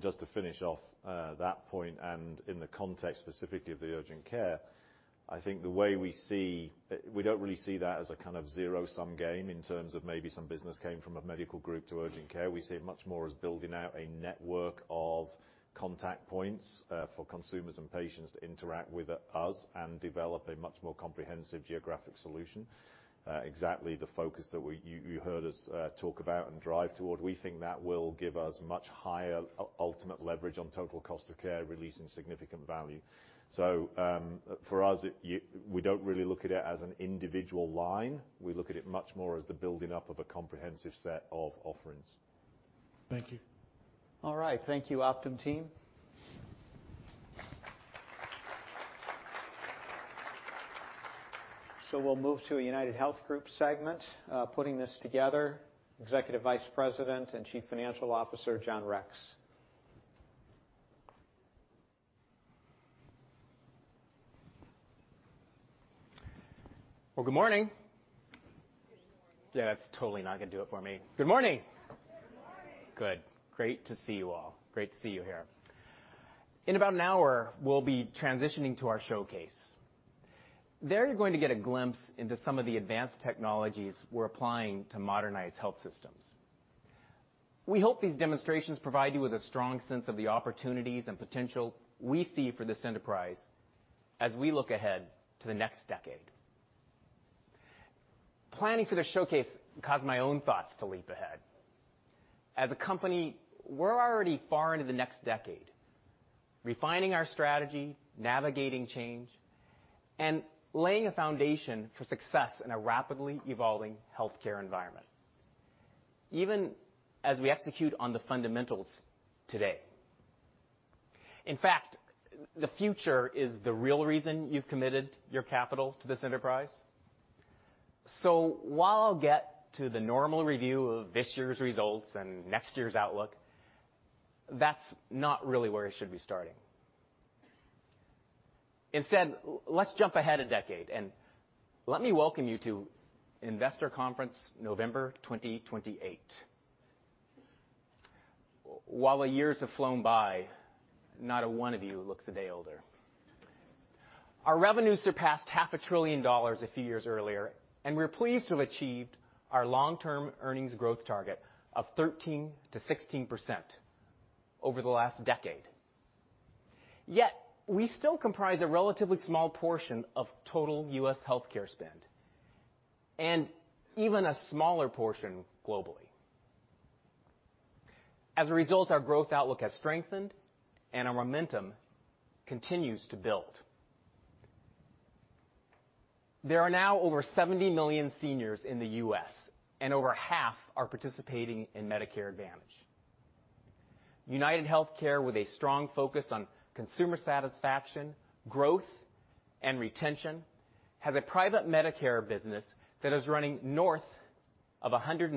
Just to finish off that point and in the context specifically of the urgent care, I think we don't really see that as a zero-sum game in terms of maybe some business came from a medical group to urgent care. We see it much more as building out a network of contact points for consumers and patients to interact with us and develop a much more comprehensive geographic solution. Exactly the focus that you heard us talk about and drive toward. We think that will give us much higher ultimate leverage on total cost of care, releasing significant value. For us, we don't really look at it as an individual line. We look at it much more as the building up of a comprehensive set of offerings. Thank you. All right. Thank you, Optum team. We'll move to a UnitedHealth Group segment, putting this together, Executive Vice President and Chief Financial Officer, John Rex. Well, good morning. Good morning. Yeah, that's totally not going to do it for me. Good morning. Good morning. Good. Great to see you all. Great to see you here. In about an hour, we'll be transitioning to our showcase. There, you're going to get a glimpse into some of the advanced technologies we're applying to modernize health systems. We hope these demonstrations provide you with a strong sense of the opportunities and potential we see for this enterprise as we look ahead to the next decade. Planning for the showcase caused my own thoughts to leap ahead. As a company, we're already far into the next decade, refining our strategy, navigating change, and laying a foundation for success in a rapidly evolving healthcare environment, even as we execute on the fundamentals today. In fact, the future is the real reason you've committed your capital to this enterprise. While I'll get to the normal review of this year's results and next year's outlook, that's not really where I should be starting. Instead, let's jump ahead a decade and let me welcome you to Investor Conference November 2028. While the years have flown by, not a one of you looks a day older. Our revenues surpassed half a trillion dollars a few years earlier, and we're pleased to have achieved our long-term earnings growth target of 13%-16% over the last decade. Yet we still comprise a relatively small portion of total U.S. healthcare spend, and even a smaller portion globally. As a result, our growth outlook has strengthened and our momentum continues to build. There are now over 70 million seniors in the U.S., and over half are participating in Medicare Advantage. UnitedHealthcare, with a strong focus on consumer satisfaction, growth, and retention, has a private Medicare business that is running north of $150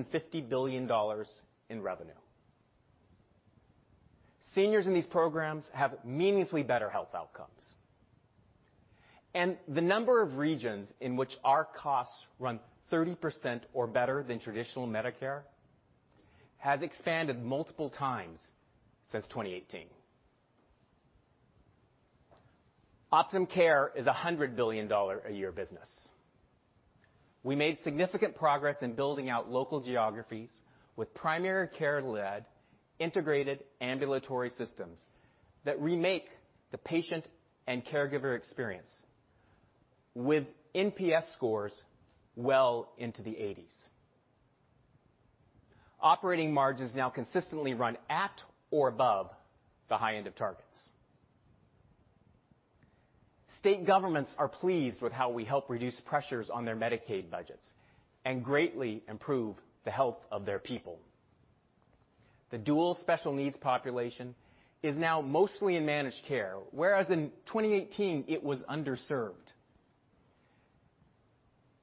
billion in revenue. Seniors in these programs have meaningfully better health outcomes. The number of regions in which our costs run 30% or better than traditional Medicare has expanded multiple times since 2018. Optum Care is $100 billion a year business. We made significant progress in building out local geographies with primary care-led, integrated ambulatory systems that remake the patient and caregiver experience with NPS scores well into the 80s. Operating margins now consistently run at or above the high end of targets. State governments are pleased with how we help reduce pressures on their Medicaid budgets and greatly improve the health of their people. The dual special needs population is now mostly in managed care, whereas in 2018, it was underserved.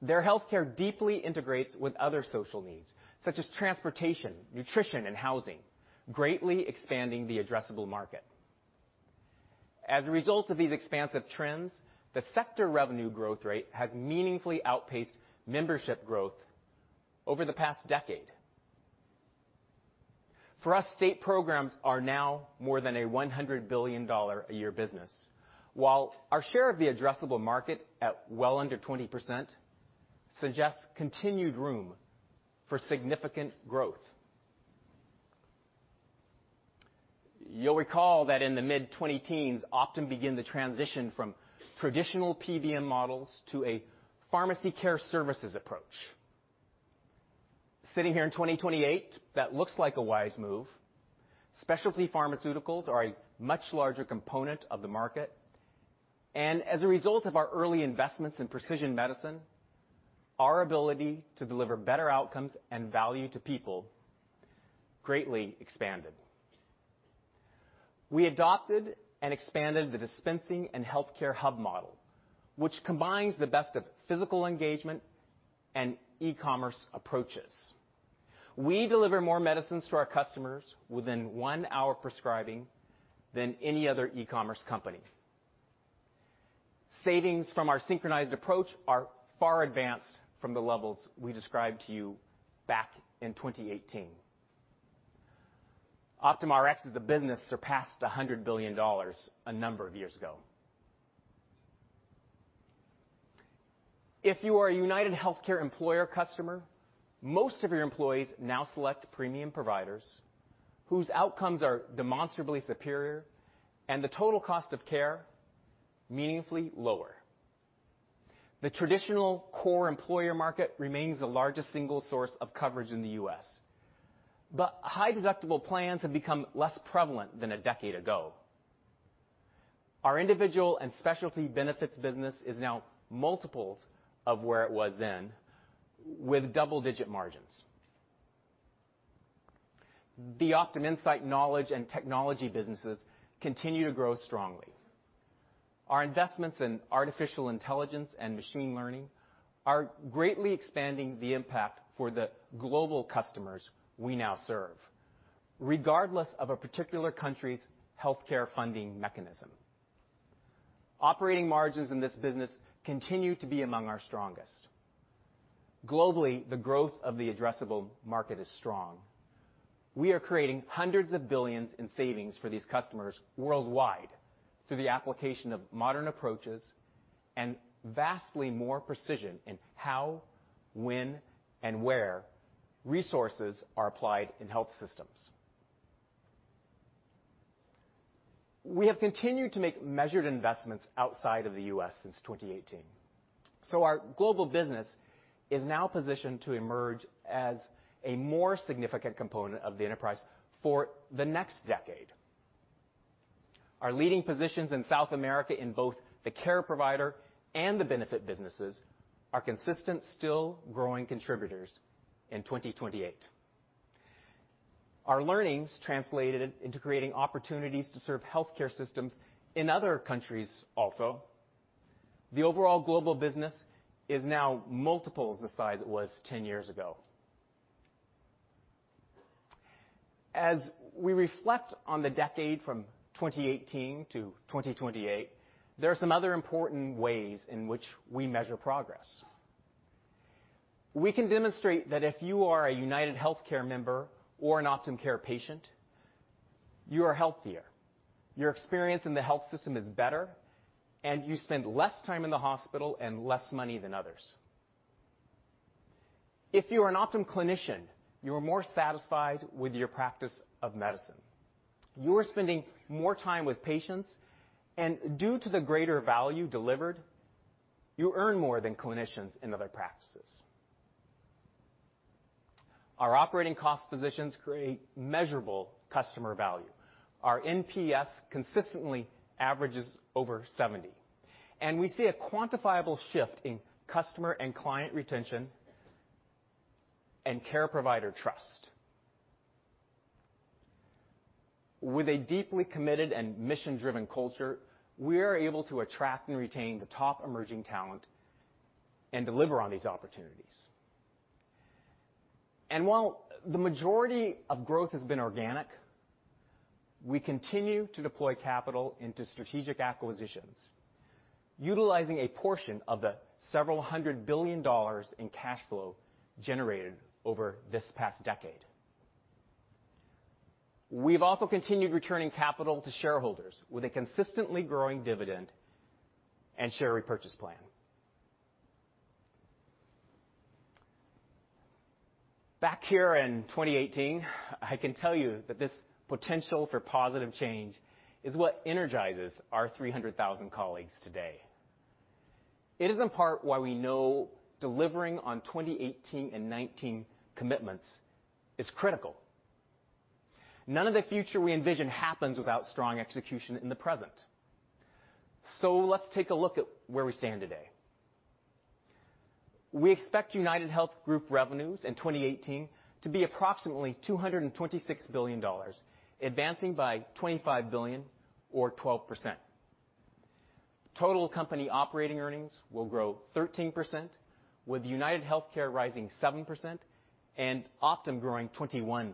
Their healthcare deeply integrates with other social needs, such as transportation, nutrition, and housing, greatly expanding the addressable market. As a result of these expansive trends, the sector revenue growth rate has meaningfully outpaced membership growth over the past decade. For us, state programs are now more than a $100 billion a year business. Our share of the addressable market at well under 20% suggests continued room for significant growth. You'll recall that in the mid-20 teens, Optum began the transition from traditional PBM models to a pharmacy care services approach. Sitting here in 2028, that looks like a wise move. Specialty pharmaceuticals are a much larger component of the market. As a result of our early investments in precision medicine, our ability to deliver better outcomes and value to people greatly expanded. We adopted and expanded the dispensing and healthcare hub model, which combines the best of physical engagement and e-commerce approaches. We deliver more medicines to our customers within one hour of prescribing than any other e-commerce company. Savings from our synchronized approach are far advanced from the levels we described to you back in 2018. Optum Rx as a business surpassed $100 billion a number of years ago. If you are a UnitedHealthcare employer customer, most of your employees now select premium providers whose outcomes are demonstrably superior and the total cost of care meaningfully lower. The traditional core employer market remains the largest single source of coverage in the U.S., high deductible plans have become less prevalent than a decade ago. Our individual and specialty benefits business is now multiples of where it was then with double-digit margins. The Optum Insight knowledge and technology businesses continue to grow strongly. Our investments in artificial intelligence and machine learning are greatly expanding the impact for the global customers we now serve, regardless of a particular country's healthcare funding mechanism. Operating margins in this business continue to be among our strongest. Globally, the growth of the addressable market is strong. We are creating hundreds of billions in savings for these customers worldwide through the application of modern approaches and vastly more precision in how, when, and where resources are applied in health systems. We have continued to make measured investments outside of the U.S. since 2018. Our global business is now positioned to emerge as a more significant component of the enterprise for the next decade. Our leading positions in South America in both the care provider and the benefit businesses are consistent, still growing contributors in 2028. Our learnings translated into creating opportunities to serve healthcare systems in other countries also. The overall global business is now multiples the size it was 10 years ago. As we reflect on the decade from 2018 to 2028, there are some other important ways in which we measure progress. We can demonstrate that if you are a UnitedHealthcare member or an Optum Care patient, you are healthier, your experience in the health system is better, and you spend less time in the hospital and less money than others. If you are an Optum clinician, you are more satisfied with your practice of medicine. You're spending more time with patients, and due to the greater value delivered, you earn more than clinicians in other practices. Our operating cost positions create measurable customer value. Our NPS consistently averages over 70, and we see a quantifiable shift in customer and client retention and care provider trust. While the majority of growth has been organic, we continue to deploy capital into strategic acquisitions, utilizing a portion of the several hundred billion dollars in cash flow generated over this past decade. We've also continued returning capital to shareholders with a consistently growing dividend and share repurchase plan. Back here in 2018, I can tell you that this potential for positive change is what energizes our 300,000 colleagues today. It is in part why we know delivering on 2018 and '19 commitments is critical. None of the future we envision happens without strong execution in the present. Let's take a look at where we stand today. We expect UnitedHealth Group revenues in 2018 to be approximately $226 billion, advancing by $25 billion or 12%. Total company operating earnings will grow 13%, with UnitedHealthcare rising 7% and Optum growing 21%.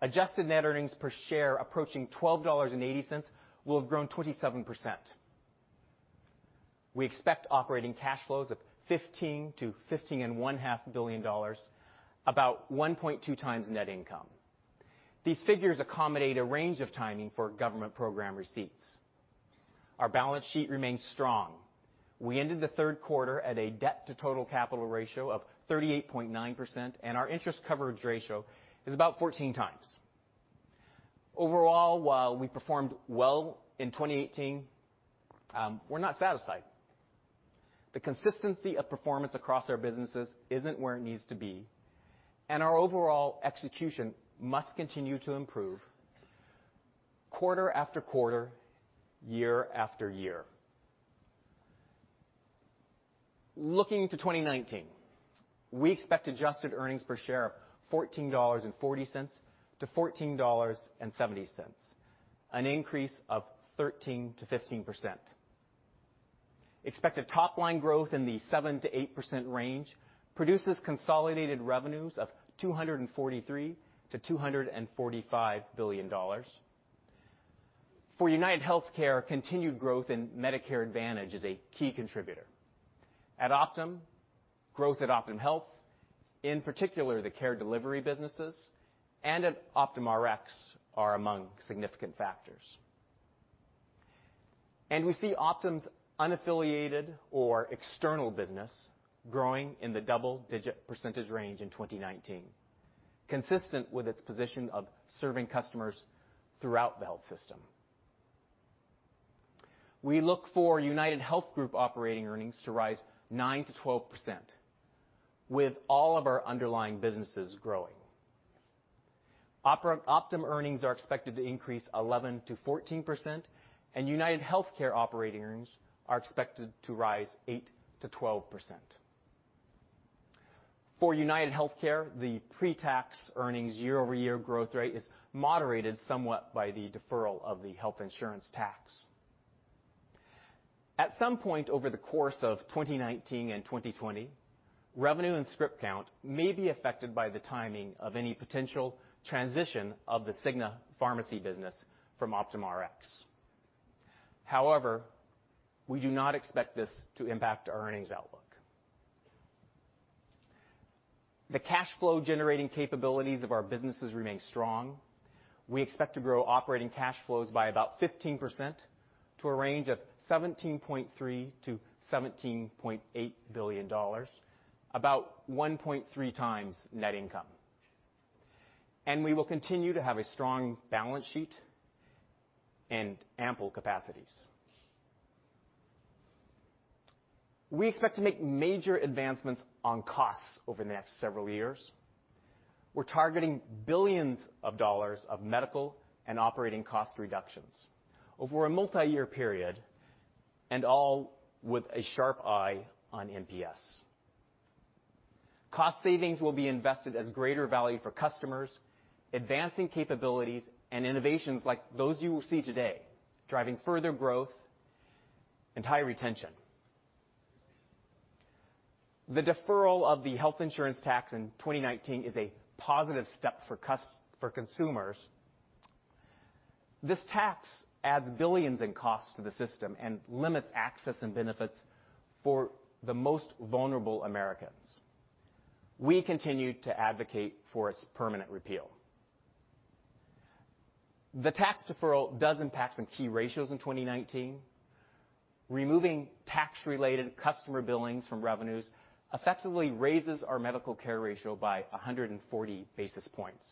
Adjusted net earnings per share approaching $12.80 will have grown 27%. We expect operating cash flows of $15 billion-$15.5 billion, about 1.2 times net income. These figures accommodate a range of timing for government program receipts. Our balance sheet remains strong. We ended the third quarter at a debt to total capital ratio of 38.9%, and our interest coverage ratio is about 14 times. Overall, while we performed well in 2018, we're not satisfied. The consistency of performance across our businesses isn't where it needs to be, and our overall execution must continue to improve quarter after quarter, year after year. Looking to 2019, we expect adjusted earnings per share of $14.40-$14.70, an increase of 13%-15%. Expected top-line growth in the 7%-8% range produces consolidated revenues of $243 billion-$245 billion. For UnitedHealthcare, continued growth in Medicare Advantage is a key contributor. At Optum, growth at Optum Health, in particular the care delivery businesses and at Optum Rx, are among significant factors. We see Optum's unaffiliated or external business growing in the double-digit percentage range in 2019, consistent with its position of serving customers throughout the health system. We look for UnitedHealth Group operating earnings to rise 9%-12%, with all of our underlying businesses growing. Optum earnings are expected to increase 11%-14%, and UnitedHealthcare operating earnings are expected to rise 8%-12%. For UnitedHealthcare, the pre-tax earnings year-over-year growth rate is moderated somewhat by the deferral of the health insurance tax. At some point over the course of 2019 and 2020, revenue and script count may be affected by the timing of any potential transition of the Cigna pharmacy business from Optum Rx. However, we do not expect this to impact our earnings outlook. The cash flow generating capabilities of our businesses remain strong. We expect to grow operating cash flows by about 15% to a range of $17.3 billion-$17.8 billion, about 1.3 times net income. We will continue to have a strong balance sheet and ample capacities. We expect to make major advancements on costs over the next several years. We're targeting billions of dollars of medical and operating cost reductions over a multi-year period, all with a sharp eye on NPS. Cost savings will be invested as greater value for customers, advancing capabilities and innovations like those you will see today, driving further growth and high retention. The deferral of the health insurance tax in 2019 is a positive step for consumers. This tax adds billions in cost to the system and limits access and benefits for the most vulnerable Americans. We continue to advocate for its permanent repeal. The tax deferral does impact some key ratios in 2019. Removing tax-related customer billings from revenues effectively raises our medical care ratio by 140 basis points.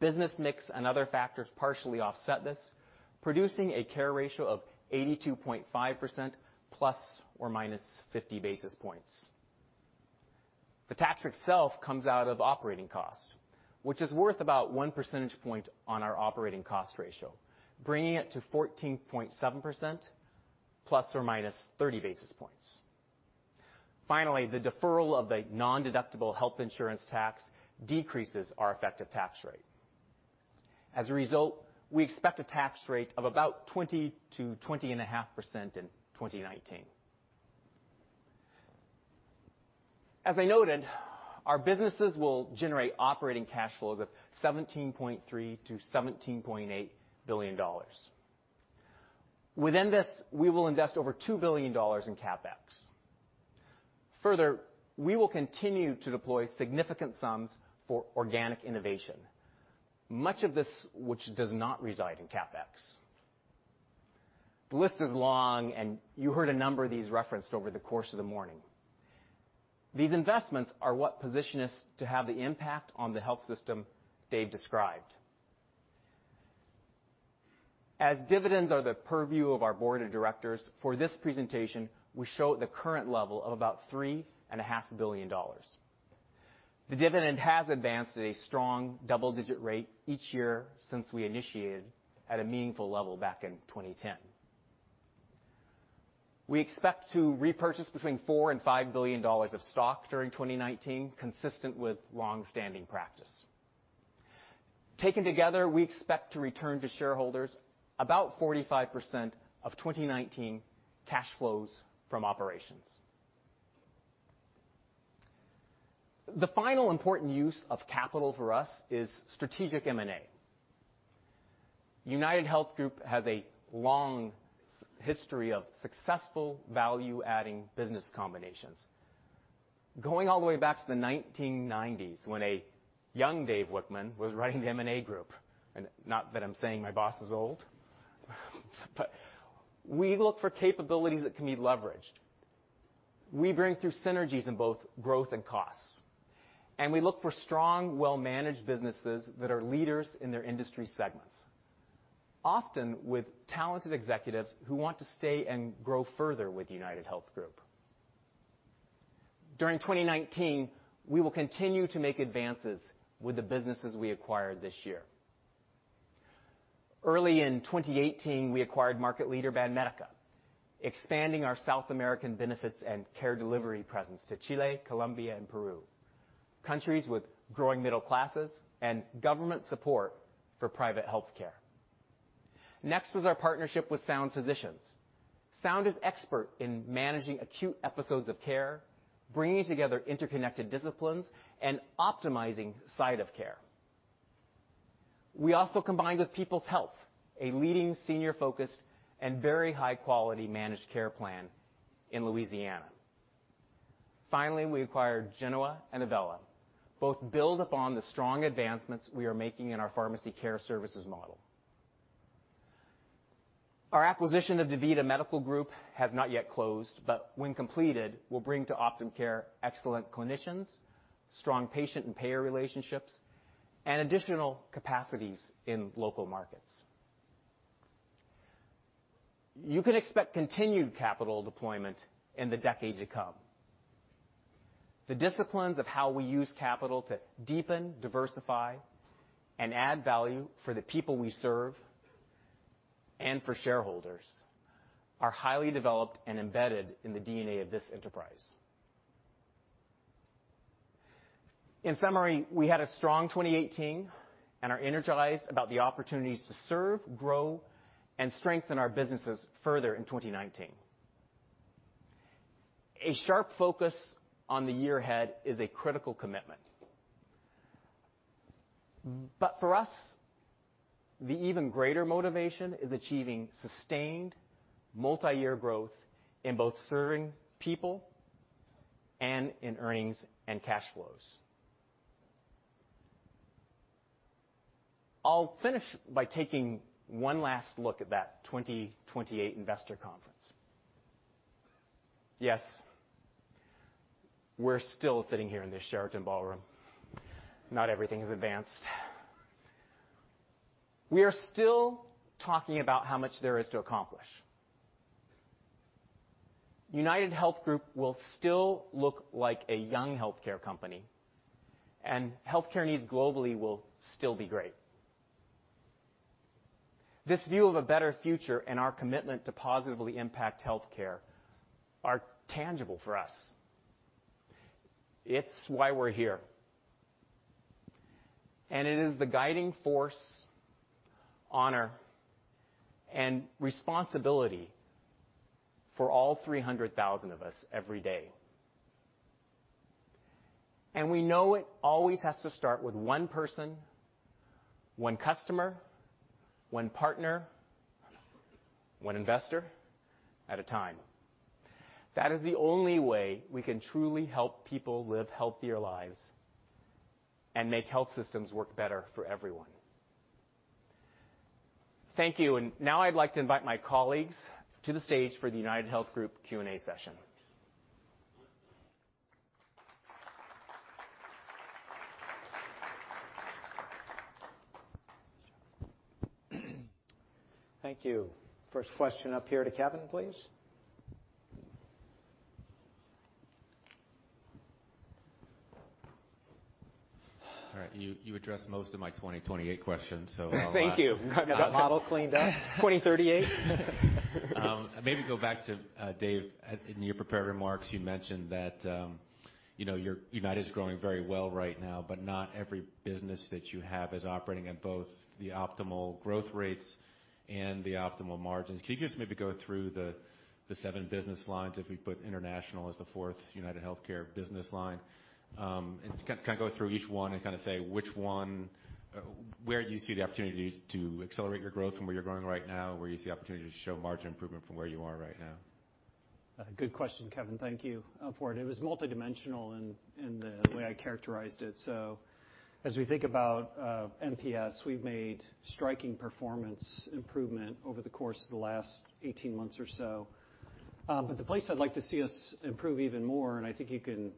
Business mix and other factors partially offset this, producing a care ratio of 82.5% ±50 basis points. The tax itself comes out of operating costs, which is worth about one percentage point on our operating cost ratio, bringing it to 14.7% ±30 basis points. Finally, the deferral of the nondeductible health insurance tax decreases our effective tax rate. As a result, we expect a tax rate of about 20%-20.5% in 2019. As I noted, our businesses will generate operating cash flows of $17.3 billion-$17.8 billion. Within this, we will invest over $2 billion in CapEx. Further, we will continue to deploy significant sums for organic innovation, much of this, which does not reside in CapEx. The list is long, and you heard a number of these referenced over the course of the morning. These investments are what position us to have the impact on the health system Dave described. As dividends are the purview of our board of directors, for this presentation, we show the current level of about $3.5 billion. The dividend has advanced at a strong double-digit rate each year since we initiated at a meaningful level back in 2010. We expect to repurchase between $4 billion and $5 billion of stock during 2019, consistent with longstanding practice. Taken together, we expect to return to shareholders about 45% of 2019 cash flows from operations. The final important use of capital for us is strategic M&A. UnitedHealth Group has a long history of successful value-adding business combinations. Going all the way back to the 1990s, when a young Dave Wichmann was running the M&A group, not that I'm saying my boss is old, but we look for capabilities that can be leveraged. We bring through synergies in both growth and costs, we look for strong, well-managed businesses that are leaders in their industry segments, often with talented executives who want to stay and grow further with UnitedHealth Group. During 2019, we will continue to make advances with the businesses we acquired this year. Early in 2018, we acquired market leader Banmédica, expanding our South American benefits and care delivery presence to Chile, Colombia, and Peru, countries with growing middle classes and government support for private healthcare. Next was our partnership with Sound Physicians. Sound is expert in managing acute episodes of care, bringing together interconnected disciplines, and optimizing site of care. We also combined with Peoples Health, a leading senior-focused and very high-quality managed care plan in Louisiana. Finally, we acquired Genoa and Avella. Both build upon the strong advancements we are making in our pharmacy care services model. Our acquisition of DaVita Medical Group has not yet closed, but when completed, will bring to Optum Care excellent clinicians, strong patient and payer relationships, and additional capacities in local markets. You can expect continued capital deployment in the decade to come. The disciplines of how we use capital to deepen, diversify, and add value for the people we serve and for shareholders are highly developed and embedded in the DNA of this enterprise. In summary, we had a strong 2018 and are energized about the opportunities to serve, grow, and strengthen our businesses further in 2019. A sharp focus on the year ahead is a critical commitment. For us, the even greater motivation is achieving sustained multiyear growth in both serving people and in earnings and cash flows. I'll finish by taking one last look at that 2028 investor conference. Yes, we're still sitting here in this Sheraton ballroom. Not everything has advanced. We are still talking about how much there is to accomplish. UnitedHealth Group will still look like a young healthcare company, and healthcare needs globally will still be great. This view of a better future and our commitment to positively impact health care are tangible for us. It's why we're here. It is the guiding force, honor, and responsibility for all 300,000 of us every day. We know it always has to start with one person, one customer, one partner, one investor at a time. That is the only way we can truly help people live healthier lives. Make health systems work better for everyone. Thank you. Now I'd like to invite my colleagues to the stage for the UnitedHealth Group Q&A session. Thank you. First question up here to Kevin, please. All right. You addressed most of my 2028 questions. Thank you. Got that model cleaned up. 2038? Maybe go back to Dave. In your prepared remarks, you mentioned that United's growing very well right now. Not every business that you have is operating at both the optimal growth rates and the optimal margins. Can you just maybe go through the seven business lines, if we put international as the fourth UnitedHealthcare business line, and go through each one and say which one, where you see the opportunity to accelerate your growth from where you're growing right now, where you see opportunity to show margin improvement from where you are right now? Good question, Kevin. Thank you for it. It was multidimensional in the way I characterized it. As we think about NPS, we've made striking performance improvement over the course of the last 18 months or so. The place I'd like to see us improve even more, and I think you can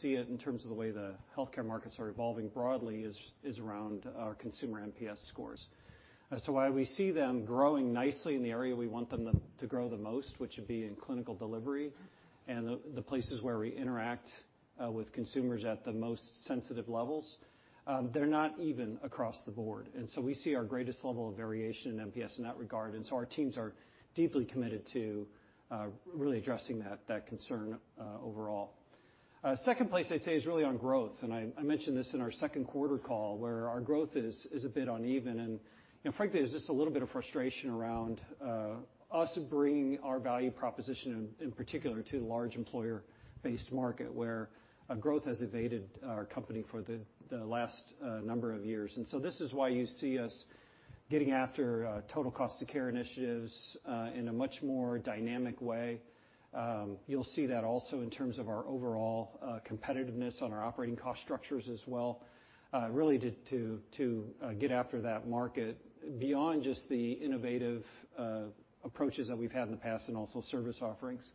see it in terms of the way the healthcare markets are evolving broadly, is around our consumer NPS scores. While we see them growing nicely in the area we want them to grow the most, which would be in clinical delivery and the places where we interact with consumers at the most sensitive levels, they're not even across the board. We see our greatest level of variation in NPS in that regard. Our teams are deeply committed to really addressing that concern overall. Second place I'd say is really on growth. I mentioned this in our second quarter call where our growth is a bit uneven and frankly, there's just a little bit of frustration around us bringing our value proposition in particular to the large employer-based market where growth has evaded our company for the last number of years. This is why you see us getting after total cost of care initiatives in a much more dynamic way. You'll see that also in terms of our overall competitiveness on our operating cost structures as well, really to get after that market beyond just the innovative approaches that we've had in the past and also service offerings.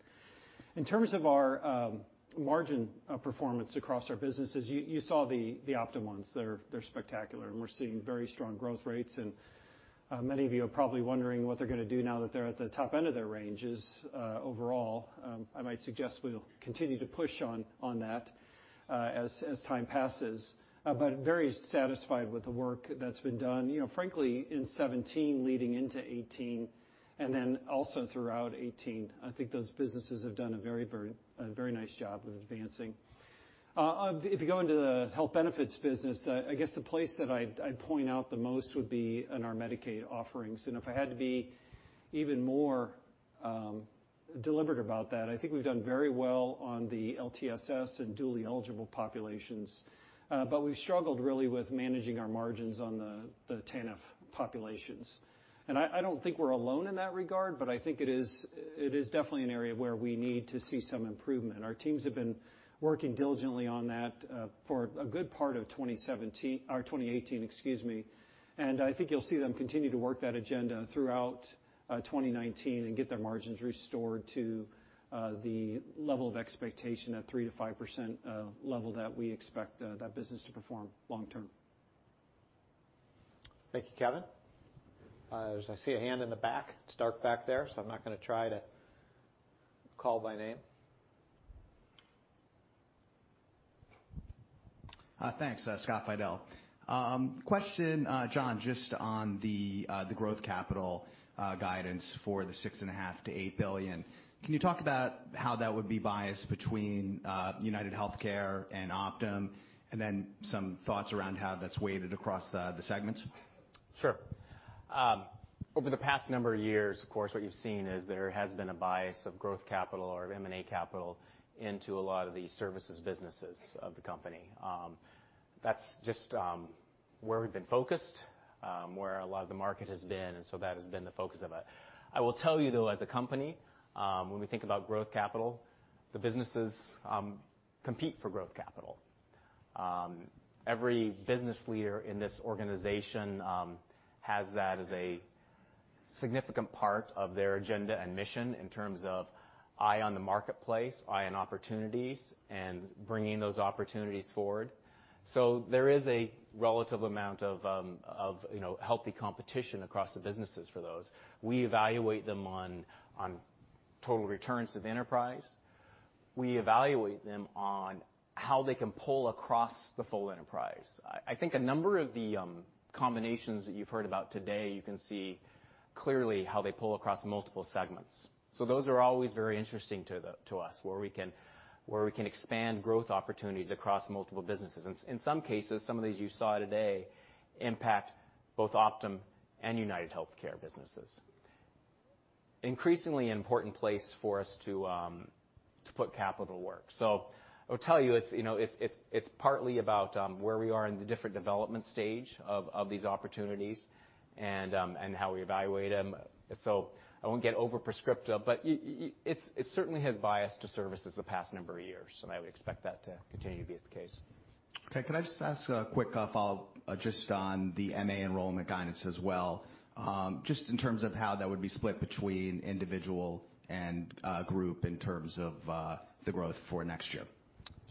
In terms of our margin performance across our businesses, you saw the Optum ones. They're spectacular. We're seeing very strong growth rates, and many of you are probably wondering what they're going to do now that they're at the top end of their ranges overall. I might suggest we'll continue to push on that as time passes. Very satisfied with the work that's been done. Frankly, in 2017 leading into 2018 and also throughout 2018, I think those businesses have done a very nice job of advancing. If you go into the health benefits business, I guess the place that I'd point out the most would be in our Medicaid offerings. If I had to be even more deliberate about that, I think we've done very well on the LTSS and dually eligible populations. We've struggled really with managing our margins on the TANF populations. I don't think we're alone in that regard, but I think it is definitely an area where we need to see some improvement. Our teams have been working diligently on that for a good part of 2018, excuse me, and I think you'll see them continue to work that agenda throughout 2019 and get their margins restored to the level of expectation, that 3%-5% level that we expect that business to perform long term. Thank you, Kevin. I see a hand in the back. It's dark back there. I'm not going to try to call by name. Thanks. Scott Fidel. Question, John, just on the growth capital guidance for the $6.5 billion-$8 billion. Can you talk about how that would be biased between UnitedHealthcare and Optum, some thoughts around how that's weighted across the segments? Sure. Over the past number of years, of course, what you've seen is there has been a bias of growth capital or M&A capital into a lot of the services businesses of the company. That's just where we've been focused, where a lot of the market has been, that has been the focus of it. I will tell you, though, as a company, when we think about growth capital, the businesses compete for growth capital. Every business leader in this organization has that as a significant part of their agenda and mission in terms of eye on the marketplace, eye on opportunities, and bringing those opportunities forward. There is a relative amount of healthy competition across the businesses for those. We evaluate them on total returns of enterprise. We evaluate them on how they can pull across the full enterprise. I think a number of the combinations that you've heard about today, you can see clearly how they pull across multiple segments. Those are always very interesting to us, where we can expand growth opportunities across multiple businesses. In some cases, some of these you saw today impact both Optum and UnitedHealthcare businesses. Increasingly important place for us to put capital work. I will tell you, it's partly about where we are in the different development stage of these opportunities and how we evaluate them. I won't get over prescriptive, but it certainly has biased to services the past number of years, I would expect that to continue to be the case. Okay. Could I just ask a quick follow-up just on the MA enrollment guidance as well, just in terms of how that would be split between individual and group in terms of the growth for next year?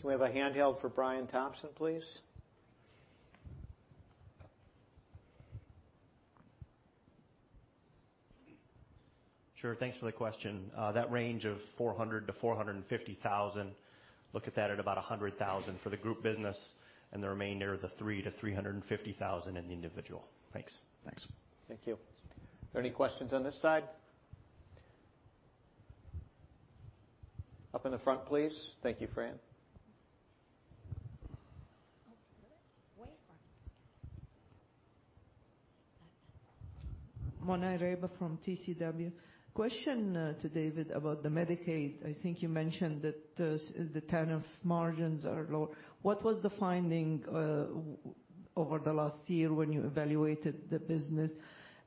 Can we have a handheld for Brian Thompson, please? Sure. Thanks for the question. That range of $400,000-$450,000, look at that at about $100,000 for the group business and the remainder of the $3,000-$350,000 in the individual. Thanks. Thanks. Thank you. Are there any questions on this side? Up in the front, please. Thank you, Fran. Mona Eraiba from TCW. Question to David about the Medicaid. I think you mentioned that the TANF margins are low. What was the finding over the last year when you evaluated the business?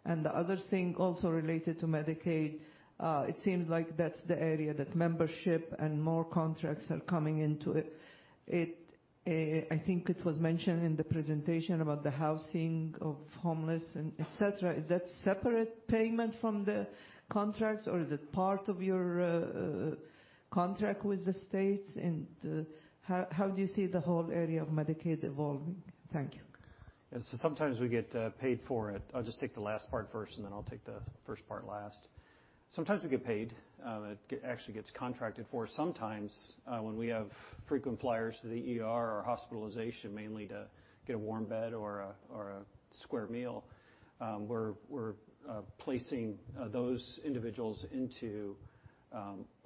The other thing also related to Medicaid, it seems like that's the area that membership and more contracts are coming into it. I think it was mentioned in the presentation about the housing of homeless, et cetera. Is that separate payment from the contracts, or is it part of your contract with the states? How do you see the whole area of Medicaid evolving? Thank you. Yeah. Sometimes we get paid for it. I'll just take the last part first, and then I'll take the first part last. Sometimes we get paid. It actually gets contracted for us. Sometimes, when we have frequent flyers to the ER or hospitalization, mainly to get a warm bed or a square meal, we're placing those individuals into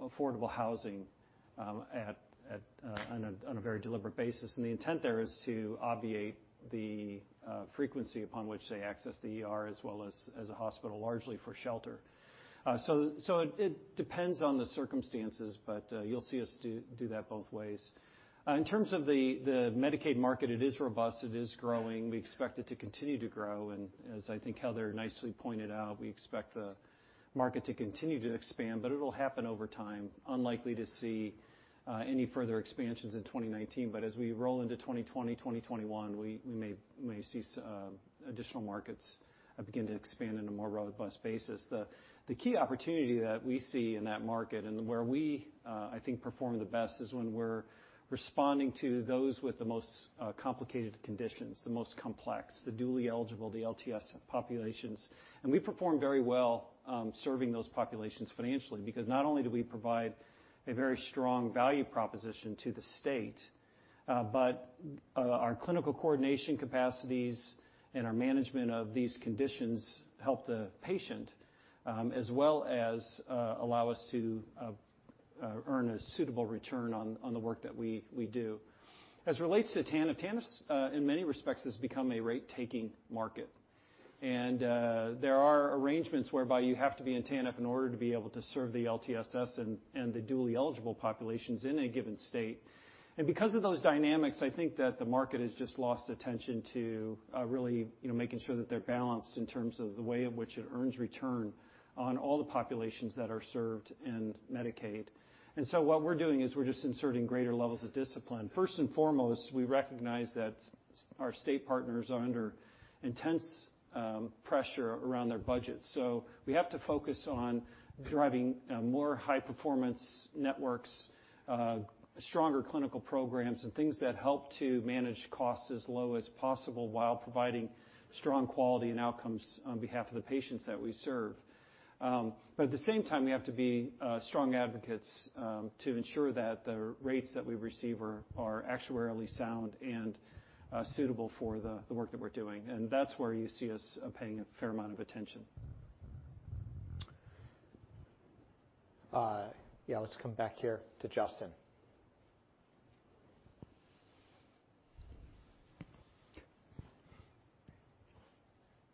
affordable housing on a very deliberate basis. The intent there is to obviate the frequency upon which they access the ER as well as a hospital largely for shelter. It depends on the circumstances, but you'll see us do that both ways. In terms of the Medicaid market, it is robust. It is growing. We expect it to continue to grow, and as I think Heather nicely pointed out, we expect the market to continue to expand, but it'll happen over time. Unlikely to see any further expansions in 2019, but as we roll into 2020, 2021, we may see additional markets begin to expand on a more robust basis. The key opportunity that we see in that market and where we, I think, perform the best is when we're responding to those with the most complicated conditions, the most complex, the dually eligible, the LTSS populations. We perform very well serving those populations financially, because not only do we provide a very strong value proposition to the state, but our clinical coordination capacities and our management of these conditions help the patient, as well as allow us to earn a suitable return on the work that we do. As it relates to TANF in many respects has become a rate-taking market. There are arrangements whereby you have to be in TANF in order to be able to serve the LTSS and the dually eligible populations in a given state. Because of those dynamics, I think that the market has just lost attention to really making sure that they're balanced in terms of the way in which it earns return on all the populations that are served in Medicaid. What we're doing is we're just inserting greater levels of discipline. First and foremost, we recognize that our state partners are under intense pressure around their budget. We have to focus on driving more high-performance networks, stronger clinical programs, and things that help to manage costs as low as possible while providing strong quality and outcomes on behalf of the patients that we serve. At the same time, we have to be strong advocates to ensure that the rates that we receive are actuarially sound and suitable for the work that we're doing. That's where you see us paying a fair amount of attention. Yeah. Let's come back here to Justin.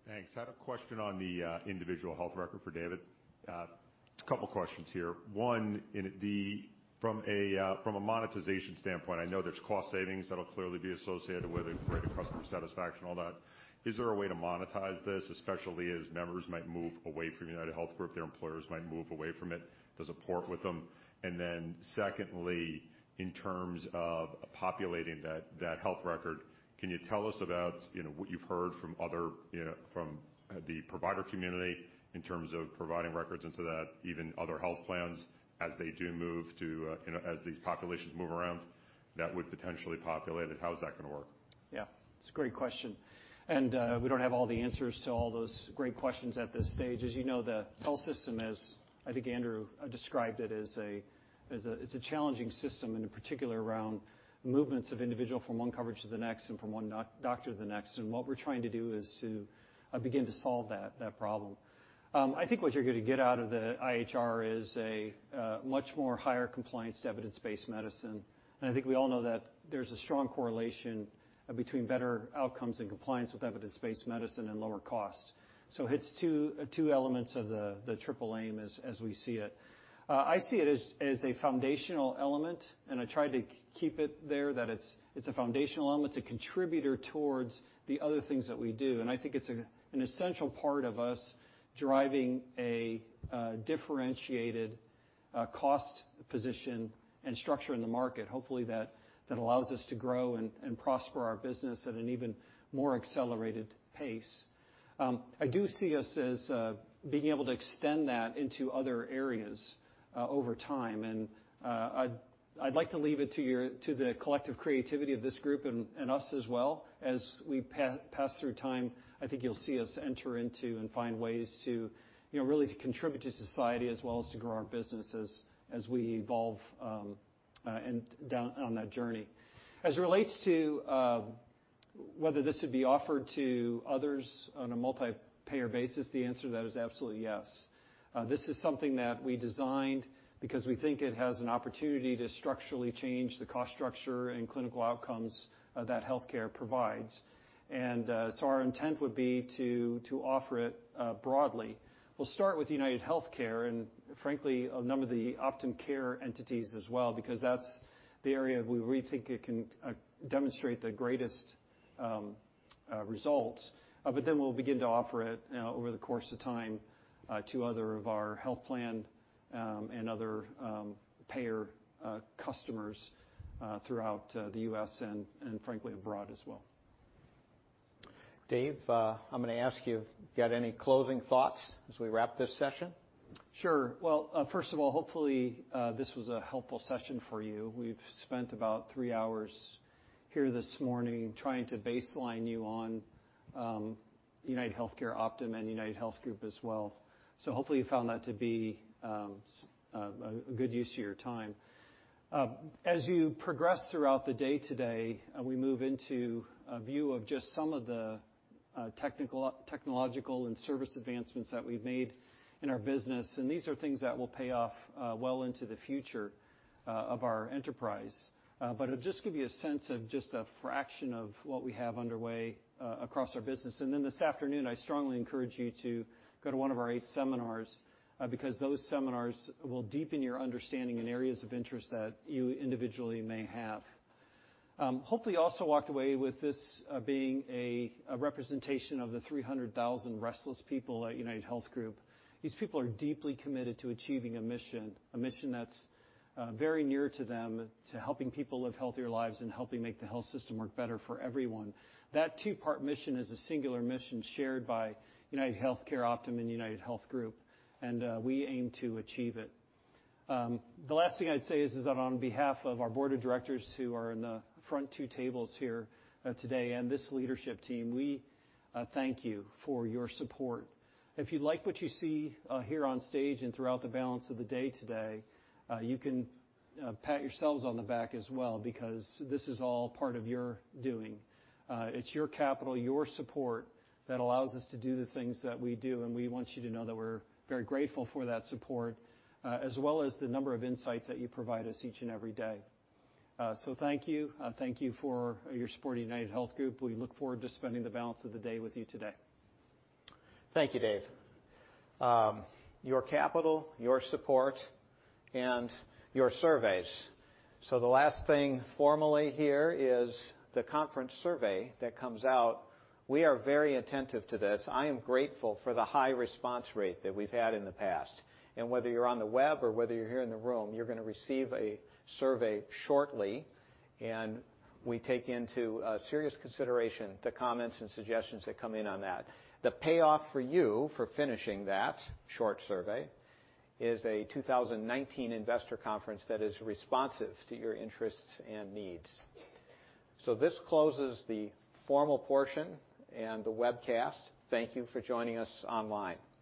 Thanks. I have a question on the individual health record for David. A couple questions here. One, from a monetization standpoint, I know there's cost savings that'll clearly be associated with it, greater customer satisfaction, all that. Is there a way to monetize this, especially as members might move away from UnitedHealth Group, their employers might move away from it, does it port with them? Secondly, in terms of populating that health record, can you tell us about what you've heard from the provider community in terms of providing records into that, even other health plans as these populations move around that would potentially populate it? How is that going to work? Yeah. It's a great question. We don't have all the answers to all those great questions at this stage. As you know, the health system is, I think Andrew described it's a challenging system, and in particular around movements of individual from one coverage to the next and from one doctor to the next. What we're trying to do is to begin to solve that problem. I think what you're going to get out of the IHR is a much more higher compliance to evidence-based medicine. I think we all know that there's a strong correlation between better outcomes and compliance with evidence-based medicine and lower cost. Hits two elements of the triple aim as we see it. I see it as a foundational element, and I try to keep it there, that it's a foundational element. It's a contributor towards the other things that we do. I think it's an essential part of us driving a differentiated cost position and structure in the market, hopefully that allows us to grow and prosper our business at an even more accelerated pace. I do see us as being able to extend that into other areas over time. I'd like to leave it to the collective creativity of this group and us as well. As we pass through time, I think you'll see us enter into and find ways to really contribute to society as well as to grow our business as we evolve down on that journey. As it relates to whether this would be offered to others on a multi-payer basis, the answer to that is absolutely yes. This is something that we designed because we think it has an opportunity to structurally change the cost structure and clinical outcomes that healthcare provides. Our intent would be to offer it broadly. We'll start with UnitedHealthcare and frankly, a number of the Optum Care entities as well, because that's the area we think it can demonstrate the greatest results. We'll begin to offer it over the course of time to other of our health plan and other payer customers throughout the U.S. and frankly, abroad as well. Dave, I'm going to ask you, got any closing thoughts as we wrap this session? Sure. Well, first of all, hopefully, this was a helpful session for you. We've spent about three hours here this morning trying to baseline you on UnitedHealthcare, Optum, and UnitedHealth Group as well. Hopefully you found that to be a good use of your time. As you progress throughout the day today, we move into a view of just some of the technological and service advancements that we've made in our business, these are things that will pay off well into the future of our enterprise. It'll just give you a sense of just a fraction of what we have underway across our business. This afternoon, I strongly encourage you to go to one of our eight seminars, because those seminars will deepen your understanding in areas of interest that you individually may have. Hopefully, you also walked away with this being a representation of the 300,000 restless people at UnitedHealth Group. These people are deeply committed to achieving a mission, a mission that's very near to them, to helping people live healthier lives and helping make the health system work better for everyone. That two-part mission is a singular mission shared by UnitedHealthcare, Optum, and UnitedHealth Group, we aim to achieve it. The last thing I'd say is that on behalf of our board of directors who are in the front two tables here today and this leadership team, we thank you for your support. If you like what you see here on stage and throughout the balance of the day today, you can pat yourselves on the back as well because this is all part of your doing. It's your capital, your support that allows us to do the things that we do, and we want you to know that we're very grateful for that support, as well as the number of insights that you provide us each and every day. Thank you. Thank you for your support of UnitedHealth Group. We look forward to spending the balance of the day with you today. Thank you, Dave. Your capital, your support, and your surveys. The last thing formally here is the conference survey that comes out. We are very attentive to this. I am grateful for the high response rate that we've had in the past. Whether you're on the web or whether you're here in the room, you're going to receive a survey shortly, and we take into serious consideration the comments and suggestions that come in on that. The payoff for you for finishing that short survey is a 2019 investor conference that is responsive to your interests and needs. This closes the formal portion and the webcast. Thank you for joining us online.